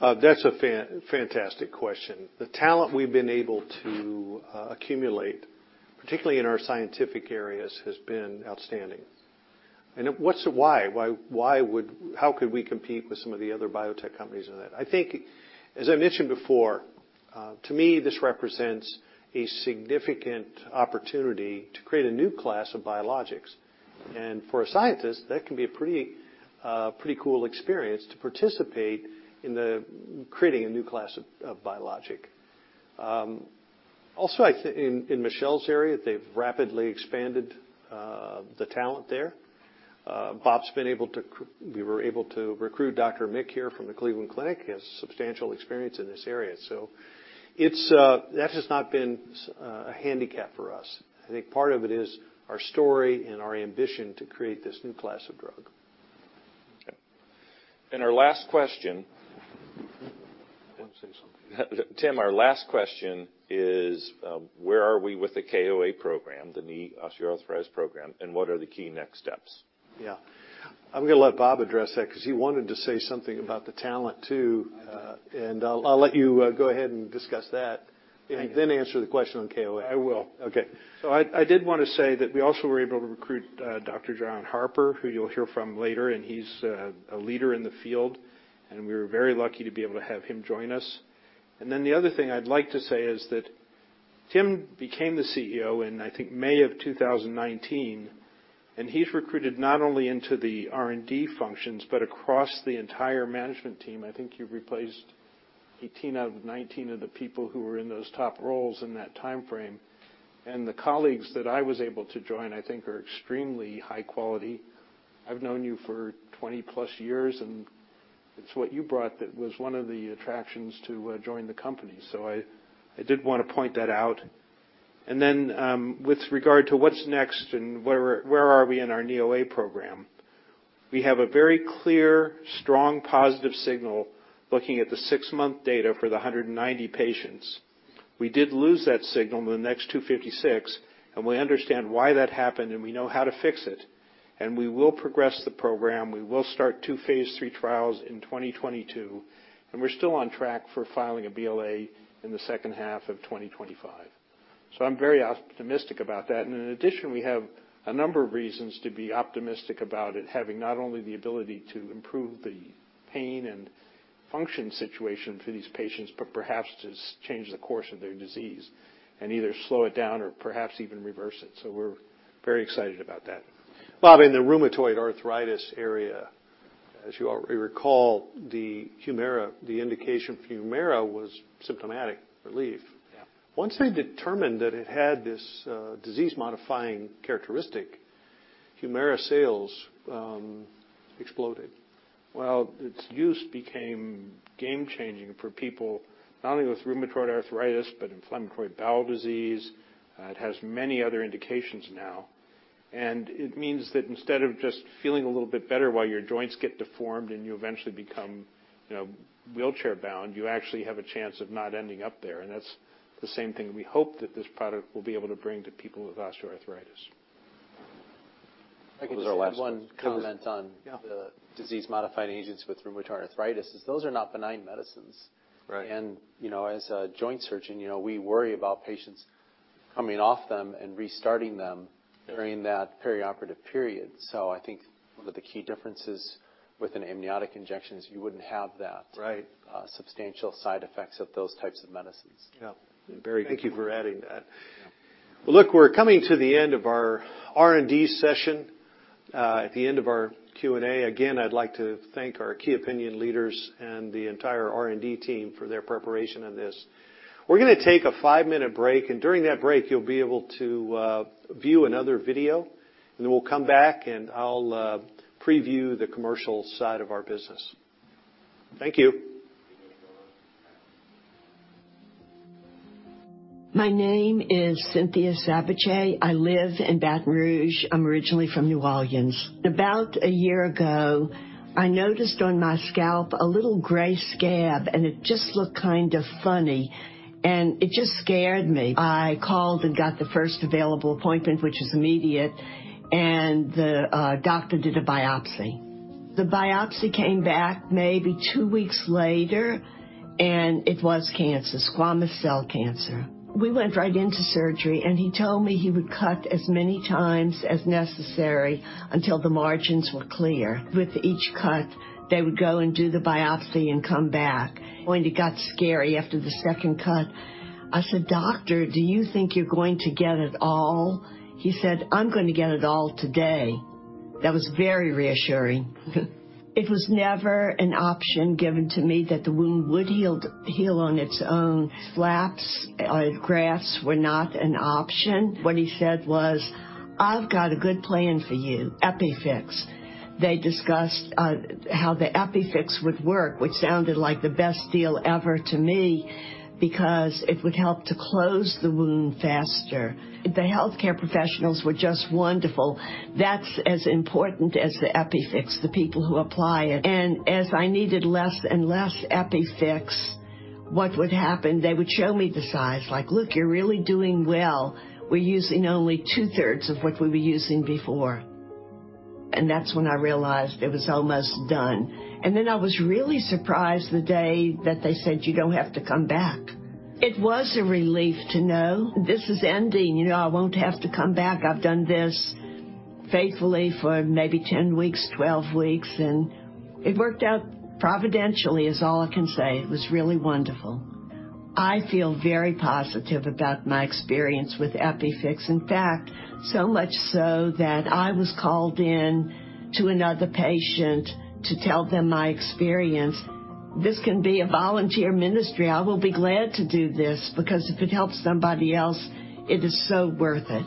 That's a fantastic question. The talent we've been able to accumulate, particularly in our scientific areas, has been outstanding. What's the why? How could we compete with some of the other biotech companies in that? I think, as I mentioned before, to me, this represents a significant opportunity to create a new class of biologics. For a scientist, that can be a pretty cool experience to participate in the creating a new class of biologic. Also, I think in Michelle's area, they've rapidly expanded the talent there. Bob's been able to. We were able to recruit Dr. Mick here from the Cleveland Clinic. He has substantial experience in this area. That has not been a handicap for us. I think part of it is our story and our ambition to create this new class of drug. Okay. Our last question. I want to say something. Tim, our last question is, where are we with the KOA program, the knee osteoarthritis program, and what are the key next steps? Yeah. I'm gonna let Bob address that 'cause he wanted to say something about the talent, too. I did. I'll let you go ahead and discuss that. Thank you. answer the question on KOA. I will. Okay. I did wanna say that we also were able to recruit Dr. John Harper, who you'll hear from later, and he's a leader in the field, and we were very lucky to be able to have him join us. Then the other thing I'd like to say is that Tim became the CEO in, I think, May of 2019, and he's recruited not only into the R&D functions, but across the entire management team. I think you've replaced 18 out of 19 of the people who were in those top roles in that timeframe. The colleagues that I was able to join, I think, are extremely high quality. I've known you for 20+ years, and it's what you brought that was one of the attractions to join the company. I did wanna point that out. With regard to what's next and where are we in our NeoA program, we have a very clear, strong, positive signal looking at the six-month data for the 190 patients. We did lose that signal in the next 256, and we understand why that happened, and we know how to fix it. We will progress the program. We will start two phase III trials in 2022, and we're still on track for filing a BLA in the second half of 2025. I'm very optimistic about that. In addition, we have a number of reasons to be optimistic about it, having not only the ability to improve the pain and function situation for these patients, but perhaps to change the course of their disease and either slow it down or perhaps even reverse it. We're very excited about that. Bob, in the rheumatoid arthritis area, as you already recall, the Humira, the indication for Humira was symptomatic relief. Yeah. Once they determined that it had this disease-modifying characteristic, Humira sales exploded. Well, its use became game-changing for people not only with rheumatoid arthritis, but inflammatory bowel disease. It has many other indications now. It means that instead of just feeling a little bit better while your joints get deformed and you eventually become, you know, wheelchair-bound, you actually have a chance of not ending up there. That's the same thing we hope that this product will be able to bring to people with osteoarthritis. I think this is our last one. Comment. One comment on. Yeah. The disease-modifying agents for rheumatoid arthritis are not benign medicines. Right. you know, as a joint surgeon, you know, we worry about patients coming off them and restarting them. Yeah. during that perioperative period. I think one of the key differences with an amniotic injection is you wouldn't have that- Right. Substantial side effects of those types of medicines. Yeah. Barry, thank you for adding that. Yeah. Well, look, we're coming to the end of our R&D session at the end of our Q&A. Again, I'd like to thank our key opinion leaders and the entire R&D team for their preparation on this. We're gonna take a five-minute break, and during that break, you'll be able to view another video. We'll come back, and I'll preview the commercial side of our business. Thank you. We're gonna go on. My name is Cynthia Sabathier. I live in Baton Rouge. I'm originally from New Orleans. About a year ago, I noticed on my scalp a little gray scab, and it just looked kind of funny. It just scared me. I called and got the first available appointment, which is immediate, and the doctor did a biopsy. The biopsy came back maybe two weeks later, and it was cancer, squamous cell cancer. We went right into surgery, and he told me he would cut as many times as necessary until the margins were clear. With each cut, they would go and do the biopsy and come back. When it got scary after the second cut, I said, "Doctor, do you think you're going to get it all?" He said, "I'm gonna get it all today." That was very reassuring. It was never an option given to me that the wound would heal on its own. Flaps or grafts were not an option. What he said was, "I've got a good plan for you, EpiFix." They discussed how the EpiFix would work, which sounded like the best deal ever to me because it would help to close the wound faster. The healthcare professionals were just wonderful. That's as important as the EpiFix, the people who apply it. As I needed less and less EpiFix, what would happen, they would show me the size, like, "Look, you're really doing well. We're using only two-thirds of what we were using before." That's when I realized it was almost done. Then I was really surprised the day that they said, "You don't have to come back." It was a relief to know this is ending. You know, I won't have to come back. I've done this faithfully for maybe 10 weeks, 12 weeks, and it worked out providentially is all I can say. It was really wonderful. I feel very positive about my experience with EpiFix. In fact, so much so that I was called in to another patient to tell them my experience. This can be a volunteer ministry. I will be glad to do this because if it helps somebody else, it is so worth it.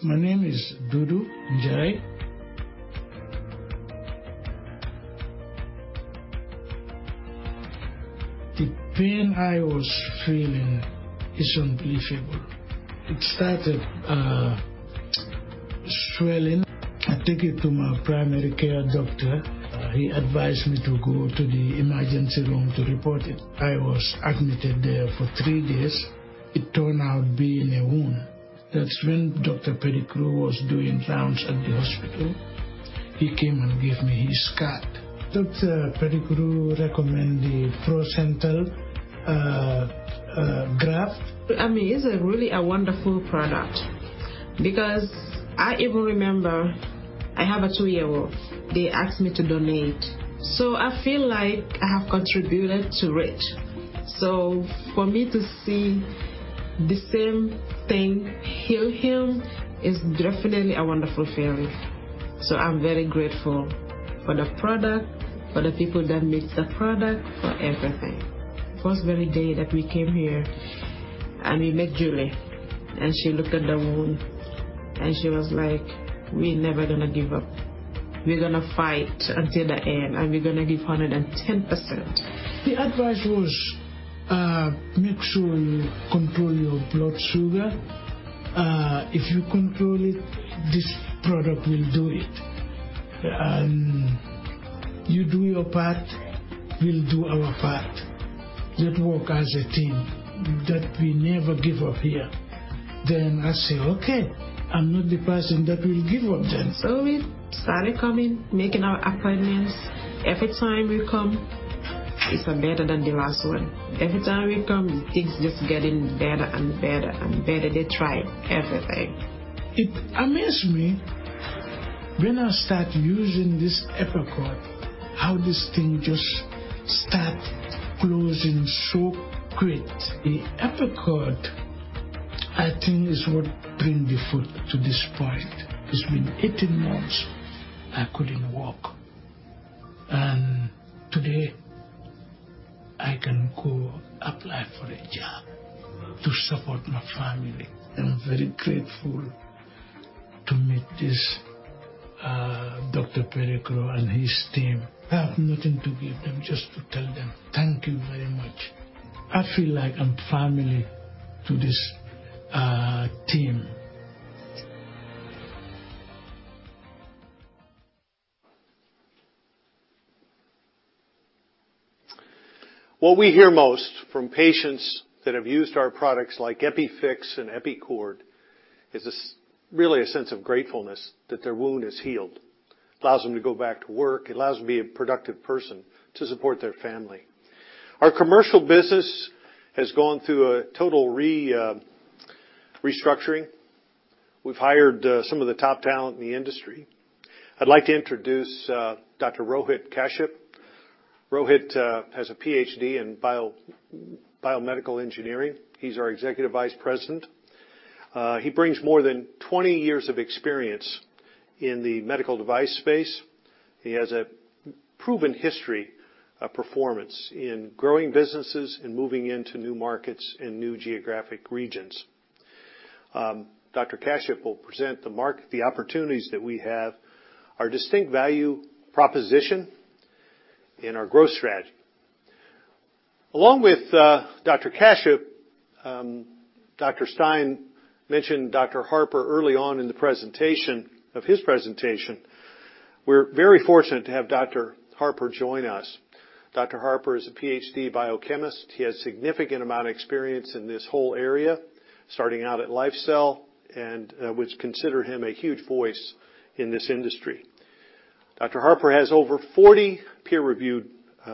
My name is Dudu Njie. The pain I was feeling is unbelievable. It started swelling. I take it to my primary care doctor. He advised me to go to the emergency room to report it. I was admitted there for three days. It turned out being a wound. That's when Dr. Pettigrew was doing rounds at the hospital. He came and gave me his card. Dr. Pettigrew recommended the placental graft. I mean, it's really a wonderful product because I even remember I have a two-year-old. They asked me to donate. I feel like I have contributed to it. For me to see the same thing heal him is definitely a wonderful feeling. I'm very grateful for the product, for the people that make the product, for everything. From the very first day that we came here, and we met Julie, and she looked at the wound, and she was like, "We're never gonna give up. We're gonna fight until the end, and we're gonna give 110%. The advice was, make sure you control your blood sugar. If you control it, this product will do it. You do your part, we'll do our part. Let's work as a team, that we never give up here. I say, "Okay. I'm not the person that will give up then. We started coming, making our appointments. Every time we come, it's better than the last one. Every time we come, it's just getting better and better and better. They tried everything. It amazed me when I start using this EPICORD, how this thing just start closing so quick. The EPICORD I think is what bring the foot to this point. It's been 18 months, I couldn't walk, and today I can go apply for a job to support my family. I'm very grateful to meet this Dr. Pettigrew and his team. I have nothing to give them, just to tell them thank you very much. I feel like I'm family to this team. What we hear most from patients that have used our products like EpiFix and EPICORD is really a sense of gratefulness that their wound is healed. Allows them to go back to work. It allows them to be a productive person to support their family. Our commercial business has gone through a total restructuring. We've hired some of the top talent in the industry. I'd like to introduce Dr. Rohit Kashyap. Rohit has a PhD in biomedical engineering. He's our Executive Vice President. He brings more than 20 years of experience in the medical device space. He has a proven history of performance in growing businesses and moving into new markets and new geographic regions. Dr. Kashyap will present the opportunities that we have, our distinct value proposition, and our growth strategy. Along with Dr. Stein mentioned Dr. Harper early on in his presentation. We're very fortunate to have Dr. Harper join us. Dr. Harper is a Ph.D. biochemist. He has a significant amount of experience in this whole area, starting out at LifeCell, and which considers him a huge voice in this industry. Dr. Harper has over 40 peer-reviewed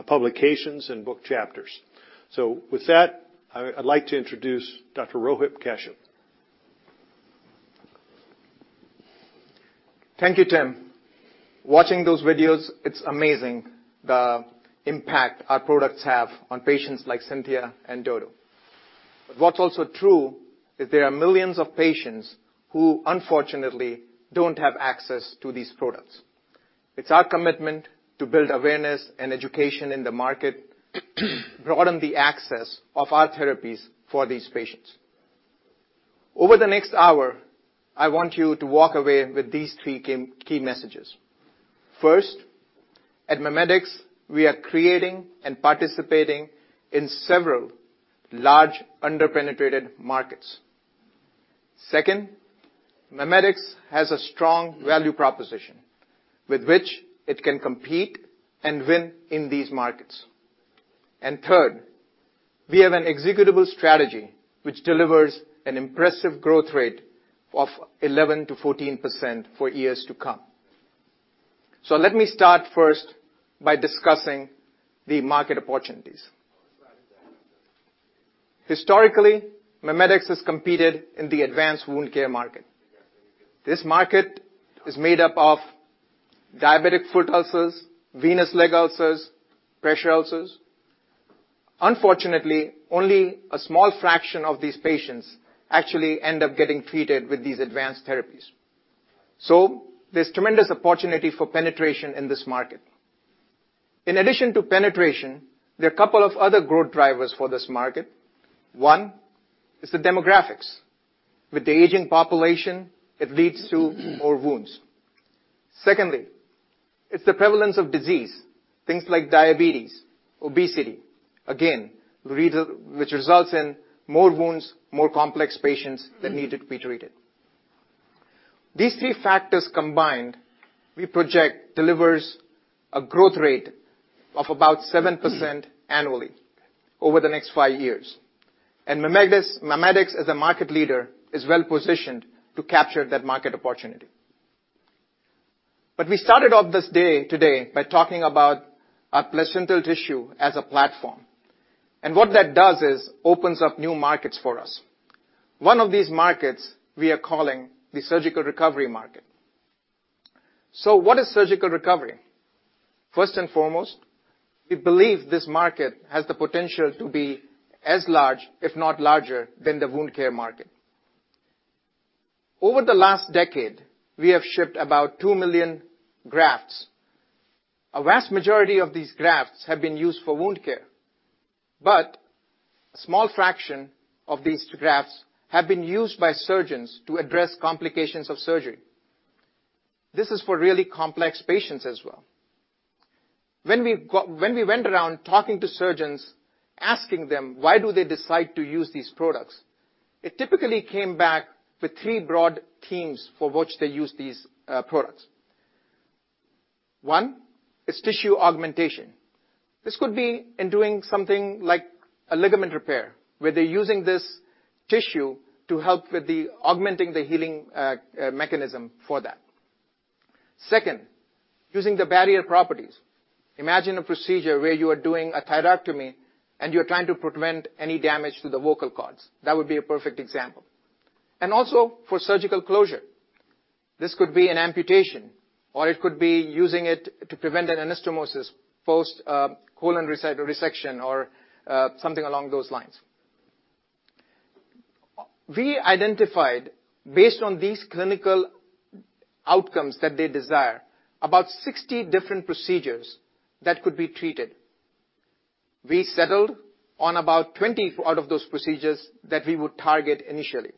publications and book chapters. With that, I'd like to introduce Dr. Rohit Kashyap. Thank you, Tim. Watching those videos, it's amazing the impact our products have on patients like Cynthia and Dodo. What's also true is there are millions of patients who unfortunately don't have access to these products. It's our commitment to build awareness and education in the market, broaden the access of our therapies for these patients. Over the next hour, I want you to walk away with these three game-changing key messages. First, at MiMedx, we are creating and participating in several large under-penetrated markets. Second, MiMedx has a strong value proposition with which it can compete and win in these markets. And third, we have an executable strategy which delivers an impressive growth rate of 11%-14% for years to come. Let me start first by discussing the market opportunities. Historically, MiMedx has competed in the advanced wound care market. This market is made up of diabetic foot ulcers, venous leg ulcers, pressure ulcers. Unfortunately, only a small fraction of these patients actually end up getting treated with these advanced therapies. There's tremendous opportunity for penetration in this market. In addition to penetration, there are a couple of other growth drivers for this market. One is the demographics. With the aging population, it leads to more wounds. Secondly, it's the prevalence of disease, things like diabetes, obesity, again, which results in more wounds, more complex patients that needed to be treated. These three factors combined, we project, delivers a growth rate of about 7% annually over the next five years. MiMedx as a market leader is well-positioned to capture that market opportunity. We started off this day today by talking about our placental tissue as a platform. What that does is opens up new markets for us. One of these markets we are calling the surgical recovery market. What is surgical recovery? First and foremost, we believe this market has the potential to be as large, if not larger, than the wound care market. Over the last decade, we have shipped about 2 million grafts. A vast majority of these grafts have been used for wound care, but a small fraction of these grafts have been used by surgeons to address complications of surgery. This is for really complex patients as well. When we went around talking to surgeons, asking them, why do they decide to use these products, it typically came back with three broad themes for which they use these products. One is tissue augmentation. This could be in doing something like a ligament repair, where they're using this tissue to help with the augmenting the healing mechanism for that. Second, using the barrier properties. Imagine a procedure where you are doing a thyroidectomy and you're trying to prevent any damage to the vocal cords. That would be a perfect example. Also for surgical closure. This could be an amputation, or it could be using it to prevent an anastomosis post colon resection or something along those lines. We identified, based on these clinical outcomes that they desire, about 60 different procedures that could be treated. We settled on about 20 out of those procedures that we would target initially.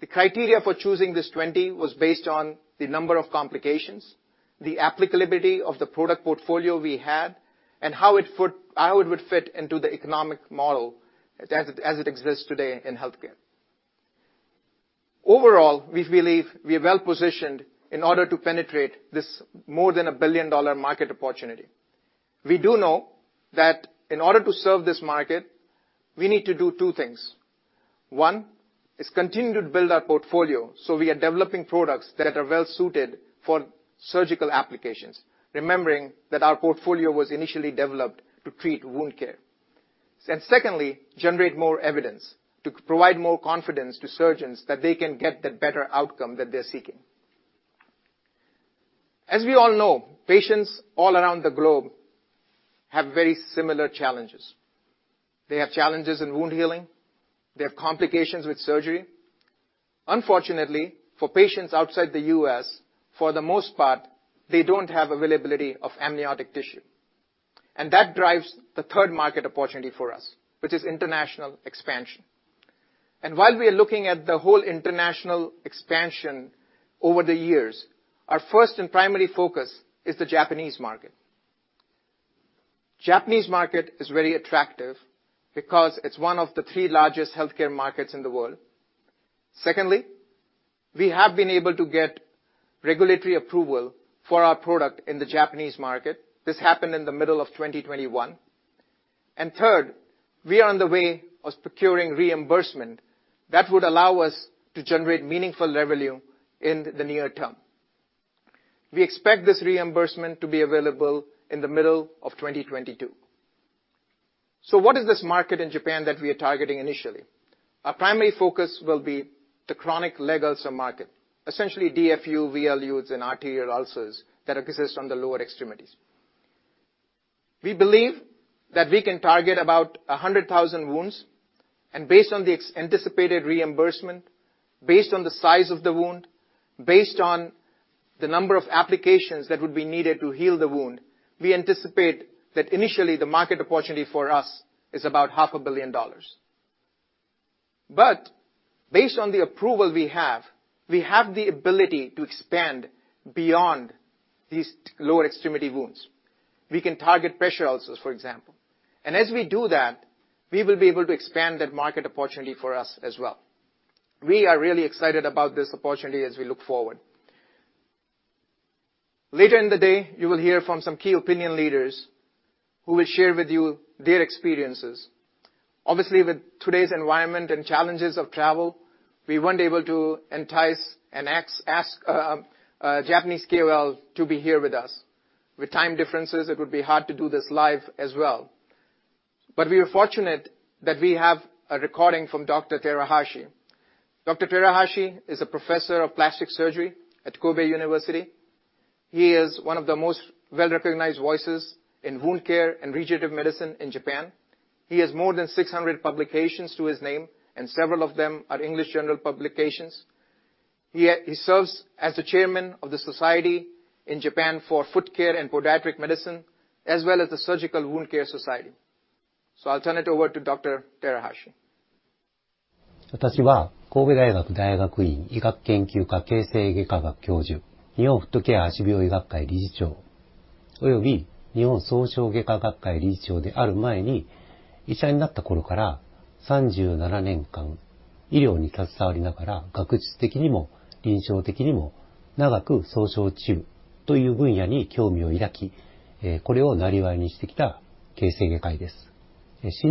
The criteria for choosing these 20 was based on the number of complications, the applicability of the product portfolio we had, and how it would fit into the economic model as it exists today in healthcare. Overall, we believe we are well-positioned in order to penetrate this more than a $1 billion market opportunity. We do know that in order to serve this market, we need to do two things. One is continue to build our portfolio, so we are developing products that are well-suited for surgical applications, remembering that our portfolio was initially developed to treat wound care. Secondly, generate more evidence to provide more confidence to surgeons that they can get the better outcome that they're seeking. As we all know, patients all around the globe have very similar challenges. They have challenges in wound healing. They have complications with surgery. Unfortunately, for patients outside the U.S., for the most part, they don't have availability of amniotic tissue. That drives the third market opportunity for us, which is international expansion. While we are looking at the whole international expansion over the years, our first and primary focus is the Japanese market. Japanese market is very attractive because it's one of the three largest healthcare markets in the world. Secondly, we have been able to get regulatory approval for our product in the Japanese market. This happened in the middle of 2021. Third, we are on the way of procuring reimbursement that would allow us to generate meaningful revenue in the near term. We expect this reimbursement to be available in the middle of 2022. What is this market in Japan that we are targeting initially? Our primary focus will be the chronic leg ulcer market, essentially DFU, VLUs and arterial ulcers that exist on the lower extremities. We believe that we can target about 100,000 wounds. Based on the anticipated reimbursement, based on the size of the wound, based on the number of applications that would be needed to heal the wound, we anticipate that initially the market opportunity for us is about $ half a billion. Based on the approval we have, we have the ability to expand beyond these lower extremity wounds. We can target pressure ulcers, for example. As we do that, we will be able to expand that market opportunity for us as well. We are really excited about this opportunity as we look forward. Later in the day, you will hear from some key opinion leaders who will share with you their experiences. Obviously, with today's environment and challenges of travel, we weren't able to entice and ask Japanese KOL to be here with us. With time differences, it would be hard to do this live as well. We are fortunate that we have a recording from Dr. Terashi. Dr. Terashi is a professor of plastic surgery at Kobe University. He is one of the most well-recognized voices in wound care and regenerative medicine in Japan. He has more than 600 publications to his name, and several of them are English journal publications. He serves as the chairman of the Japanese Society for Foot Care and Podiatric Medicine, as well as the Japan Society for Surgical Wound Care. I'll turn it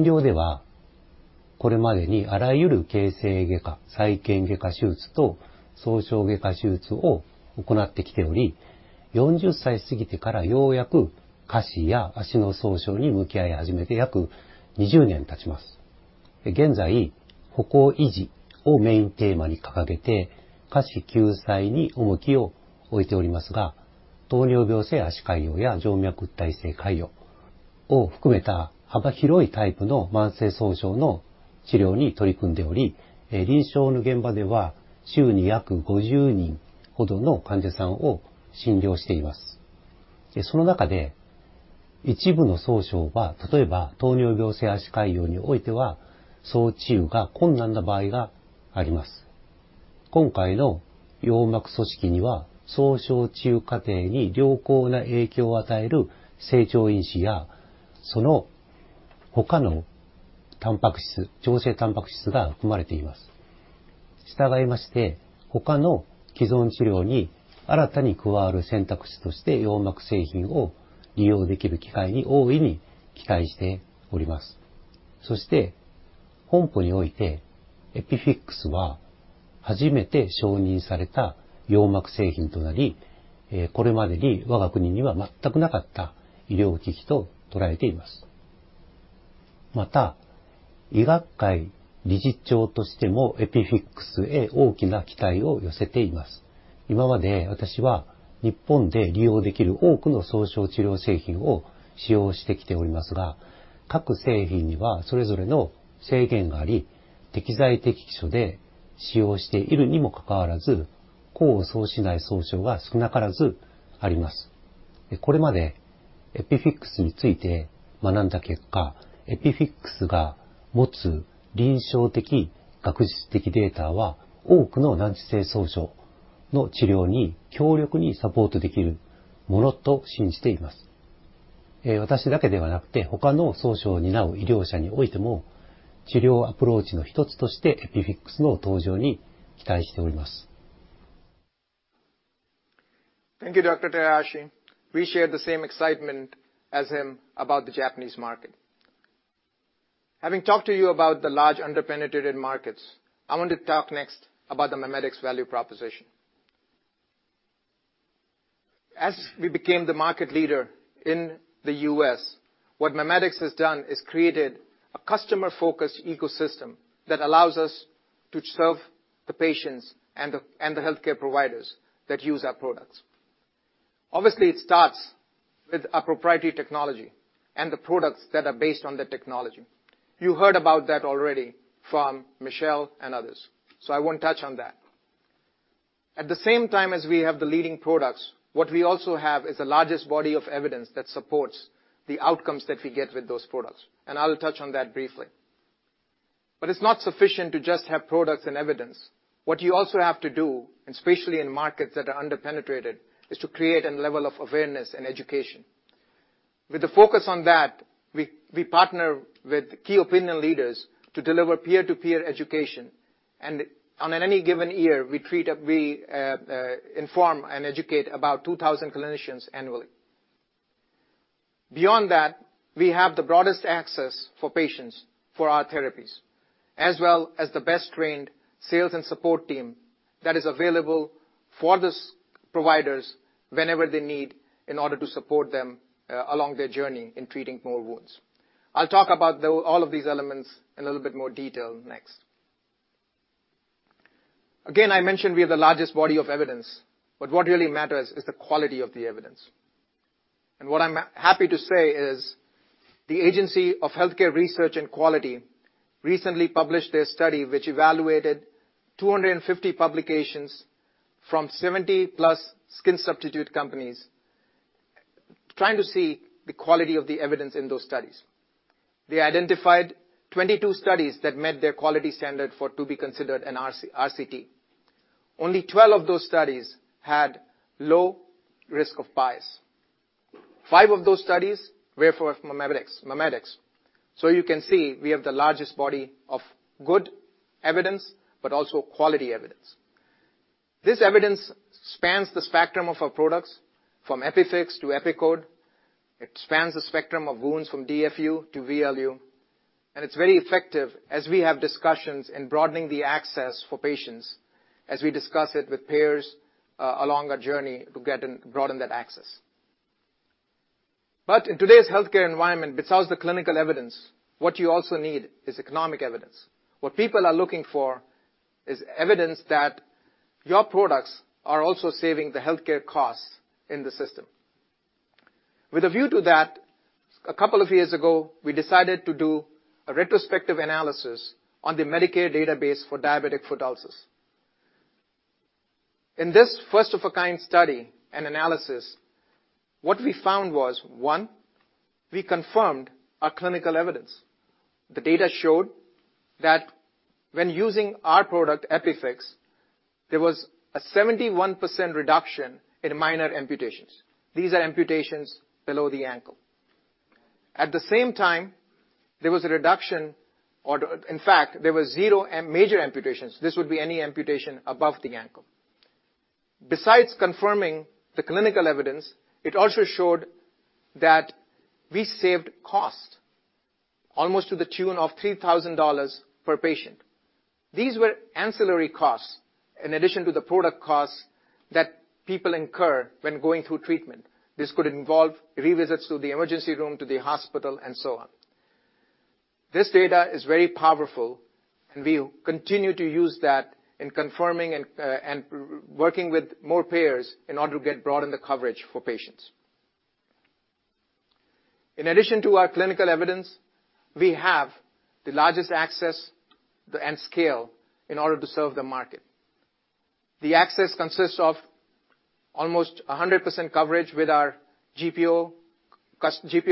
over to Dr. Terashi. Thank you, Dr. Terashi. We share the same excitement as him about the Japanese market. Having talked to you about the large underpenetrated markets, I want to talk next about the MiMedx value proposition. As we became the market leader in the U.S., what MiMedx has done is created a customer-focused ecosystem that allows us to serve the patients and the healthcare providers that use our products. Obviously, it starts with a proprietary technology and the products that are based on the technology. You heard about that already from Michelle and others, so I won't touch on that. At the same time as we have the leading products, what we also have is the largest body of evidence that supports the outcomes that we get with those products, and I'll touch on that briefly. It's not sufficient to just have products and evidence. What you also have to do, and especially in markets that are underpenetrated, is to create a level of awareness and education. With the focus on that, we partner with key opinion leaders to deliver peer-to-peer education. On any given year, we inform and educate about 2,000 clinicians annually. Beyond that, we have the broadest access for patients for our therapies. As well as the best-trained sales and support team that is available for these providers whenever they need in order to support them, along their journey in treating more wounds. I'll talk about all of these elements in a little bit more detail next. Again, I mentioned we have the largest body of evidence, but what really matters is the quality of the evidence. What I'm happy to say is the Agency for Healthcare Research and Quality recently published a study which evaluated 250 publications from 70+ skin substitute companies trying to see the quality of the evidence in those studies. They identified 22 studies that met their quality standard to be considered an RCT. Only 12 of those studies had low risk of bias. Five of those studies were for MiMedx. So you can see we have the largest body of good evidence, but also quality evidence. This evidence spans the spectrum of our products, from EpiFix to EPICORD. It spans the spectrum of wounds from DFU to VLU, and it's very effective as we have discussions in broadening the access for patients as we discuss it with payers, along our journey to get and broaden that access. In today's healthcare environment, besides the clinical evidence, what you also need is economic evidence. What people are looking for is evidence that your products are also saving the healthcare costs in the system. With a view to that, a couple of years ago, we decided to do a retrospective analysis on the Medicare database for diabetic foot ulcers. In this first-of-its-kind study and analysis, what we found was, one, we confirmed our clinical evidence. The data showed that when using our product, EpiFix, there was a 71% reduction in minor amputations. These are amputations below the ankle. At the same time, in fact, there was zero major amputations. This would be any amputation above the ankle. Besides confirming the clinical evidence, it also showed that we saved cost, almost to the tune of $3,000 per patient. These were ancillary costs in addition to the product costs that people incur when going through treatment. This could involve revisits to the emergency room, to the hospital, and so on. This data is very powerful, and we continue to use that in confirming and working with more payers in order to broaden the coverage for patients. In addition to our clinical evidence, we have the largest access and scale in order to serve the market. The access consists of almost 100% coverage with our GPO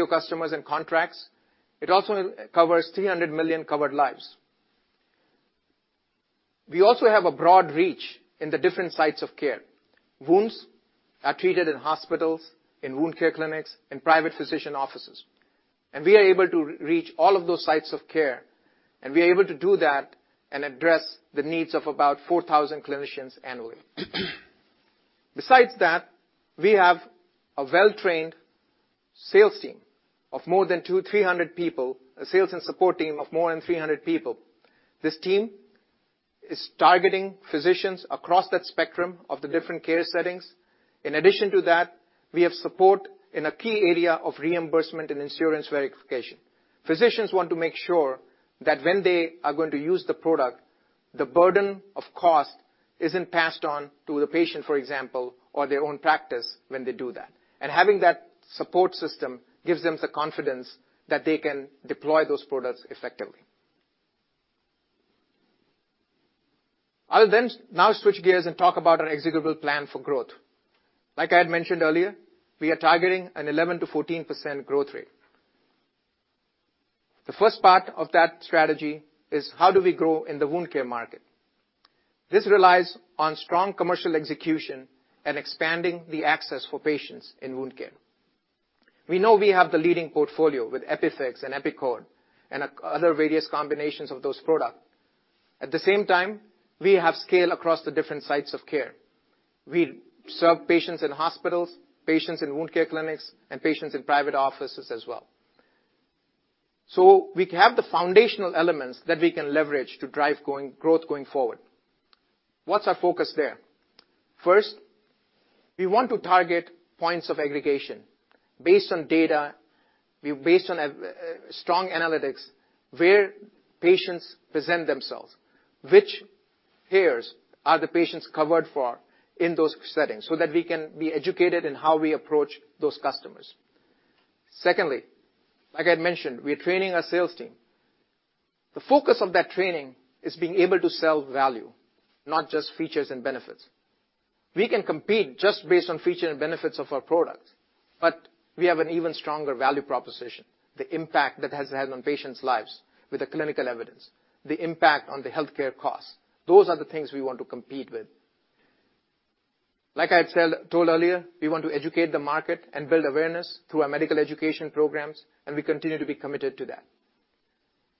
customers and contracts. It also covers 300 million covered lives. We also have a broad reach in the different sites of care. Wounds are treated in hospitals, in wound care clinics, in private physician offices. We are able to reach all of those sites of care, and we are able to do that and address the needs of about 4,000 clinicians annually. Besides that, we have a well-trained sales team of more than 200-300 people, a sales and support team of more than 300 people. This team is targeting physicians across that spectrum of the different care settings. In addition to that, we have support in a key area of reimbursement and insurance verification. Physicians want to make sure that when they are going to use the product, the burden of cost isn't passed on to the patient, for example, or their own practice when they do that. Having that support system gives them the confidence that they can deploy those products effectively. I'll now switch gears and talk about our executable plan for growth. Like I had mentioned earlier, we are targeting an 11%-14% growth rate. The first part of that strategy is how do we grow in the wound care market? This relies on strong commercial execution and expanding the access for patients in wound care. We know we have the leading portfolio with EpiFix and EPICORD and other various combinations of those products. At the same time, we have scale across the different sites of care. We serve patients in hospitals, patients in wound care clinics, and patients in private offices as well. So we have the foundational elements that we can leverage to drive growth going forward. What's our focus there? First, we want to target points of aggregation based on data, based on strong analytics, where patients present themselves. Which payers are the patients covered for in those settings so that we can be educated in how we approach those customers? Secondly, like I mentioned, we are training our sales team. The focus of that training is being able to sell value, not just features and benefits. We can compete just based on features and benefits of our products, but we have an even stronger value proposition, the impact that it has had on patients' lives with the clinical evidence, the impact on the healthcare costs. Those are the things we want to compete with. Like I told earlier, we want to educate the market and build awareness through our medical education programs, and we continue to be committed to that.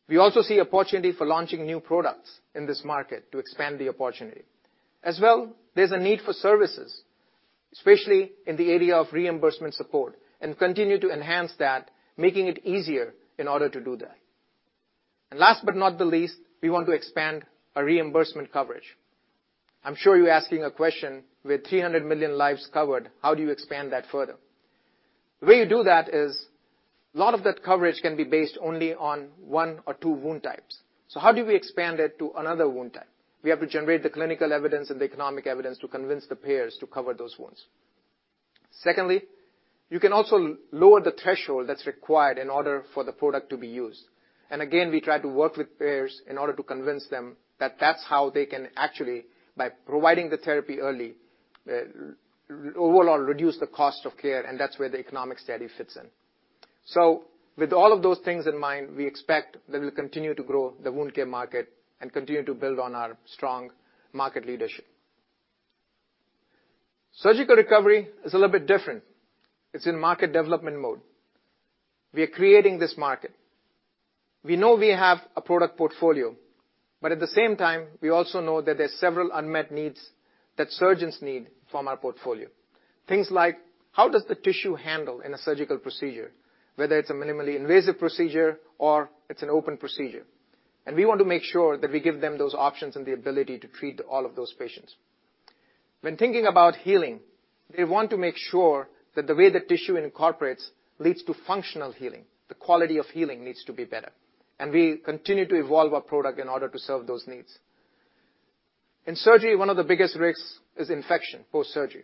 We also see opportunity for launching new products in this market to expand the opportunity. As well, there's a need for services. Especially in the area of reimbursement support, and continue to enhance that, making it easier in order to do that. Last but not the least, we want to expand our reimbursement coverage. I'm sure you're asking a question, with 300 million lives covered, how do you expand that further? The way you do that is a lot of that coverage can be based only on one or two wound types. How do we expand it to another wound type? We have to generate the clinical evidence and the economic evidence to convince the payers to cover those wounds. Secondly, you can also lower the threshold that's required in order for the product to be used. Again, we try to work with payers in order to convince them that that's how they can actually, by providing the therapy early, overall reduce the cost of care, and that's where the economic study fits in. With all of those things in mind, we expect that we'll continue to grow the wound care market and continue to build on our strong market leadership. Surgical recovery is a little bit different. It's in market development mode. We are creating this market. We know we have a product portfolio, but at the same time, we also know that there are several unmet needs that surgeons need from our portfolio. Things like how does the tissue handle in a surgical procedure, whether it's a minimally invasive procedure or it's an open procedure. We want to make sure that we give them those options and the ability to treat all of those patients. When thinking about healing, they want to make sure that the way the tissue incorporates leads to functional healing. The quality of healing needs to be better. We continue to evolve our product in order to serve those needs. In surgery, one of the biggest risks is infection post-surgery.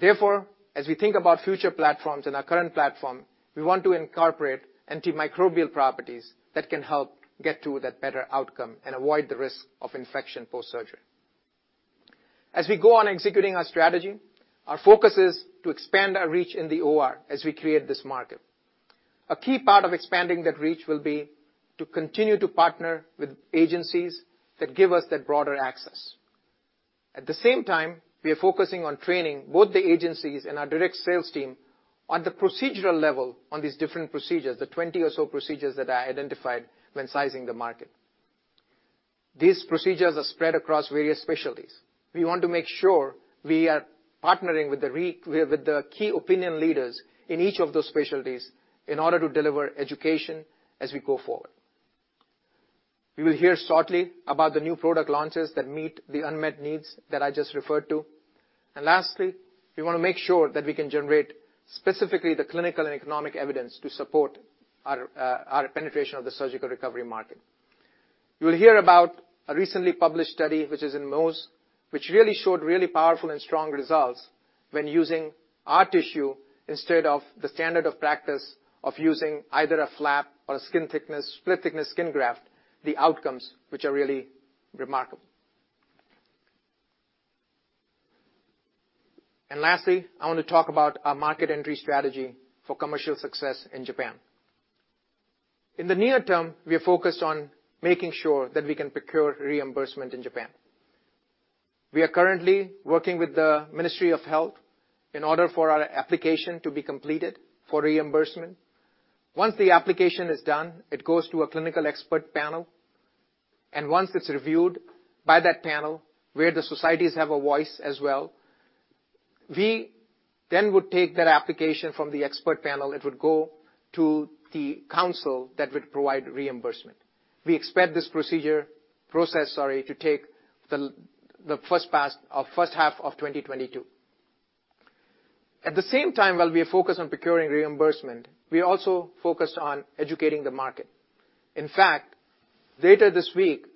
Therefore, as we think about future platforms and our current platform, we want to incorporate antimicrobial properties that can help get to that better outcome and avoid the risk of infection post-surgery. As we go on executing our strategy, our focus is to expand our reach in the OR as we create this market. A key part of expanding that reach will be to continue to partner with agencies that give us that broader access. At the same time, we are focusing on training both the agencies and our direct sales team on the procedural level on these different procedures, the 20 or so procedures that I identified when sizing the market. These procedures are spread across various specialties. We want to make sure we are partnering with the key opinion leaders in each of those specialties in order to deliver education as we go forward. You will hear shortly about the new product launches that meet the unmet needs that I just referred to. Lastly, we wanna make sure that we can generate specifically the clinical and economic evidence to support our penetration of the surgical recovery market. You will hear about a recently published study, which is in Mohs, which really showed really powerful and strong results when using our tissue instead of the standard of practice of using either a flap or a skin thickness, split-thickness skin graft, the outcomes which are really remarkable. Lastly, I want to talk about our market entry strategy for commercial success in Japan. In the near term, we are focused on making sure that we can procure reimbursement in Japan. We are currently working with the Ministry of Health in order for our application to be completed for reimbursement. Once the application is done, it goes to a clinical expert panel, and once it's reviewed by that panel, where the societies have a voice as well, we then would take that application from the expert panel, it would go to the council that would provide reimbursement. We expect this process, sorry, to take the first half of 2022. At the same time, while we are focused on procuring reimbursement, we are also focused on educating the market. In fact, later this week,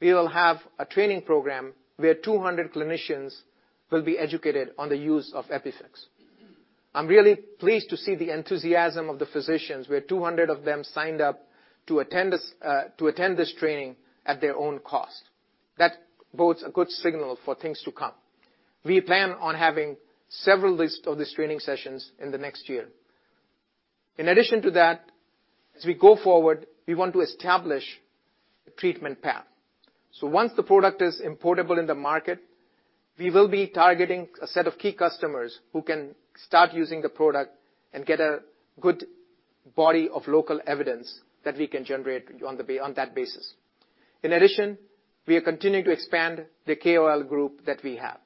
we will have a training program where 200 clinicians will be educated on the use of EpiFix. I'm really pleased to see the enthusiasm of the physicians, where 200 of them signed up to attend this training at their own cost. That bodes a good signal for things to come. We plan on having several lists of these training sessions in the next year. In addition to that, as we go forward, we want to establish a treatment path. Once the product is importable in the market, we will be targeting a set of key customers who can start using the product and get a good body of local evidence that we can generate on that basis. In addition, we are continuing to expand the KOL group that we have.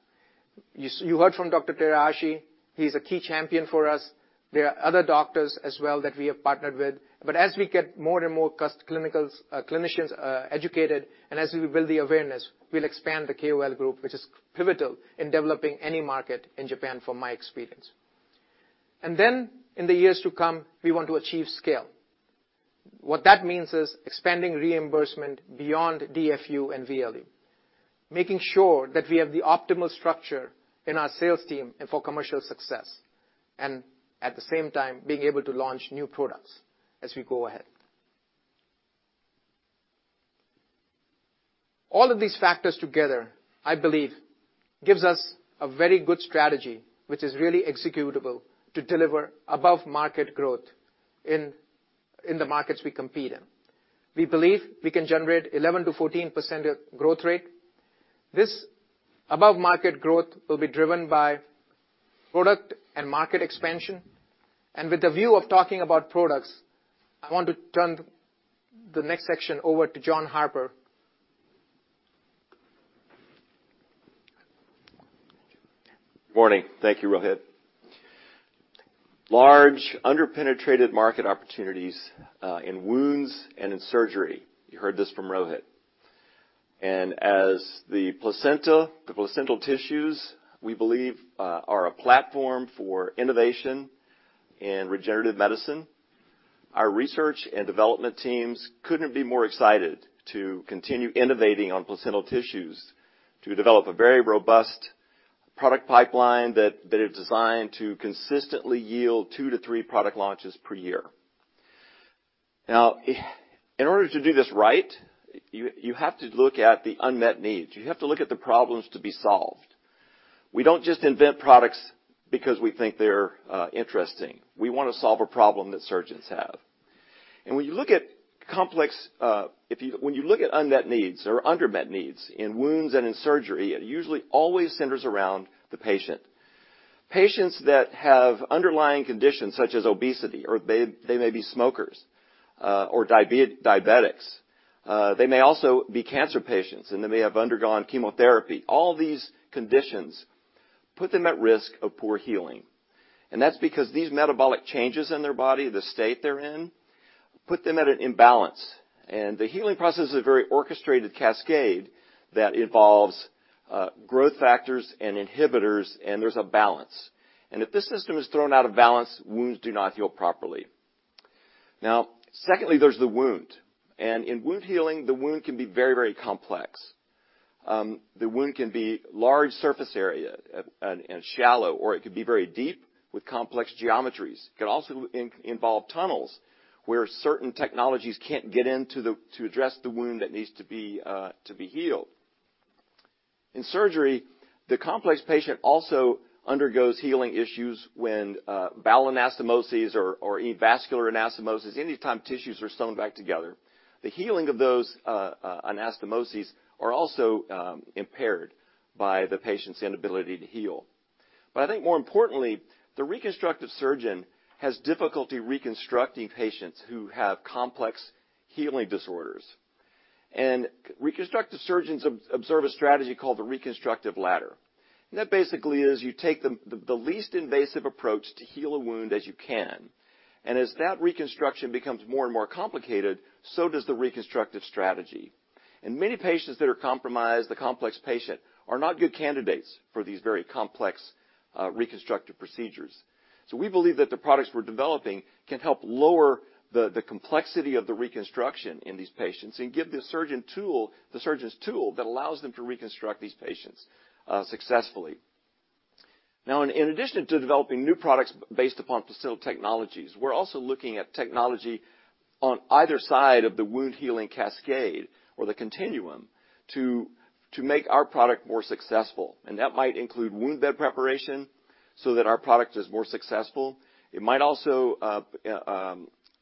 You heard from Dr. Terashi, he's a key champion for us. There are other doctors as well that we have partnered with. As we get more and more customers, clinicians educated, and as we build the awareness, we'll expand the KOL group, which is pivotal in developing any market in Japan from my experience. In the years to come, we want to achieve scale. What that means is expanding reimbursement beyond DFU and VLU, making sure that we have the optimal structure in our sales team and for commercial success, and at the same time being able to launch new products as we go ahead. All of these factors together, I believe, gives us a very good strategy, which is really executable to deliver above market growth in the markets we compete in. We believe we can generate 11%-14% growth rate. This above market growth will be driven by product and market expansion. With the view of talking about products, I want to turn the next section over to John Harper. Morning. Thank you, Rohit. Large under-penetrated market opportunities in wounds and in surgery. You heard this from Rohit. As the placenta, the placental tissues, we believe, are a platform for innovation in regenerative medicine, our research and development teams couldn't be more excited to continue innovating on placental tissues to develop a very robust product pipeline that is designed to consistently yield two to three product launches per year. Now, in order to do this right, you have to look at the unmet needs. You have to look at the problems to be solved. We don't just invent products because we think they're interesting. We wanna solve a problem that surgeons have. When you look at complex, when you look at unmet needs or undermet needs in wounds and in surgery, it usually always centers around the patient. Patients that have underlying conditions such as obesity, or they may be smokers, or diabetics, they may also be cancer patients, and they may have undergone chemotherapy. All these conditions put them at risk of poor healing, and that's because these metabolic changes in their body, the state they're in, put them at an imbalance. The healing process is a very orchestrated cascade that involves growth factors and inhibitors, and there's a balance. If this system is thrown out of balance, wounds do not heal properly. Now, secondly, there's the wound, and in wound healing, the wound can be very, very complex. The wound can be large surface area and shallow, or it could be very deep with complex geometries. It could also involve tunnels where certain technologies can't get into to address the wound that needs to be healed. In surgery, the complex patient also undergoes healing issues when bowel anastomoses or any vascular anastomosis, any time tissues are sewn back together, the healing of those anastomoses are also impaired by the patient's inability to heal. But I think more importantly, the reconstructive surgeon has difficulty reconstructing patients who have complex healing disorders. Reconstructive surgeons observe a strategy called the reconstructive ladder. That basically is you take the least invasive approach to heal a wound as you can. As that reconstruction becomes more and more complicated, so does the reconstructive strategy. Many patients that are compromised, the complex patient, are not good candidates for these very complex reconstructive procedures. We believe that the products we're developing can help lower the complexity of the reconstruction in these patients and give the surgeons tool that allows them to reconstruct these patients successfully. Now, in addition to developing new products based upon placental technologies, we're also looking at technology on either side of the wound-healing cascade or the continuum to make our product more successful. That might include wound bed preparation so that our product is more successful. It might also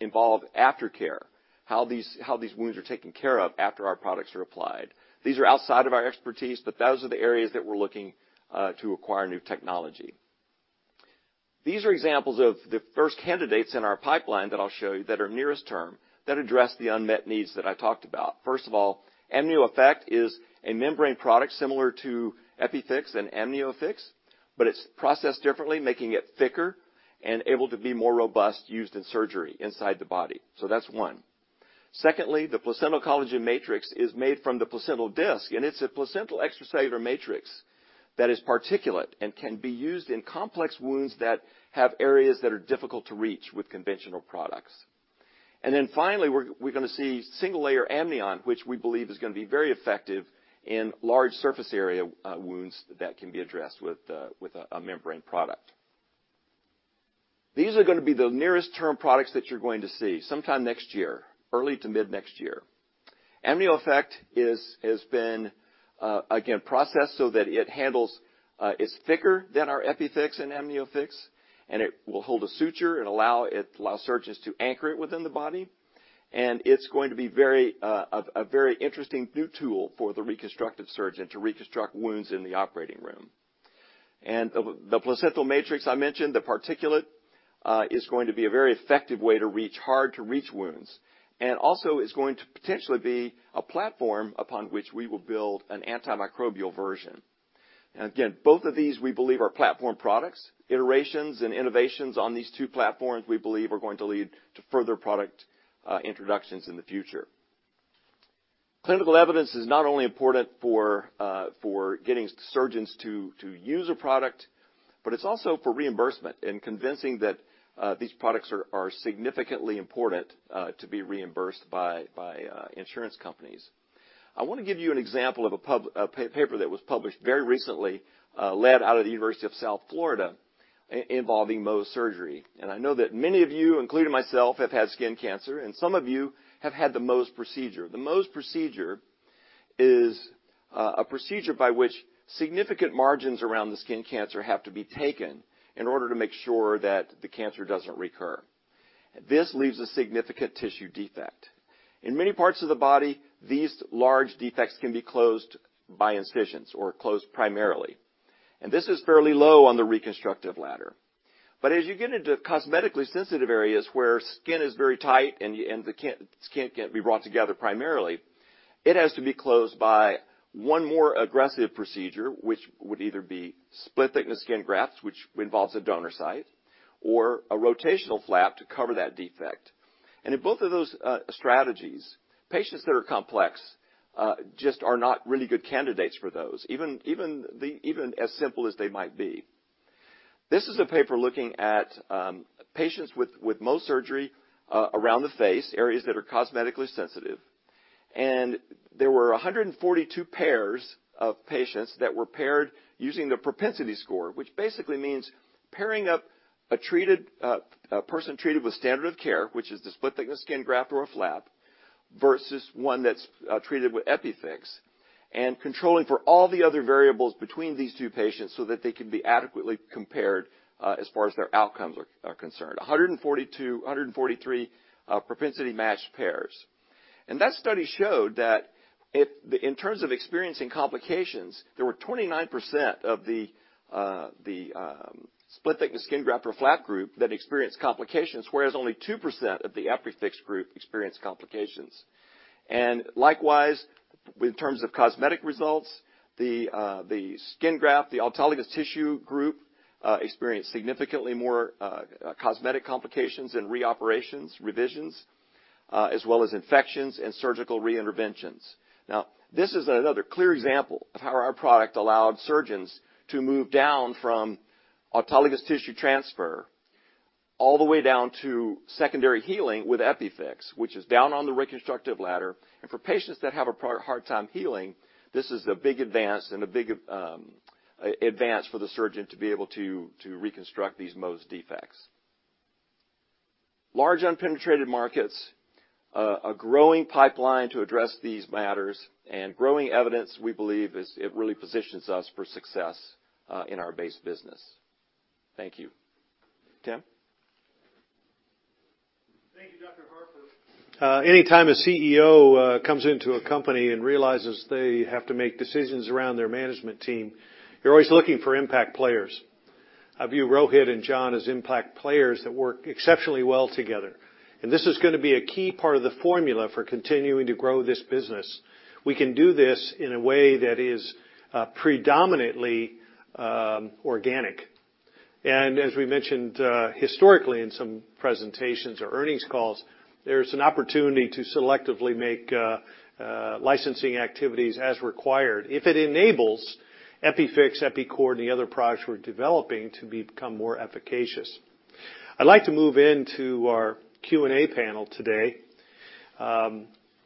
involve aftercare, how these wounds are taken care of after our products are applied. These are outside of our expertise, but those are the areas that we're looking to acquire new technology. These are examples of the first candidates in our pipeline that I'll show you that are nearest term that address the unmet needs that I talked about. First of all, AmnioEffect is a membrane product similar to EpiFix and AmnioFix, but it's processed differently, making it thicker and able to be more robust, used in surgery inside the body. That's one. Secondly, the Placental Collagen Matrix is made from the placental disk, and it's a placental extracellular matrix that is particulate and can be used in complex wounds that have areas that are difficult to reach with conventional products. Finally, we're gonna see Single Layer Amnion, which we believe is gonna be very effective in large surface area wounds that can be addressed with a membrane product. These are gonna be the near-term products that you're going to see sometime next year, early to mid next year. AmnioEffect has been, again, processed so that it handles, it's thicker than our EpiFix and AmnioFix, and it will hold a suture and it allows surgeons to anchor it within the body. The placental matrix I mentioned, the particulate, is going to be a very effective way to reach hard-to-reach wounds. It's going to potentially be a platform upon which we will build an antimicrobial version. Again, both of these, we believe, are platform products. Iterations and innovations on these two platforms, we believe, are going to lead to further product introductions in the future. Clinical evidence is not only important for getting surgeons to use a product, but it's also for reimbursement and convincing that these products are significantly important to be reimbursed by insurance companies. I wanna give you an example of a paper that was published very recently, led out of the University of South Florida involving Mohs surgery. I know that many of you, including myself, have had skin cancer, and some of you have had the Mohs procedure. The Mohs procedure is a procedure by which significant margins around the skin cancer have to be taken in order to make sure that the cancer doesn't recur. This leaves a significant tissue defect. In many parts of the body, these large defects can be closed by incisions or closed primarily. This is fairly low on the reconstructive ladder. But as you get into cosmetically sensitive areas where skin is very tight and the skin can't be brought together primarily, it has to be closed by one more aggressive procedure, which would either be split-thickness skin grafts, which involves a donor site, or a rotational flap to cover that defect. In both of those strategies, patients that are complex just are not really good candidates for those, even as simple as they might be. This is a paper looking at patients with Mohs surgery around the face, areas that are cosmetically sensitive. There were 142 pairs of patients that were paired using the propensity score, which basically means pairing up a treated, a person treated with standard of care, which is the split-thickness skin graft or a flap, versus one that's treated with EpiFix, and controlling for all the other variables between these two patients so that they can be adequately compared, as far as their outcomes are concerned. 142-143 propensity matched pairs. That study showed that in terms of experiencing complications, there were 29% of the split-thickness skin graft or flap group that experienced complications, whereas only 2% of the EpiFix group experienced complications. Likewise, in terms of cosmetic results, the skin graft, the autologous tissue group, experienced significantly more cosmetic complications and reoperations, revisions, as well as infections and surgical reinterventions. Now, this is another clear example of how our product allowed surgeons to move down from autologous tissue transfer all the way down to secondary healing with EpiFix, which is down on the reconstructive ladder. For patients that have a hard time healing, this is a big advance for the surgeon to be able to reconstruct these most defects. Large unpenetrated markets, a growing pipeline to address these matters, and growing evidence, we believe, it really positions us for success in our base business. Thank you. Tim? Thank you, Dr. Harper. Anytime a CEO comes into a company and realizes they have to make decisions around their management team, you're always looking for impact players. I view Rohit and John as impact players that work exceptionally well together. This is gonna be a key part of the formula for continuing to grow this business. We can do this in a way that is predominantly organic. As we mentioned historically in some presentations or earnings calls, there's an opportunity to selectively make licensing activities as required if it enables EpiFix, EPICORD, and the other products we're developing to become more efficacious. I'd like to move into our Q&A panel today.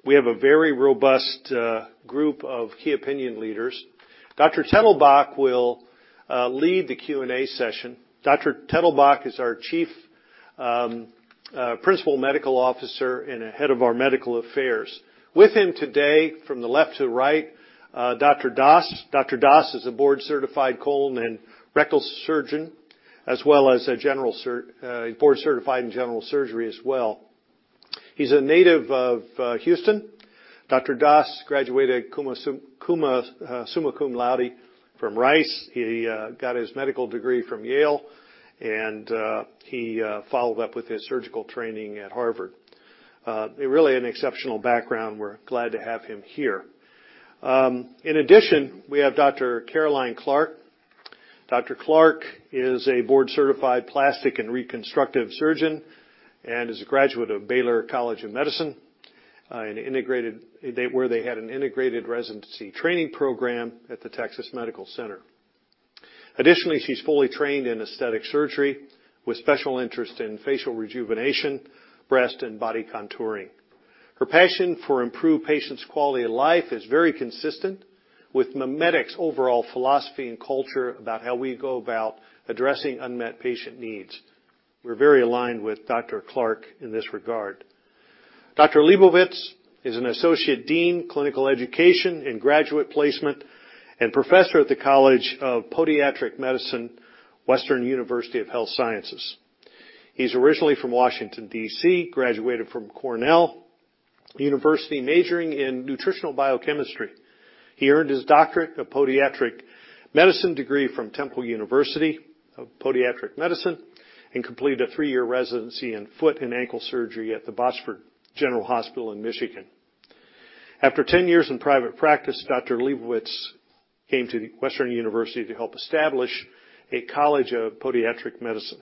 We have a very robust group of key opinion leaders. Dr. Tettelbach will lead the Q&A session. Dr. Tettelbach is our Chief Principal Medical Officer and head of our medical affairs. With him today, from the left to the right, Dr. Das. Dr. Das is a board-certified colon and rectal surgeon, as well as a board certified in general surgery as well. He's a native of Houston. Dr. Das graduated summa cum laude from Rice. He got his medical degree from Yale, and he followed up with his surgical training at Harvard. Really an exceptional background. We're glad to have him here. In addition, we have Dr. Caroline Clarke. Dr. Clarke is a board-certified plastic and reconstructive surgeon, and is a graduate of Baylor College of Medicine, where they had an integrated residency training program at the Texas Medical Center. Additionally, she's fully trained in aesthetic surgery with special interest in facial rejuvenation, breast and body contouring. Her passion for improved patients' quality of life is very consistent with MiMedx's overall philosophy and culture about how we go about addressing unmet patient needs. We're very aligned with Dr. Clarke in this regard. Dr. Leibovitz is an Associate Dean, Clinical Education in Graduate Placement and Professor at the College of Podiatric Medicine, Western University of Health Sciences. He's originally from Washington, D.C., graduated from Cornell University, majoring in nutritional biochemistry. He earned his Doctorate of Podiatric Medicine degree from Temple University of Podiatric Medicine, and completed a three-year residency in foot and ankle surgery at the Botsford General Hospital in Michigan. After 10 years in private practice, Dr. Leibovitz came to Western University to help establish a College of Podiatric Medicine.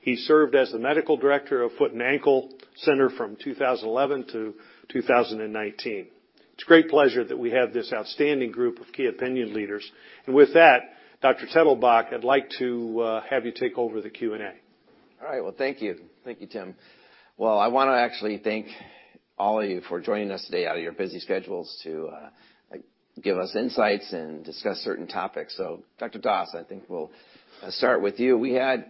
He served as the Medical Director of Foot and Ankle Center from 2011 to 2019. It's a great pleasure that we have this outstanding group of key opinion leaders. With that, Dr. Tettelbach, I'd like to have you take over the Q&A. All right. Well, thank you. Thank you, Tim. Well, I wanna actually thank all of you for joining us today out of your busy schedules to give us insights and discuss certain topics. Dr. Das, I think we'll start with you. We had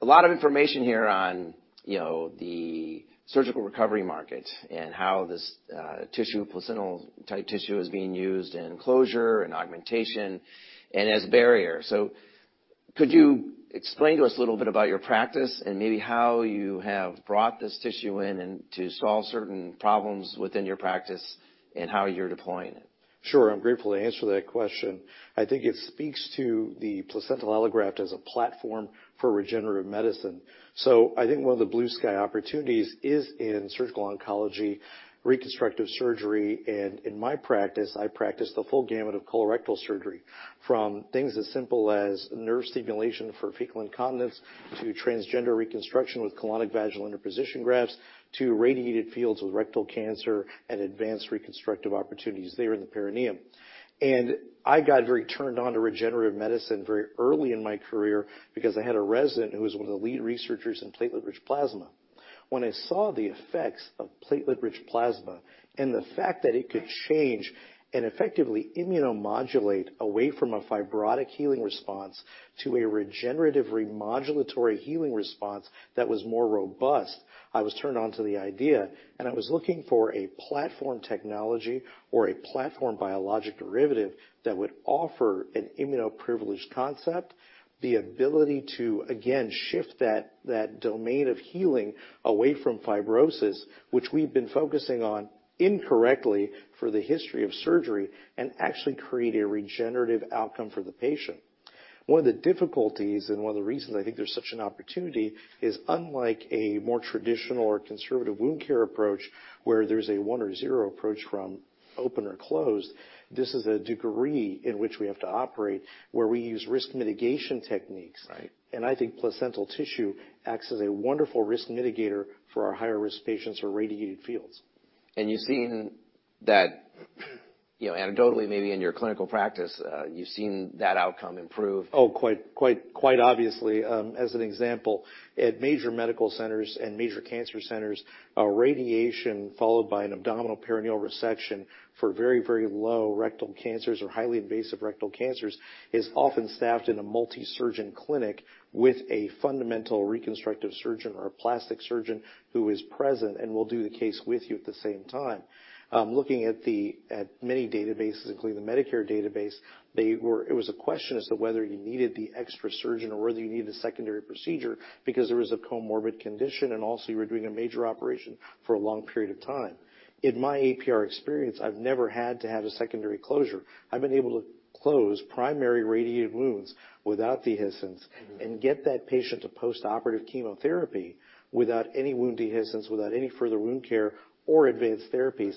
a lot of information here on, you know, the surgical recovery market and how this tissue, placental type tissue is being used in closure and augmentation and as barrier. Could you explain to us a little bit about your practice and maybe how you have brought this tissue in and to solve certain problems within your practice and how you're deploying it? Sure. I'm grateful to answer that question. I think it speaks to the placental allograft as a platform for regenerative medicine. I think one of the blue sky opportunities is in surgical oncology, reconstructive surgery. In my practice, I practice the full gamut of colorectal surgery, from things as simple as nerve stimulation for fecal incontinence to transgender reconstruction with colonic vaginal interposition grafts, to radiated fields with rectal cancer and advanced reconstructive opportunities there in the perineum. I got very turned on to regenerative medicine very early in my career because I had a resident who was one of the lead researchers in platelet-rich plasma. When I saw the effects of platelet-rich plasma and the fact that it could change and effectively immunomodulate away from a fibrotic healing response to a regenerative remodulatory healing response that was more robust, I was turned on to the idea, and I was looking for a platform technology or a platform biologic derivative that would offer an immunoprivileged concept, the ability to, again, shift that domain of healing away from fibrosis, which we've been focusing on incorrectly for the history of surgery, and actually create a regenerative outcome for the patient. One of the difficulties and one of the reasons I think there's such an opportunity is unlike a more traditional or conservative wound care approach, where there's a one or zero approach from open or closed, this is a degree in which we have to operate, where we use risk mitigation techniques. Right. I think placental tissue acts as a wonderful risk mitigator for our higher-risk patients or radiated fields. You've seen that, you know, anecdotally, maybe in your clinical practice, you've seen that outcome improve? Oh, quite obviously. As an example, at major medical centers and major cancer centers, a radiation followed by an abdominal peritoneal resection for very low rectal cancers or highly invasive rectal cancers is often staffed in a multi-surgeon clinic with a fundamental reconstructive surgeon or a plastic surgeon who is present and will do the case with you at the same time. Looking at many databases, including the Medicare database, it was a question as to whether you needed the extra surgeon or whether you needed a secondary procedure because there was a comorbid condition, and also you were doing a major operation for a long period of time. In my APR experience, I've never had to have a secondary closure. I've been able to close primary radiated wounds without dehiscence and get that patient to postoperative chemotherapy without any wound dehiscence, without any further wound care or advanced therapies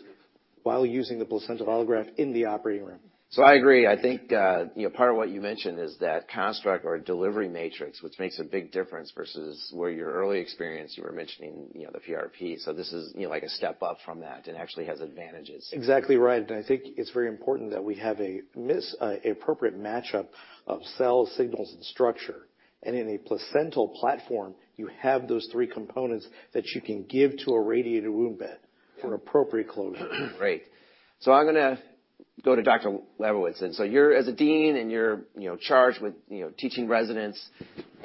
while using the placental allograft in the operating room. I agree. I think, you know, part of what you mentioned is that construct or delivery matrix, which makes a big difference versus where your early experience you were mentioning, you know, the PRP. This is, you know, like a step up from that and actually has advantages. Exactly right. I think it's very important that we have an appropriate match-up of cell signals and structure. In a placental platform, you have those three components that you can give to a radiated wound bed for appropriate closure. Great. I'm gonna go to Lester J. Labovitz. You're, as a dean, you know, charged with, you know, teaching residents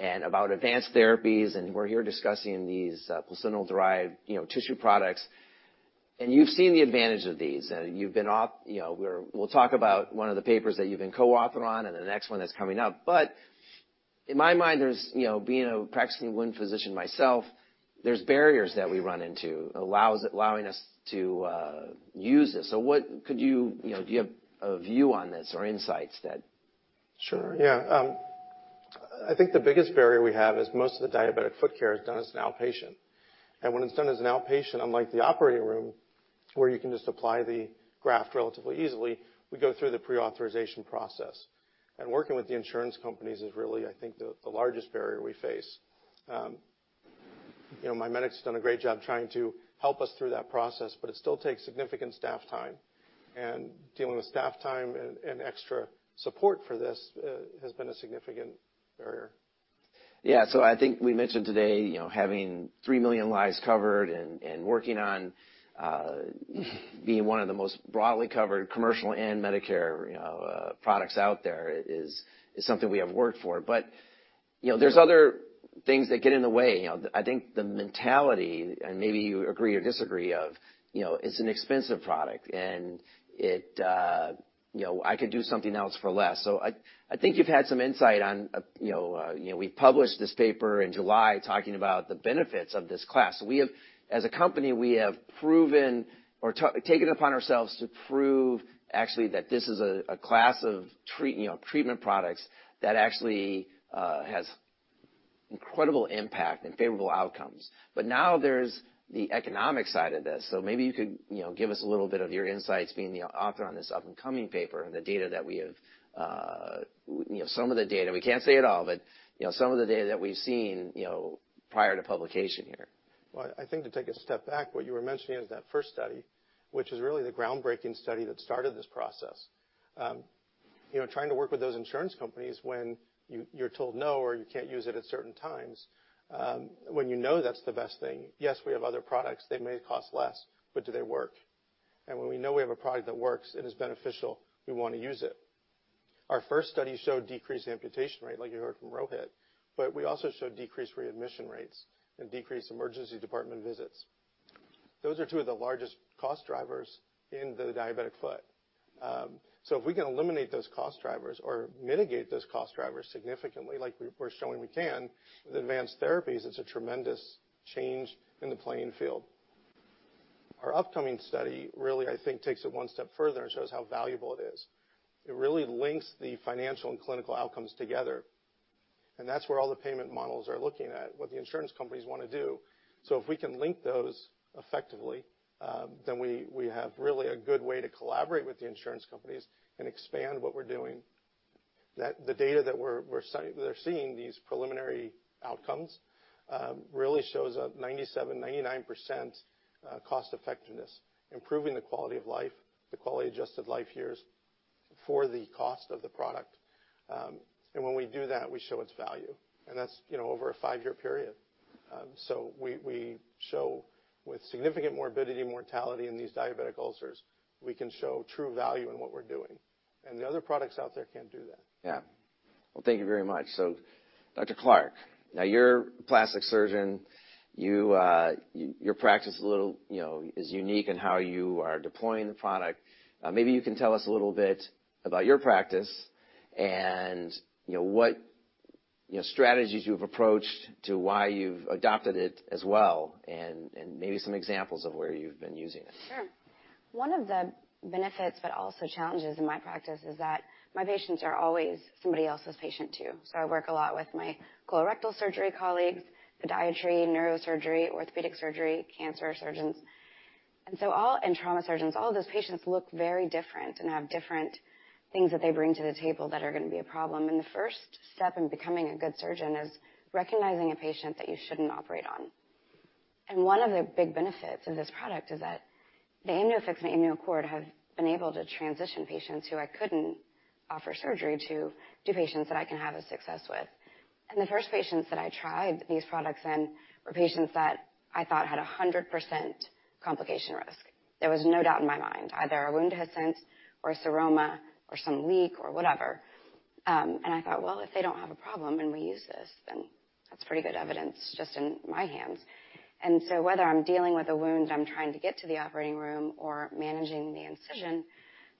and about advanced therapies, and we're here discussing these placental-derived tissue products. You've seen the advantage of these. You know, we'll talk about one of the papers that you've been co-author on and the next one that's coming up. In my mind, you know, being a practicing wound physician myself, there's barriers that we run into allowing us to use this. What could you know, do you have a view on this or insights that? Sure, yeah. I think the biggest barrier we have is most of the diabetic foot care is done as an outpatient. When it's done as an outpatient, unlike the operating room, where you can just apply the graft relatively easily, we go through the pre-authorization process. Working with the insurance companies is really, I think, the largest barrier we face. You know, MiMedx has done a great job trying to help us through that process, but it still takes significant staff time. Dealing with staff time and extra support for this has been a significant barrier. Yeah. I think we mentioned today, you know, having 3 million lives covered and working on being one of the most broadly covered commercial and Medicare, you know, products out there is something we have worked for. You know, there's other things that get in the way. You know, I think the mentality, and maybe you agree or disagree of, you know, it's an expensive product and it, you know, I could do something else for less. I think you've had some insight on, you know, you know, we published this paper in July talking about the benefits of this class. As a company, we have proven or taken upon ourselves to prove actually that this is a class of treatment products that actually has incredible impact and favorable outcomes. Now there's the economic side of this. Maybe you could, you know, give us a little bit of your insights being the author on this up-and-coming paper and the data that we have, you know, some of the data, we can't say it all, but, you know, some of the data that we've seen, you know, prior to publication here. Well, I think to take a step back, what you were mentioning is that first study, which is really the groundbreaking study that started this process. You know, trying to work with those insurance companies when you're told no or you can't use it at certain times, when you know that's the best thing. Yes, we have other products that may cost less, but do they work? When we know we have a product that works and is beneficial, we wanna use it. Our first study showed decreased amputation rate, like you heard from Rohit, but we also showed decreased readmission rates and decreased emergency department visits. Those are two of the largest cost drivers in the diabetic foot. If we can eliminate those cost drivers or mitigate those cost drivers significantly, like we're showing we can with advanced therapies, it's a tremendous change in the playing field. Our upcoming study really, I think, takes it one step further and shows how valuable it is. It really links the financial and clinical outcomes together, and that's where all the payment models are looking at, what the insurance companies wanna do. If we can link those effectively, then we have really a good way to collaborate with the insurance companies and expand what we're doing. The data that we're seeing, these preliminary outcomes, really shows 97%-99% cost effectiveness, improving the quality of life, the quality adjusted life years for the cost of the product. When we do that, we show its value, and that's, you know, over a five-year period. We show with significant morbidity, mortality in these diabetic ulcers, we can show true value in what we're doing, and the other products out there can't do that. Yeah. Well, thank you very much. Dr. Clarke, now you're a plastic surgeon. You, your practice is a little, you know, is unique in how you are deploying the product. Maybe you can tell us a little bit about your practice and, you know, what, you know, strategies you've approached to why you've adopted it as well, and maybe some examples of where you've been using it. Sure. One of the benefits, but also challenges in my practice, is that my patients are always somebody else's patient too. I work a lot with my colorectal surgery colleagues, podiatry, neurosurgery, orthopedic surgery, cancer surgeons, and trauma surgeons. All those patients look very different and have different things that they bring to the table that are gonna be a problem. The first step in becoming a good surgeon is recognizing a patient that you shouldn't operate on. One of the big benefits of this product is that the AmnioFix and AmnioCord have been able to transition patients who I couldn't offer surgery to patients that I can have a success with. The first patients that I tried these products in were patients that I thought had a 100% complication risk. There was no doubt in my mind. Either a wound dehiscence or seroma or some leak or whatever. I thought, well, if they don't have a problem, and we use this, then that's pretty good evidence just in my hands. Whether I'm dealing with a wound, I'm trying to get to the operating room or managing the incision,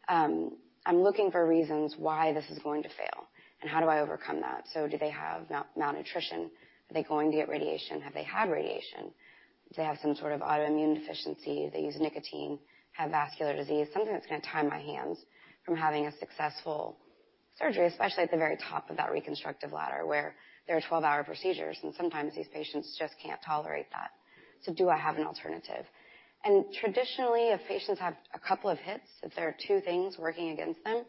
I'm looking for reasons why this is going to fail and how do I overcome that. Do they have malnutrition? Are they going to get radiation? Have they had radiation? Do they have some sort of autoimmune deficiency? Do they use nicotine, have vascular disease? Something that's gonna tie my hands from having a successful surgery, especially at the very top of that reconstructive ladder, where there are 12-hour procedures, and sometimes these patients just can't tolerate that. Do I have an alternative? Traditionally, if patients have a couple of hits, if there are two things working against them,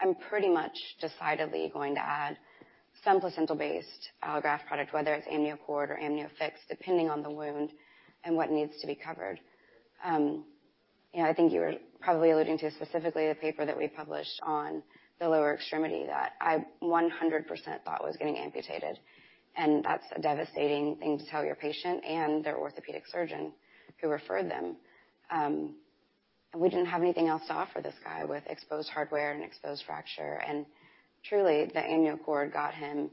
I'm pretty much decidedly going to add some placental-based allograft product, whether it's AmnioCord or AmnioFix, depending on the wound and what needs to be covered. You know, I think you were probably alluding to specifically the paper that we published on the lower extremity that I 100% thought was getting amputated. That's a devastating thing to tell your patient and their orthopedic surgeon who referred them. We didn't have anything else to offer this guy with exposed hardware and exposed fracture. Truly, the AmnioCord got him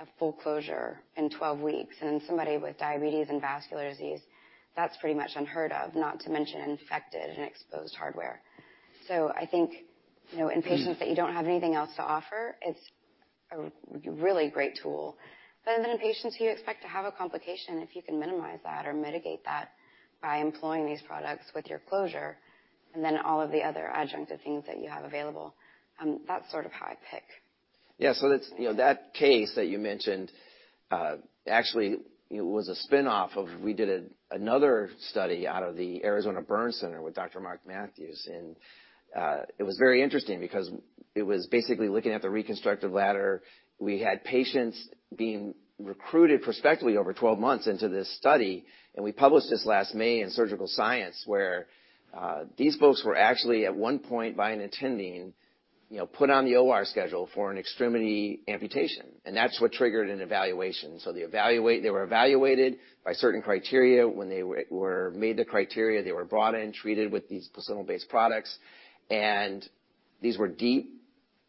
a full closure in 12 weeks. In somebody with diabetes and vascular disease, that's pretty much unheard of, not to mention infected and exposed hardware. I think, you know, in patients that you don't have anything else to offer, it's a really great tool. In patients who you expect to have a complication, if you can minimize that or mitigate that by employing these products with your closure and then all of the other adjunctive things that you have available, that's sort of how I pick. Yeah. That's, you know, that case that you mentioned. Actually it was a spin-off of another study out of the Arizona Burn Center with Dr. Marc Matthews. It was very interesting because it was basically looking at the reconstructive ladder. We had patients being recruited prospectively over 12 months into this study, and we published this last May in Surgical Science, where these folks were actually at one point by an attending, you know, put on the OR schedule for an extremity amputation, and that's what triggered an evaluation. They were evaluated by certain criteria. When they met the criteria, they were brought in, treated with these placental-based products. These were deep,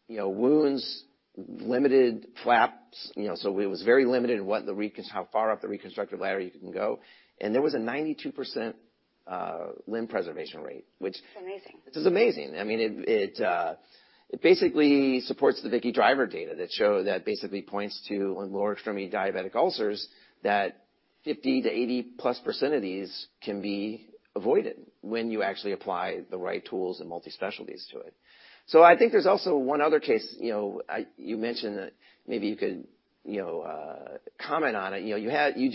you know, wounds, limited flaps, you know, so it was very limited in how far up the reconstructive ladder you can go. There was a 92% limb preservation rate, which It's amazing. Which is amazing. I mean, it basically supports the Vickie Driver data that basically points to, on lower extremity diabetic ulcers, that 50%-80+% of these can be avoided when you actually apply the right tools and multi-specialties to it. I think there's also one other case. You mentioned that maybe you could comment on it. You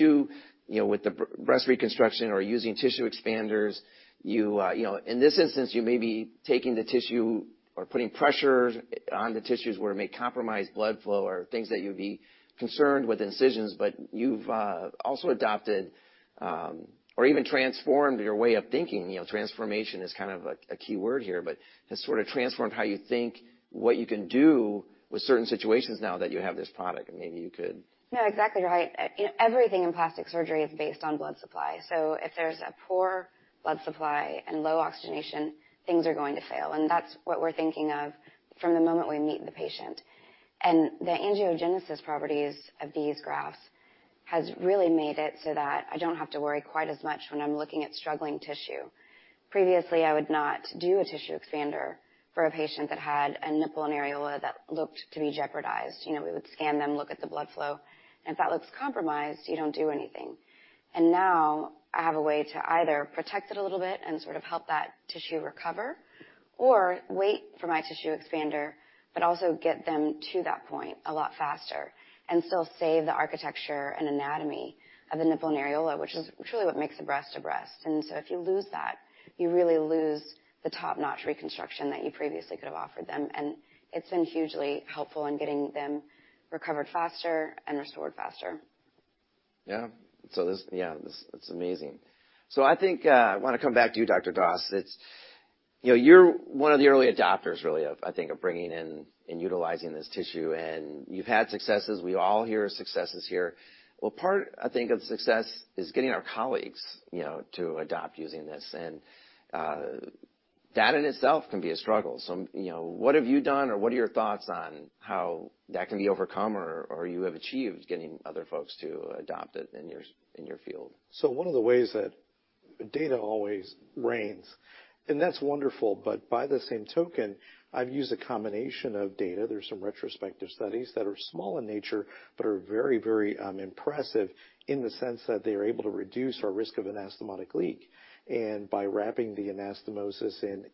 do with the breast reconstruction or using tissue expanders, in this instance, you may be taking the tissue or putting pressure on the tissues where it may compromise blood flow or things that you'd be concerned with incisions, but you've also adopted or even transformed your way of thinking. You know, transformation is kind of a key word here, but has sort of transformed how you think, what you can do with certain situations now that you have this product, and maybe you could. No, exactly right. You know, everything in plastic surgery is based on blood supply. If there's a poor blood supply and low oxygenation, things are going to fail. That's what we're thinking of from the moment we meet the patient. The angiogenesis properties of these grafts has really made it so that I don't have to worry quite as much when I'm looking at struggling tissue. Previously, I would not do a tissue expander for a patient that had a nipple and areola that looked to be jeopardized. You know, we would scan them, look at the blood flow, and if that looks compromised, you don't do anything. Now I have a way to either protect it a little bit and sort of help that tissue recover or wait for my tissue expander, but also get them to that point a lot faster and still save the architecture and anatomy of the nipple and areola, which is truly what makes a breast a breast. If you lose that, you really lose the top-notch reconstruction that you previously could have offered them, and it's been hugely helpful in getting them recovered faster and restored faster. It's amazing. I think I wanna come back to you, Dr. Doss. It's, you know, you're one of the early adopters really of, I think of bringing in and utilizing this tissue, and you've had successes. We all hear successes here. Well, part, I think, of success is getting our colleagues, you know, to adopt using this, and that in itself can be a struggle. You know, what have you done or what are your thoughts on how that can be overcome or you have achieved getting other folks to adopt it in your field? One of the ways that data always reigns, and that's wonderful, but by the same token, I've used a combination of data. There's some retrospective studies that are small in nature, but are very impressive in the sense that they're able to reduce our risk of anastomotic leak, and by wrapping the anastomosis in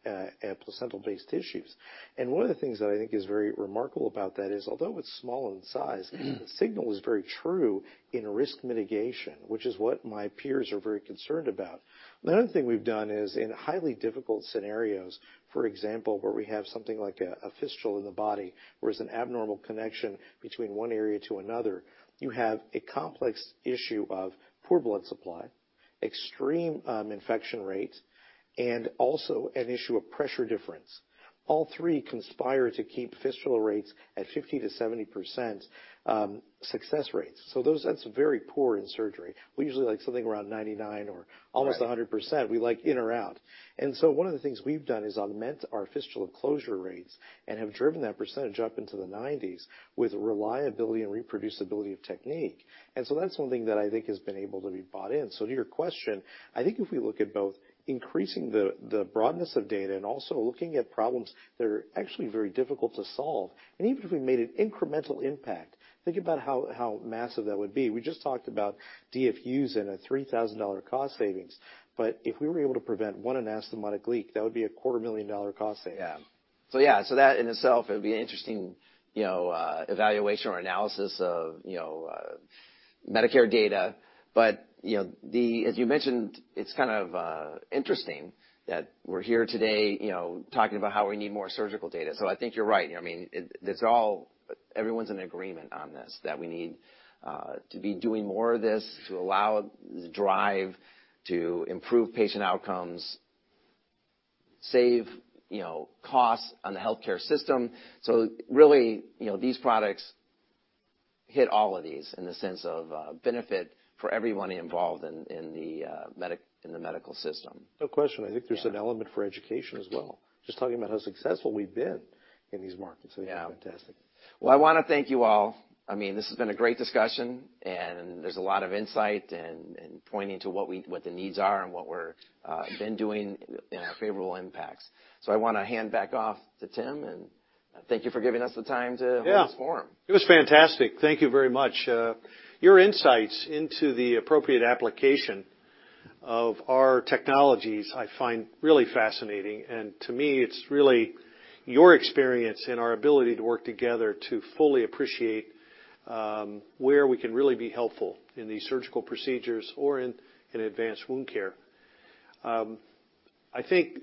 placental-based tissues. One of the things that I think is very remarkable about that is, although it's small in size, the signal is very true in risk mitigation, which is what my peers are very concerned about. The other thing we've done is in highly difficult scenarios, for example, where we have something like a fistula in the body, where it's an abnormal connection between one area to another, you have a complex issue of poor blood supply, extreme infection rate, and also an issue of pressure difference. All three conspire to keep fistula rates at 50%-70% success rates. That's very poor in surgery. We usually like something around 99 or- Right. Almost 100%. We like in or out. One of the things we've done is augment our fistula closure rates and have driven that percentage up into the 90s with reliability and reproducibility of technique. That's one thing that I think has been able to be bought in. To your question, I think if we look at both increasing the broadness of data and also looking at problems that are actually very difficult to solve, and even if we made an incremental impact, think about how massive that would be. We just talked about DFUs and a $3,000 cost savings, but if we were able to prevent one anastomotic leak, that would be a quarter million dollar cost savings. Yeah, that in itself would be an interesting, you know, evaluation or analysis of, you know, Medicare data. You know, as you mentioned, it's kind of interesting that we're here today, you know, talking about how we need more surgical data. I think you're right. I mean, everyone's in agreement on this, that we need to be doing more of this to allow the drive to improve patient outcomes, save, you know, costs on the healthcare system. Really, you know, these products hit all of these in the sense of benefit for everyone involved in the medical system. No question. I think there's an element for education as well. Just talking about how successful we've been in these markets, I think is fantastic. Yeah. Well, I wanna thank you all. I mean, this has been a great discussion, and there's a lot of insight and pointing to what the needs are and what we're then doing in our favorable impacts. I wanna hand back off to Tim, and thank you for giving us the time to- Yeah. Hold this forum. It was fantastic. Thank you very much. Your insights into the appropriate application of our technologies I find really fascinating. To me, it's really your experience and our ability to work together to fully appreciate where we can really be helpful in these surgical procedures or in advanced wound care. I think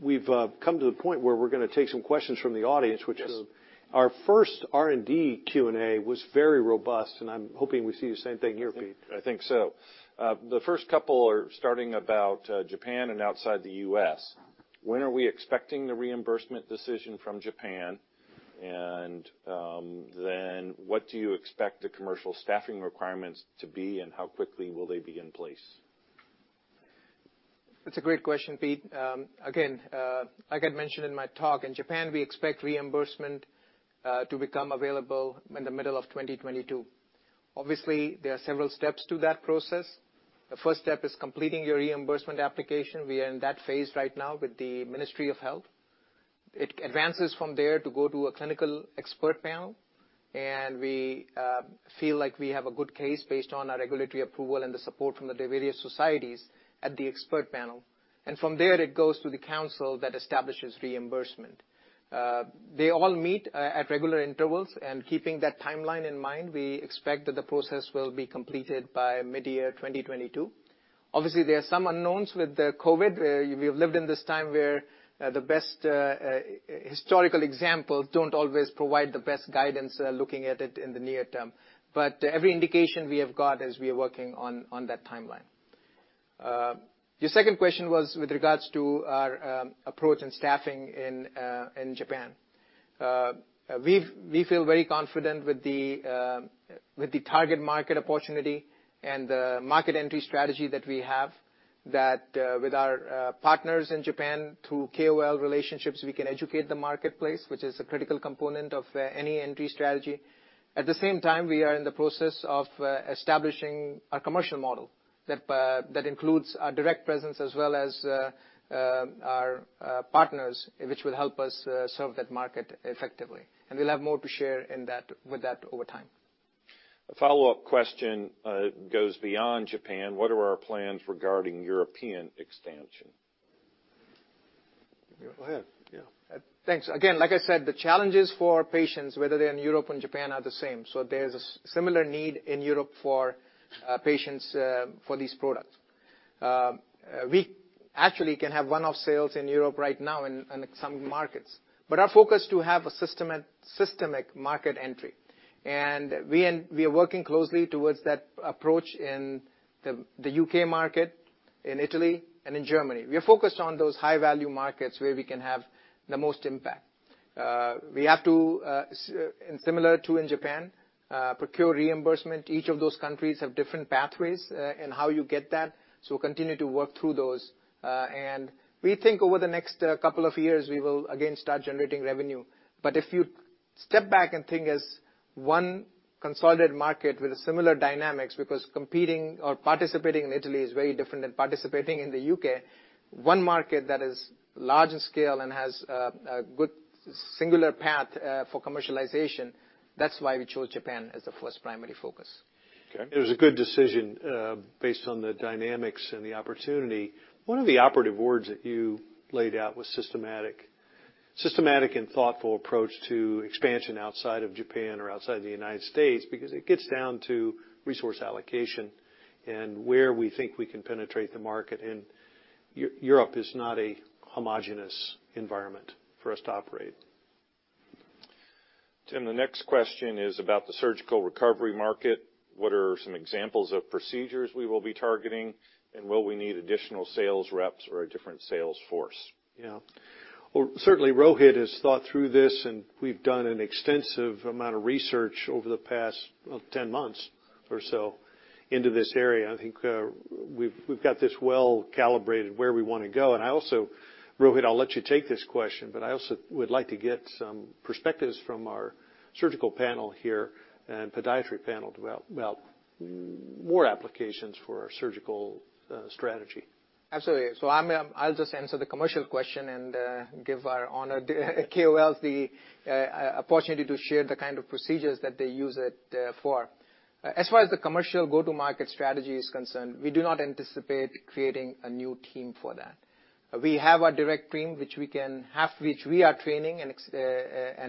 we've come to the point where we're gonna take some questions from the audience, which is. Sure. Our first R&D Q&A was very robust, and I'm hoping we see the same thing here, Pete. I think so. The first couple are starting about Japan and outside the U.S. When are we expecting the reimbursement decision from Japan? Then what do you expect the commercial staffing requirements to be, and how quickly will they be in place? That's a great question, Pete. Again, like I mentioned in my talk, in Japan, we expect reimbursement to become available in the middle of 2022. Obviously, there are several steps to that process. The first step is completing your reimbursement application. We are in that phase right now with the Ministry of Health. It advances from there to go to a clinical expert panel, and we feel like we have a good case based on our regulatory approval and the support from the various societies at the expert panel. From there it goes to the council that establishes reimbursement. They all meet at regular intervals, and keeping that timeline in mind, we expect that the process will be completed by mid-year 2022. Obviously, there are some unknowns with the COVID, where we've lived in this time where the best historical examples don't always provide the best guidance, looking at it in the near term. Every indication we have got is we are working on that timeline. Your second question was with regards to our approach and staffing in Japan. We feel very confident with the target market opportunity and the market entry strategy that we have. That with our partners in Japan through KOL relationships, we can educate the marketplace, which is a critical component of any entry strategy. At the same time, we are in the process of establishing a commercial model that includes our direct presence as well as our partners, which will help us serve that market effectively. We'll have more to share with that over time. A follow-up question goes beyond Japan. What are our plans regarding European expansion? Go ahead. Yeah. Thanks. Again, like I said, the challenges for patients, whether they're in Europe and Japan, are the same. There's a similar need in Europe for patients for these products. We actually can have one-off sales in Europe right now in some markets, but our focus to have a systemic market entry. We are working closely towards that approach in the U.K. market, in Italy, and in Germany. We are focused on those high-value markets where we can have the most impact. We have to, and similar to in Japan, procure reimbursement. Each of those countries have different pathways in how you get that, so we'll continue to work through those. We think over the next couple of years, we will again start generating revenue. If you step back and think as one consolidated market with similar dynamics, because competing or participating in Italy is very different than participating in the U.K., one market that is large in scale and has a good singular path for commercialization, that's why we chose Japan as the first primary focus. Okay. It was a good decision based on the dynamics and the opportunity. One of the operative words that you laid out was systematic and thoughtful approach to expansion outside of Japan or outside the United States, because it gets down to resource allocation and where we think we can penetrate the market. Europe is not a homogenous environment for us to operate. Tim, the next question is about the surgical recovery market. What are some examples of procedures we will be targeting, and will we need additional sales reps or a different sales force? Yeah. Well, certainly Rohit has thought through this, and we've done an extensive amount of research over the past, well, 10 months or so into this area. I think we've got this well-calibrated where we wanna go. I also, Rohit, I'll let you take this question, but I also would like to get some perspectives from our surgical panel here and podiatry panel about more applications for our surgical strategy. Absolutely. I'll just answer the commercial question and give our honored KOLs the opportunity to share the kind of procedures that they use it for. As far as the commercial go-to-market strategy is concerned, we do not anticipate creating a new team for that. We have our direct team, half which we are training and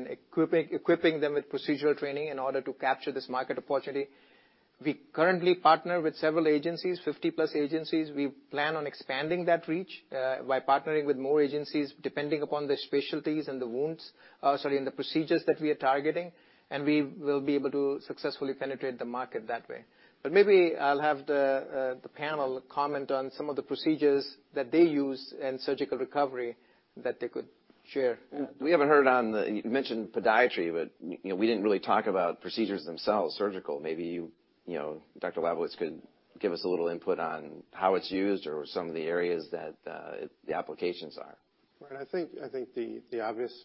equipping them with procedural training in order to capture this market opportunity. We currently partner with several agencies, 50-plus agencies. We plan on expanding that reach by partnering with more agencies, depending upon the specialties and the wounds and the procedures that we are targeting, and we will be able to successfully penetrate the market that way. Maybe I'll have the panel comment on some of the procedures that they use in surgical recovery that they could share. You mentioned podiatry, but, you know, we didn't really talk about procedures themselves, surgical. Maybe you know, Dr. Labovitz could give us a little input on how it's used or some of the areas that the applications are. Right. I think the obvious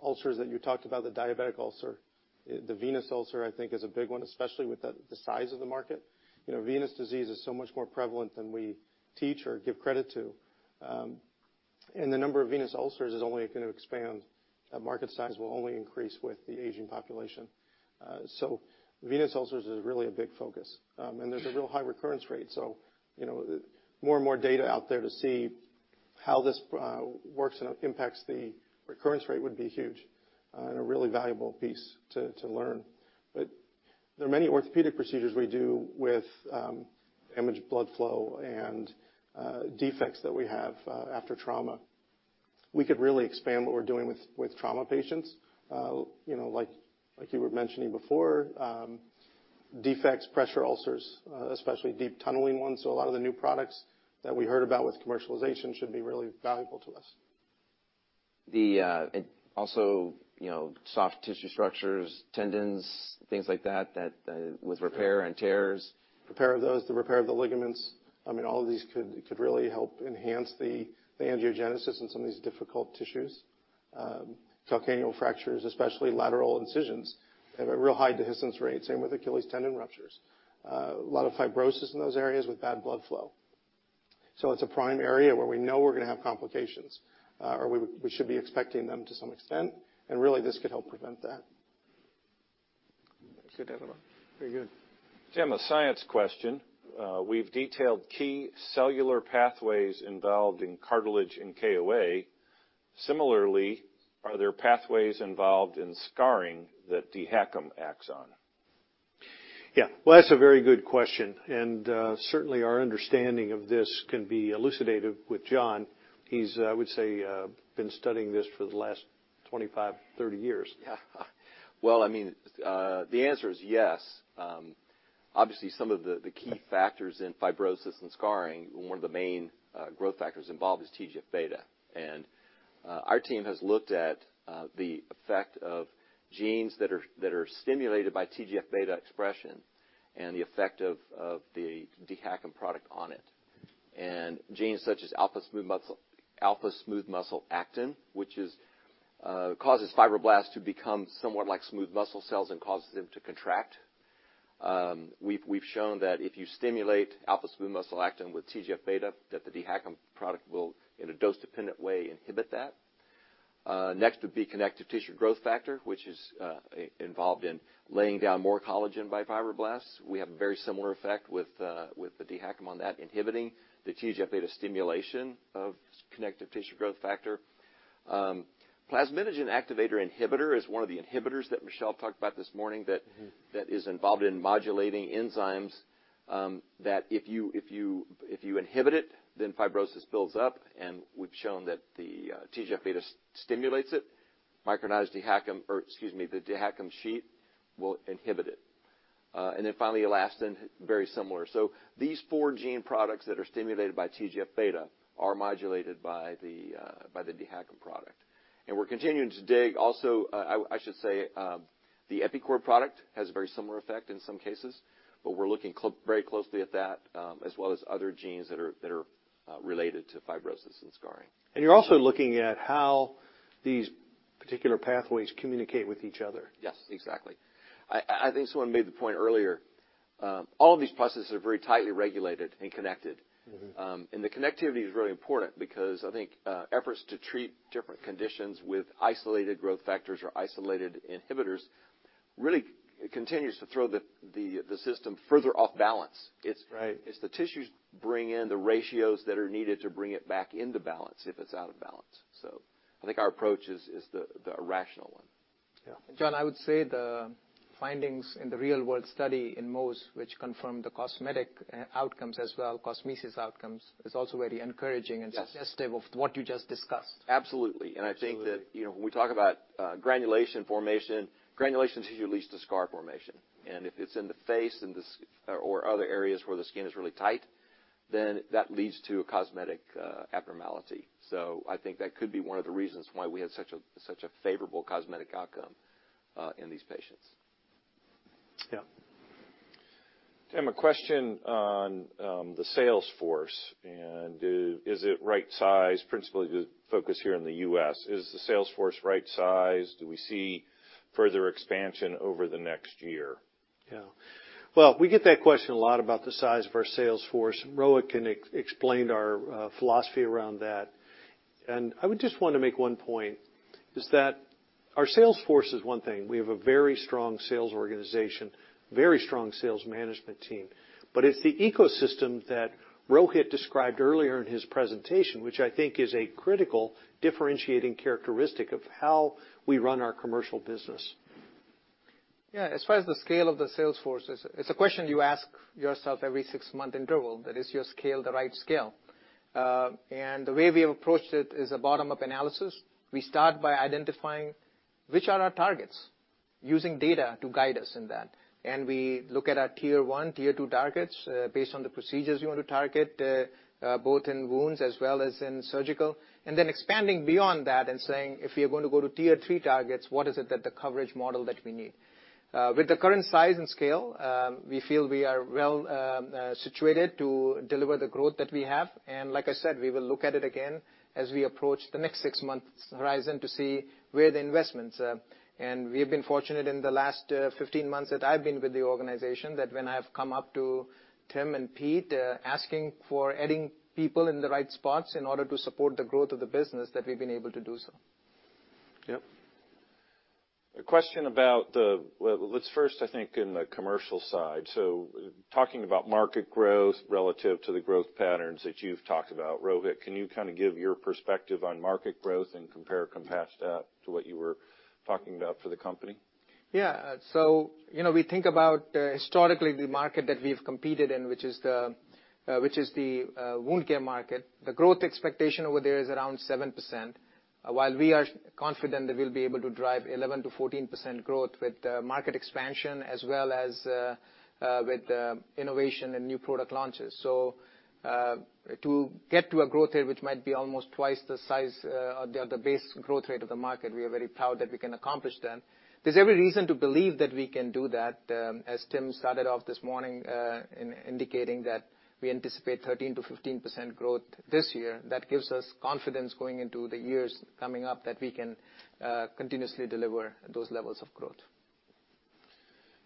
ulcers that you talked about, the diabetic ulcer, the venous ulcer, I think is a big one, especially with the size of the market. You know, venous disease is so much more prevalent than we teach or give credit to. And the number of venous ulcers is only gonna expand. That market size will only increase with the aging population. So venous ulcers is really a big focus. And there's a real high recurrence rate. So, you know, more and more data out there to see how this works and impacts the recurrence rate would be huge, and a really valuable piece to learn. There are many orthopedic procedures we do with impaired blood flow and defects that we have after trauma. We could really expand what we're doing with trauma patients. You know, like you were mentioning before, defects, pressure ulcers, especially deep tunneling ones. A lot of the new products that we heard about with commercialization should be really valuable to us. Also, you know, soft tissue structures, tendons, things like that with repair and tears. Repair of those, the repair of the ligaments. I mean, all of these could really help enhance the angiogenesis in some of these difficult tissues. Calcaneal fractures, especially lateral incisions, have a real high dehiscence rate, same with Achilles tendon ruptures. A lot of fibrosis in those areas with bad blood flow. It's a prime area where we know we're gonna have complications, or we should be expecting them to some extent, and really this could help prevent that. Good add on. Very good. Tim, a science question. We've detailed key cellular pathways involved in cartilage and KOA. Similarly, are there pathways involved in scarring that dHACM acts on? Yeah. Well, that's a very good question. Certainly our understanding of this can be elucidated with John. He's, I would say, been studying this for the last 25, 30 years. Yeah. Well, I mean, the answer is yes. Obviously, some of the key factors in fibrosis and scarring, one of the main growth factors involved is TGF-beta. Our team has looked at the effect of genes that are stimulated by TGF-β expression and the effect of the DHACM product on it. Genes such as alpha-smooth muscle actin, which causes fibroblasts to become somewhat like smooth muscle cells and causes them to contract. We've shown that if you stimulate alpha-smooth muscle actin with TGF-β, the DHACM product will, in a dose-dependent way, inhibit that. Next would be connective tissue growth factor, which is involved in laying down more collagen by fibroblasts. We have a very similar effect with the DHACM on that inhibiting the TGF-β stimulation of connective tissue growth factor. Plasminogen activator inhibitor is one of the inhibitors that Michelle talked about this morning that- Mm-hmm... that is involved in modulating enzymes, that if you inhibit it, then fibrosis builds up, and we've shown that the TGF-β stimulates it. Micronized DHACM or excuse me, the DHACM sheet will inhibit it. And then finally, elastin, very similar. So these four gene products that are stimulated by TGF-β are modulated by the DHACM product. We're continuing to dig. Also, I should say, the EPICORD product has a very similar effect in some cases, but we're looking very closely at that, as well as other genes that are related to fibrosis and scarring. You're also looking at how these particular pathways communicate with each other. Yes, exactly. I think someone made the point earlier, all of these processes are very tightly regulated and connected. Mm-hmm. The connectivity is really important because I think efforts to treat different conditions with isolated growth factors or isolated inhibitors really continues to throw the system further off balance. Right. It's the tissues bring in the ratios that are needed to bring it back into balance if it's out of balance. I think our approach is the rational one. Yeah. John, I would say the findings in the real-world study in Mohs which confirm the cosmetic outcomes as well, cosmesis outcomes, is also very encouraging. Yes Suggestive of what you just discussed. Absolutely. Absolutely. I think that, you know, when we talk about granulation formation, granulation tissue leads to scar formation. If it's in the face, in the skin or other areas where the skin is really tight, then that leads to a cosmetic abnormality. I think that could be one of the reasons why we had such a favorable cosmetic outcome in these patients. Yeah. Tim, a question on the sales force, and is it right size, principally the focus here in the U.S., is the sales force right size? Do we see further expansion over the next year? Yeah. Well, we get that question a lot about the size of our sales force. Rohit can explain our philosophy around that. I would just wanna make one point, is that our sales force is one thing. We have a very strong sales organization, very strong sales management team. It's the ecosystem that Rohit described earlier in his presentation, which I think is a critical differentiating characteristic of how we run our commercial business. Yeah, as far as the scale of the sales force, it's a question you ask yourself every six-month interval, that is your scale the right scale. The way we have approached it is a bottom-up analysis. We start by identifying which are our targets, using data to guide us in that. We look at our tier one, tier two targets, based on the procedures you want to target, both in wounds as well as in surgical, and then expanding beyond that and saying, if we are going to go to tier three targets, what is it that the coverage model that we need? With the current size and scale, we feel we are well situated to deliver the growth that we have. Like I said, we will look at it again as we approach the next six months horizon to see where the investments are. We have been fortunate in the last 15 months that I've been with the organization, that when I've come up to Tim and Pete asking for adding people in the right spots in order to support the growth of the business, that we've been able to do so. Yep. Well, let's first, I think, in the commercial side. Talking about market growth relative to the growth patterns that you've talked about. Rohit, can you kind of give your perspective on market growth and compare and contrast that to what you were talking about for the company? You know, we think about historically the market that we've competed in, which is the wound care market. The growth expectation over there is around 7%, while we are confident that we'll be able to drive 11%-14% growth with market expansion as well as with innovation and new product launches. To get to a growth rate which might be almost twice the size or the base growth rate of the market, we are very proud that we can accomplish that. There's every reason to believe that we can do that. As Tim started off this morning in indicating that we anticipate 13%-15% growth this year, that gives us confidence going into the years coming up that we can continuously deliver those levels of growth.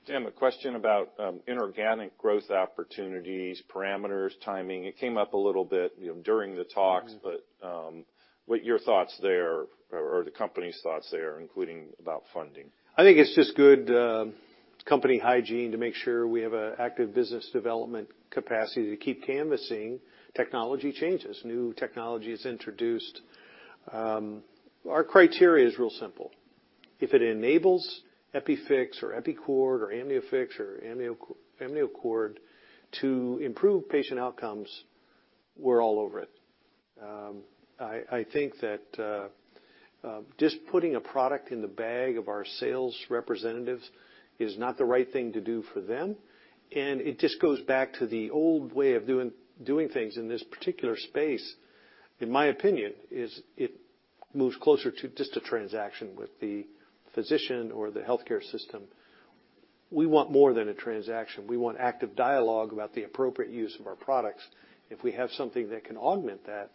Tim, a question about inorganic growth opportunities, parameters, timing. It came up a little bit, you know, during the talks. Mm-hmm. What are your thoughts there or the company's thoughts there, including about funding? I think it's just good company hygiene to make sure we have an active business development capacity to keep canvassing technology changes, new technologies introduced. Our criteria is real simple. If it enables EpiFix or EpiCord or AmnioFix or AmnioCord to improve patient outcomes, we're all over it. I think that Just putting a product in the bag of our sales representatives is not the right thing to do for them, and it just goes back to the old way of doing things in this particular space. In my opinion, it moves closer to just a transaction with the physician or the healthcare system. We want more than a transaction. We want active dialogue about the appropriate use of our products. If we have something that can augment that,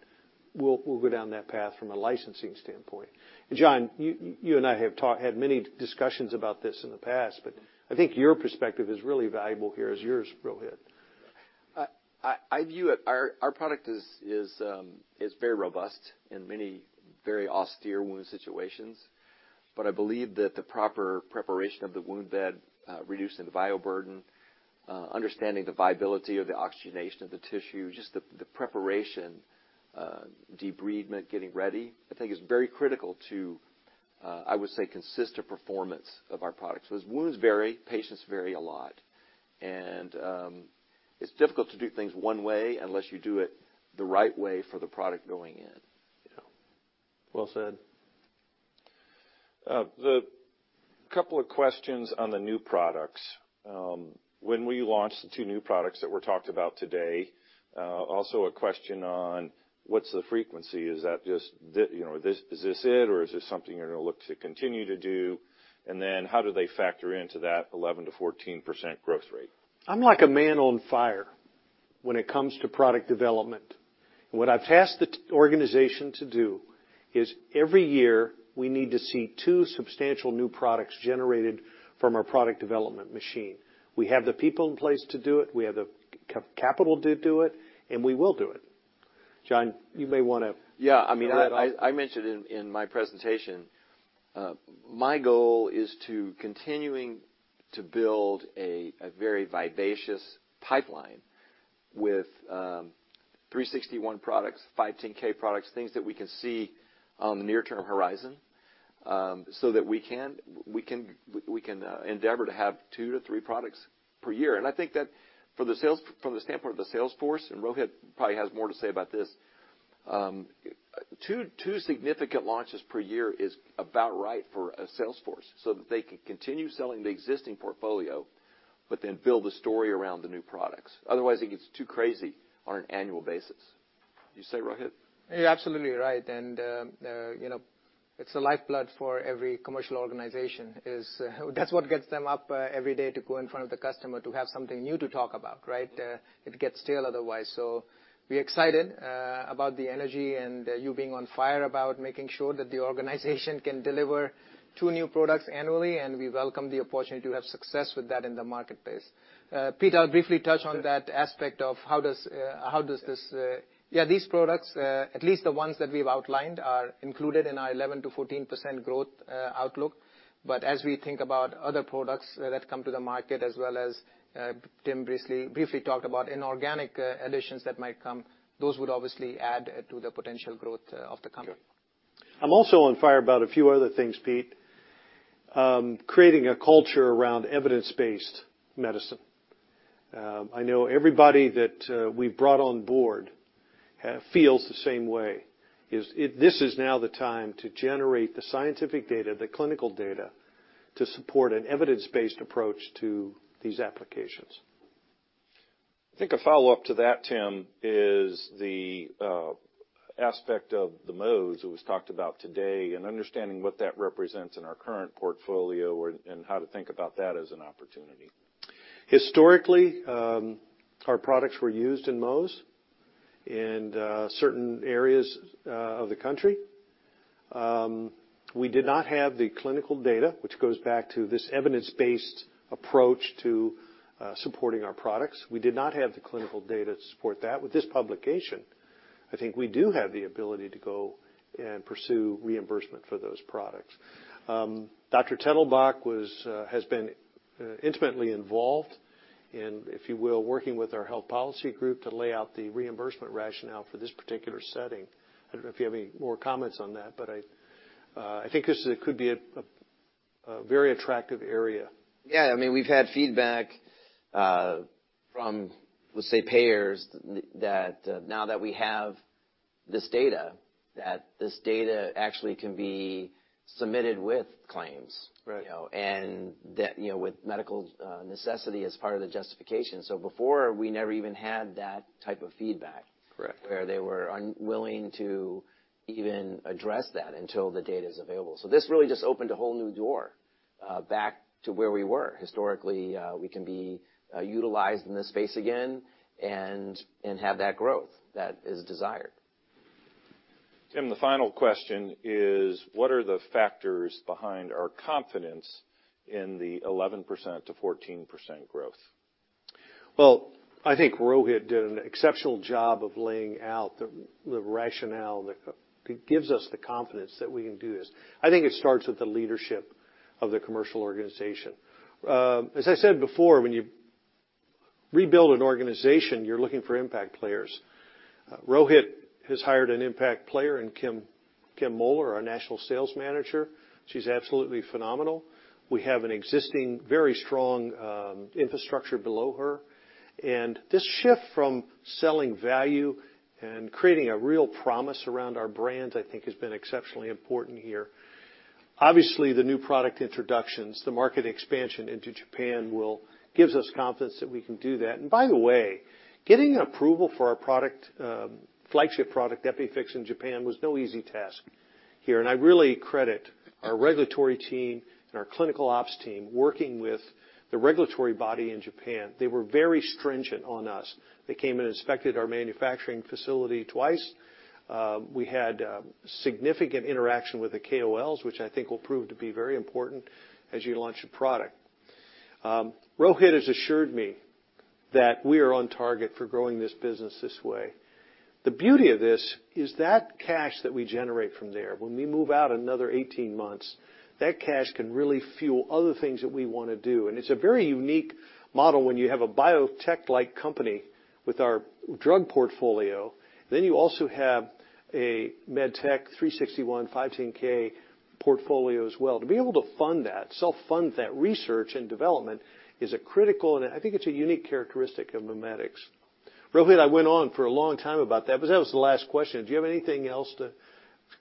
we'll go down that path from a licensing standpoint. John, you and I have had many discussions about this in the past, but I think your perspective is really valuable here, as yours, Rohit. I view it, our product is very robust in many very austere wound situations. I believe that the proper preparation of the wound bed, reducing the bioburden, understanding the viability of the oxygenation of the tissue, just the preparation, debridement, getting ready, I think is very critical to, I would say, consistent performance of our products. Those wounds vary, patients vary a lot. It's difficult to do things one way unless you do it the right way for the product going in, you know. Well said. Couple of questions on the new products. When will you launch the two new products that were talked about today? Also a question on what's the frequency? Is that just you know, this is this it, or is this something you're gonna look to continue to do? How do they factor into that 11%-14% growth rate? I'm like a man on fire when it comes to product development. What I've asked the organization to do is every year, we need to see two substantial new products generated from our product development machine. We have the people in place to do it, we have the capital to do it, and we will do it. John, you may wanna- I mean, I mentioned in my presentation, my goal is to continuing to build a very vivacious pipeline with Section 361 products, 510(k) products, things that we can see on the near-term horizon, so that we can endeavor to have two-three products per year. I think that for the sales, from the standpoint of the sales force, and Rohit probably has more to say about this, two significant launches per year is about right for a sales force, so that they can continue selling the existing portfolio, but then build a story around the new products. Otherwise, it gets too crazy on an annual basis. You say, Rohit? You're absolutely right. You know, it's a lifeblood for every commercial organization, that's what gets them up every day to go in front of the customer, to have something new to talk about, right? It gets stale otherwise. We're excited about the energy and you being on fire about making sure that the organization can deliver two new products annually, and we welcome the opportunity to have success with that in the marketplace. Pete, I'll briefly touch on that aspect. Yeah, these products, at least the ones that we've outlined, are included in our 11%-14% growth outlook. As we think about other products that come to the market as well as Tim briefly talked about inorganic additions that might come, those would obviously add to the potential growth of the company. I'm also on fire about a few other things, Pete. Creating a culture around evidence-based medicine. I know everybody that we've brought on board feels the same way. This is now the time to generate the scientific data, the clinical data to support an evidence-based approach to these applications. I think a follow-up to that, Tim, is the aspect of the Mohs that was talked about today and understanding what that represents in our current portfolio and how to think about that as an opportunity. Historically, our products were used in Mohs in certain areas of the country. We did not have the clinical data, which goes back to this evidence-based approach to supporting our products. We did not have the clinical data to support that. With this publication, I think we do have the ability to go and pursue reimbursement for those products. Dr. Tettelbach has been intimately involved in, if you will, working with our health policy group to lay out the reimbursement rationale for this particular setting. I don't know if you have any more comments on that, but I think this could be a very attractive area. Yeah. I mean, we've had feedback from, let's say, payers that now that we have this data, that this data actually can be submitted with claims. Right. You know, and that, you know, with medical necessity as part of the justification. Before, we never even had that type of feedback. Correct... where they were unwilling to even address that until the data is available. This really just opened a whole new door, back to where we were. Historically, we can be utilized in this space again and have that growth that is desired. Tim, the final question is, what are the factors behind our confidence in the 11%-14% growth? Well, I think Rohit did an exceptional job of laying out the rationale that gives us the confidence that we can do this. I think it starts with the leadership of the commercial organization. As I said before, when you rebuild an organization, you're looking for impact players. Rohit has hired an impact player in Kimberly Moeller, our national sales manager. She's absolutely phenomenal. We have an existing, very strong infrastructure below her. This shift from selling value and creating a real promise around our brands, I think has been exceptionally important here. Obviously, the new product introductions, the market expansion into Japan gives us confidence that we can do that. By the way, getting approval for our flagship product, EpiFix, in Japan was no easy task here. I really credit our regulatory team and our clinical ops team working with the regulatory body in Japan. They were very stringent on us. They came and inspected our manufacturing facility twice. We had significant interaction with the KOLs, which I think will prove to be very important as you launch a product. Rohit has assured me that we are on target for growing this business this way. The beauty of this is that cash that we generate from there, when we move out another 18 months, that cash can really fuel other things that we wanna do. It's a very unique model when you have a biotech-like company with our drug portfolio, then you also have a med tech Section 361, 510(k) portfolio as well. To be able to fund that, self-fund that research and development is a critical, and I think it's a unique characteristic of MiMedx. Rohit, I went on for a long time about that, but that was the last question. Do you have anything else to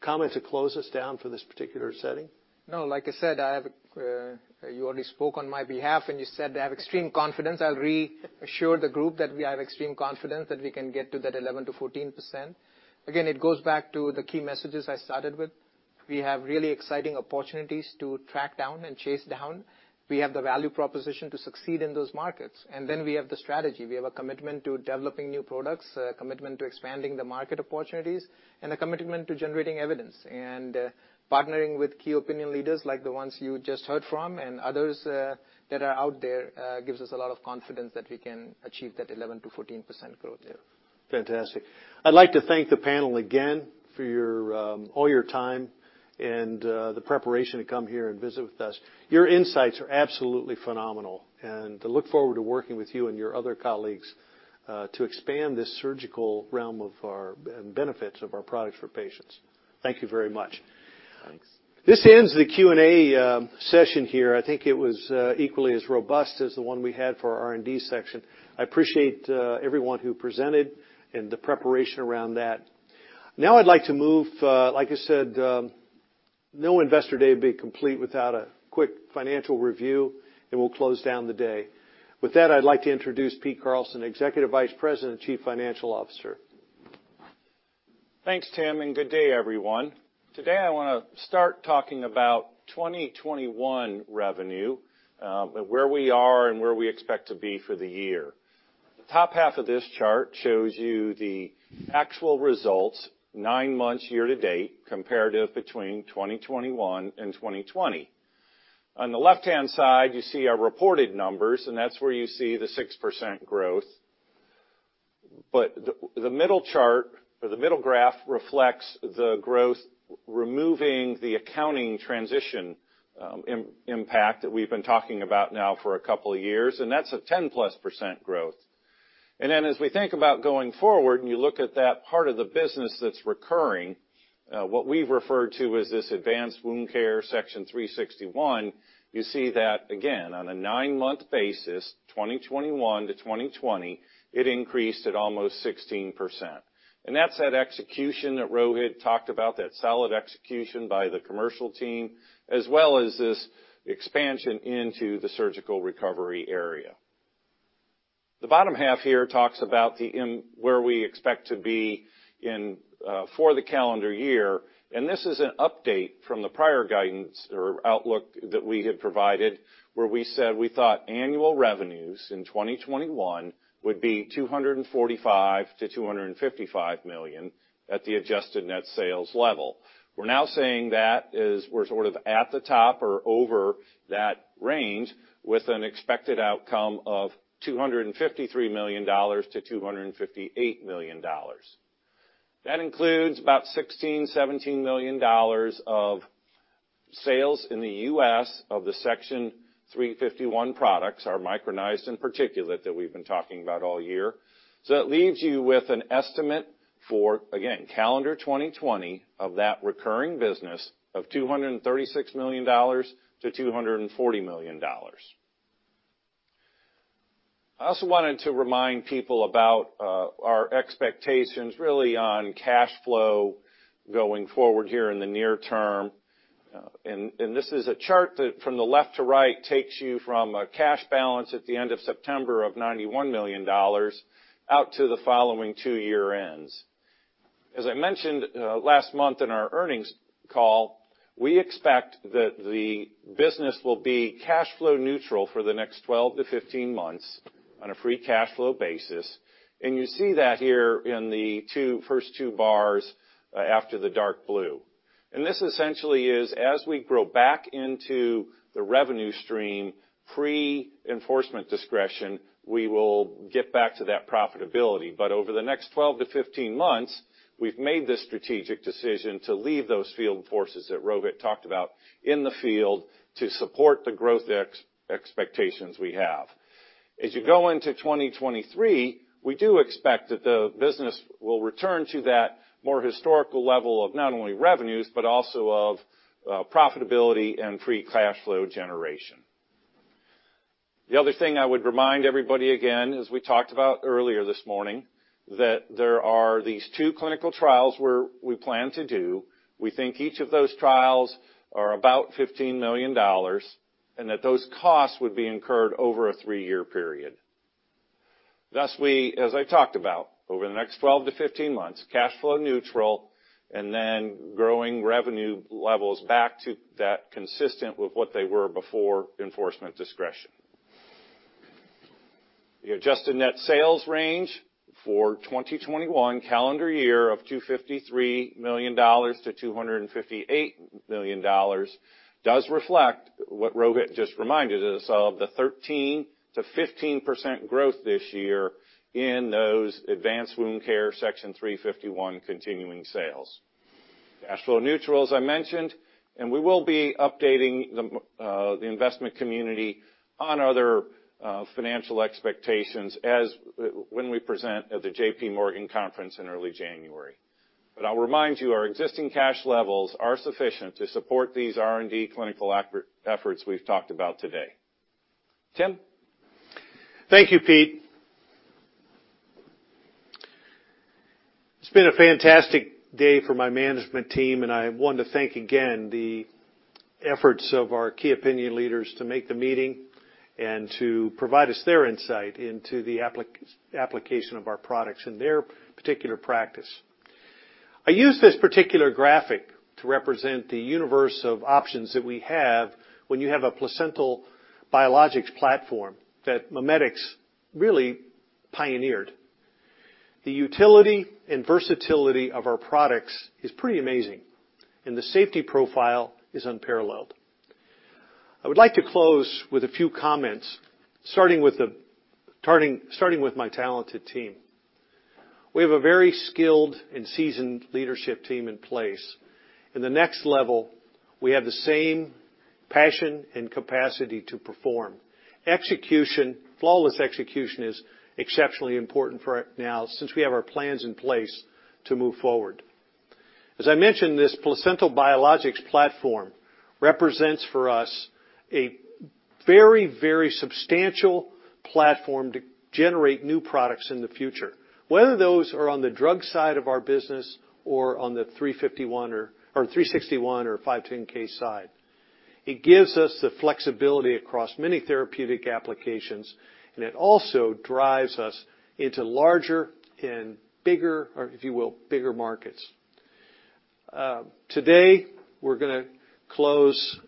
comment to close us down for this particular setting? No. Like I said, I have, you already spoke on my behalf, and you said that I have extreme confidence. I'll reassure the group that we have extreme confidence that we can get to that 11%-14%. Again, it goes back to the key messages I started with. We have really exciting opportunities to track down and chase down. We have the value proposition to succeed in those markets. We have the strategy. We have a commitment to developing new products, a commitment to expanding the market opportunities, and a commitment to generating evidence. Partnering with key opinion leaders like the ones you just heard from and others that are out there gives us a lot of confidence that we can achieve that 11%-14% growth there. Fantastic. I'd like to thank the panel again for your all your time and the preparation to come here and visit with us. Your insights are absolutely phenomenal, and I look forward to working with you and your other colleagues to expand this surgical realm of our and benefits of our products for patients. Thank you very much. Thanks. This ends the Q&A session here. I think it was equally as robust as the one we had for our R&D section. I appreciate everyone who presented and the preparation around that. Now I'd like to move, like I said, no investor day would be complete without a quick financial review, and we'll close down the day. With that, I'd like to introduce Pete Carlson, Executive Vice President and Chief Financial Officer. Thanks, Tim, and good day, everyone. Today, I wanna start talking about 2021 revenue, where we are and where we expect to be for the year. The top half of this chart shows you the actual results, nine months year to date, comparative between 2021 and 2020. On the left-hand side, you see our reported numbers, and that's where you see the 6% growth. The middle chart or the middle graph reflects the growth, removing the accounting transition impact that we've been talking about now for a couple of years, and that's a 10%+ growth. As we think about going forward, and you look at that part of the business that's recurring, what we've referred to as this advanced wound care section Section 361, you see that again, on a nine-month basis, 2021 to 2020, it increased at almost 16%. That's that execution that Rohit talked about, that solid execution by the commercial team, as well as this expansion into the surgical recovery area. The bottom half here talks about where we expect to be in for the calendar year. This is an update from the prior guidance or outlook that we had provided, where we said we thought annual revenues in 2021 would be $245 million-$255 million at the adjusted net sales level. We're now saying we're sort of at the top or over that range with an expected outcome of $253 million-$258 million. That includes about $16-$17 million of sales in the U.S. of the Section 351 products, our micronized and particulate that we've been talking about all year. It leaves you with an estimate for, again, calendar 2020 of that recurring business of $236 million-$240 million. I also wanted to remind people about our expectations really on cash flow going forward here in the near term. This is a chart that from the left to right takes you from a cash balance at the end of September of $91 million out to the following two-year ends. As I mentioned last month in our earnings call, we expect that the business will be cash flow neutral for the next 12-15 months on a free cash flow basis. You see that here in the first 2 bars after the dark blue. This essentially is as we grow back into the revenue stream, pre-Enforcement Discretion, we will get back to that profitability. Over the next 12-15 months, we've made the strategic decision to leave those field forces that Rohit talked about in the field to support the growth expectations we have. As you go into 2023, we do expect that the business will return to that more historical level of not only revenues, but also of profitability and free cash flow generation. The other thing I would remind everybody again, as we talked about earlier this morning, that there are these two clinical trials where we plan to do. We think each of those trials are about $15 million and that those costs would be incurred over a three-year period. Thus, we, as I talked about, over the next 12 to 15 months, cash flow neutral and then growing revenue levels back to that consistent with what they were before Enforcement Discretion. The adjusted net sales range for 2021 calendar year of $253 million-$258 million does reflect what Rohit just reminded us of, the 13%-15% growth this year in those advanced wound care Section 351 continuing sales. Cash flow neutral, as I mentioned, and we will be updating the investment community on other financial expectations when we present at the J.P. Morgan conference in early January. I'll remind you, our existing cash levels are sufficient to support these R&D clinical efforts we've talked about today. Tim? Thank you, Pete. It's been a fantastic day for my management team, and I want to thank again the efforts of our key opinion leaders to make the meeting and to provide us their insight into the application of our products in their particular practice. I use this particular graphic to represent the universe of options that we have when you have a placental biologics platform that MiMedx really pioneered. The utility and versatility of our products is pretty amazing, and the safety profile is unparalleled. I would like to close with a few comments, starting with my talented team. We have a very skilled and seasoned leadership team in place. In the next level, we have the same passion and capacity to perform. Execution, flawless execution is exceptionally important for right now since we have our plans in place to move forward. As I mentioned, this placental biologics platform represents for us a very, very substantial platform to generate new products in the future, whether those are on the drug side of our business or on the Section 351 or Section 361 or 510(k) side. It gives us the flexibility across many therapeutic applications, and it also drives us into larger and bigger, or if you will, bigger markets. Today, we're gonna close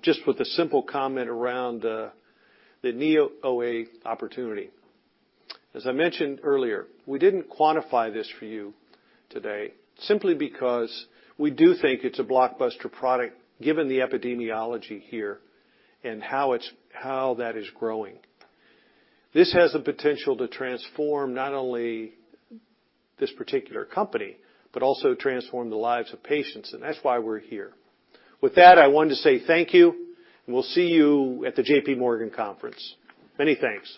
just with a simple comment around the NeoOA opportunity. As I mentioned earlier, we didn't quantify this for you today simply because we do think it's a blockbuster product given the epidemiology here and how that is growing. This has the potential to transform not only this particular company, but also transform the lives of patients, and that's why we're here. With that, I want to say thank you, and we'll see you at the J.P. Morgan conference. Many th nks.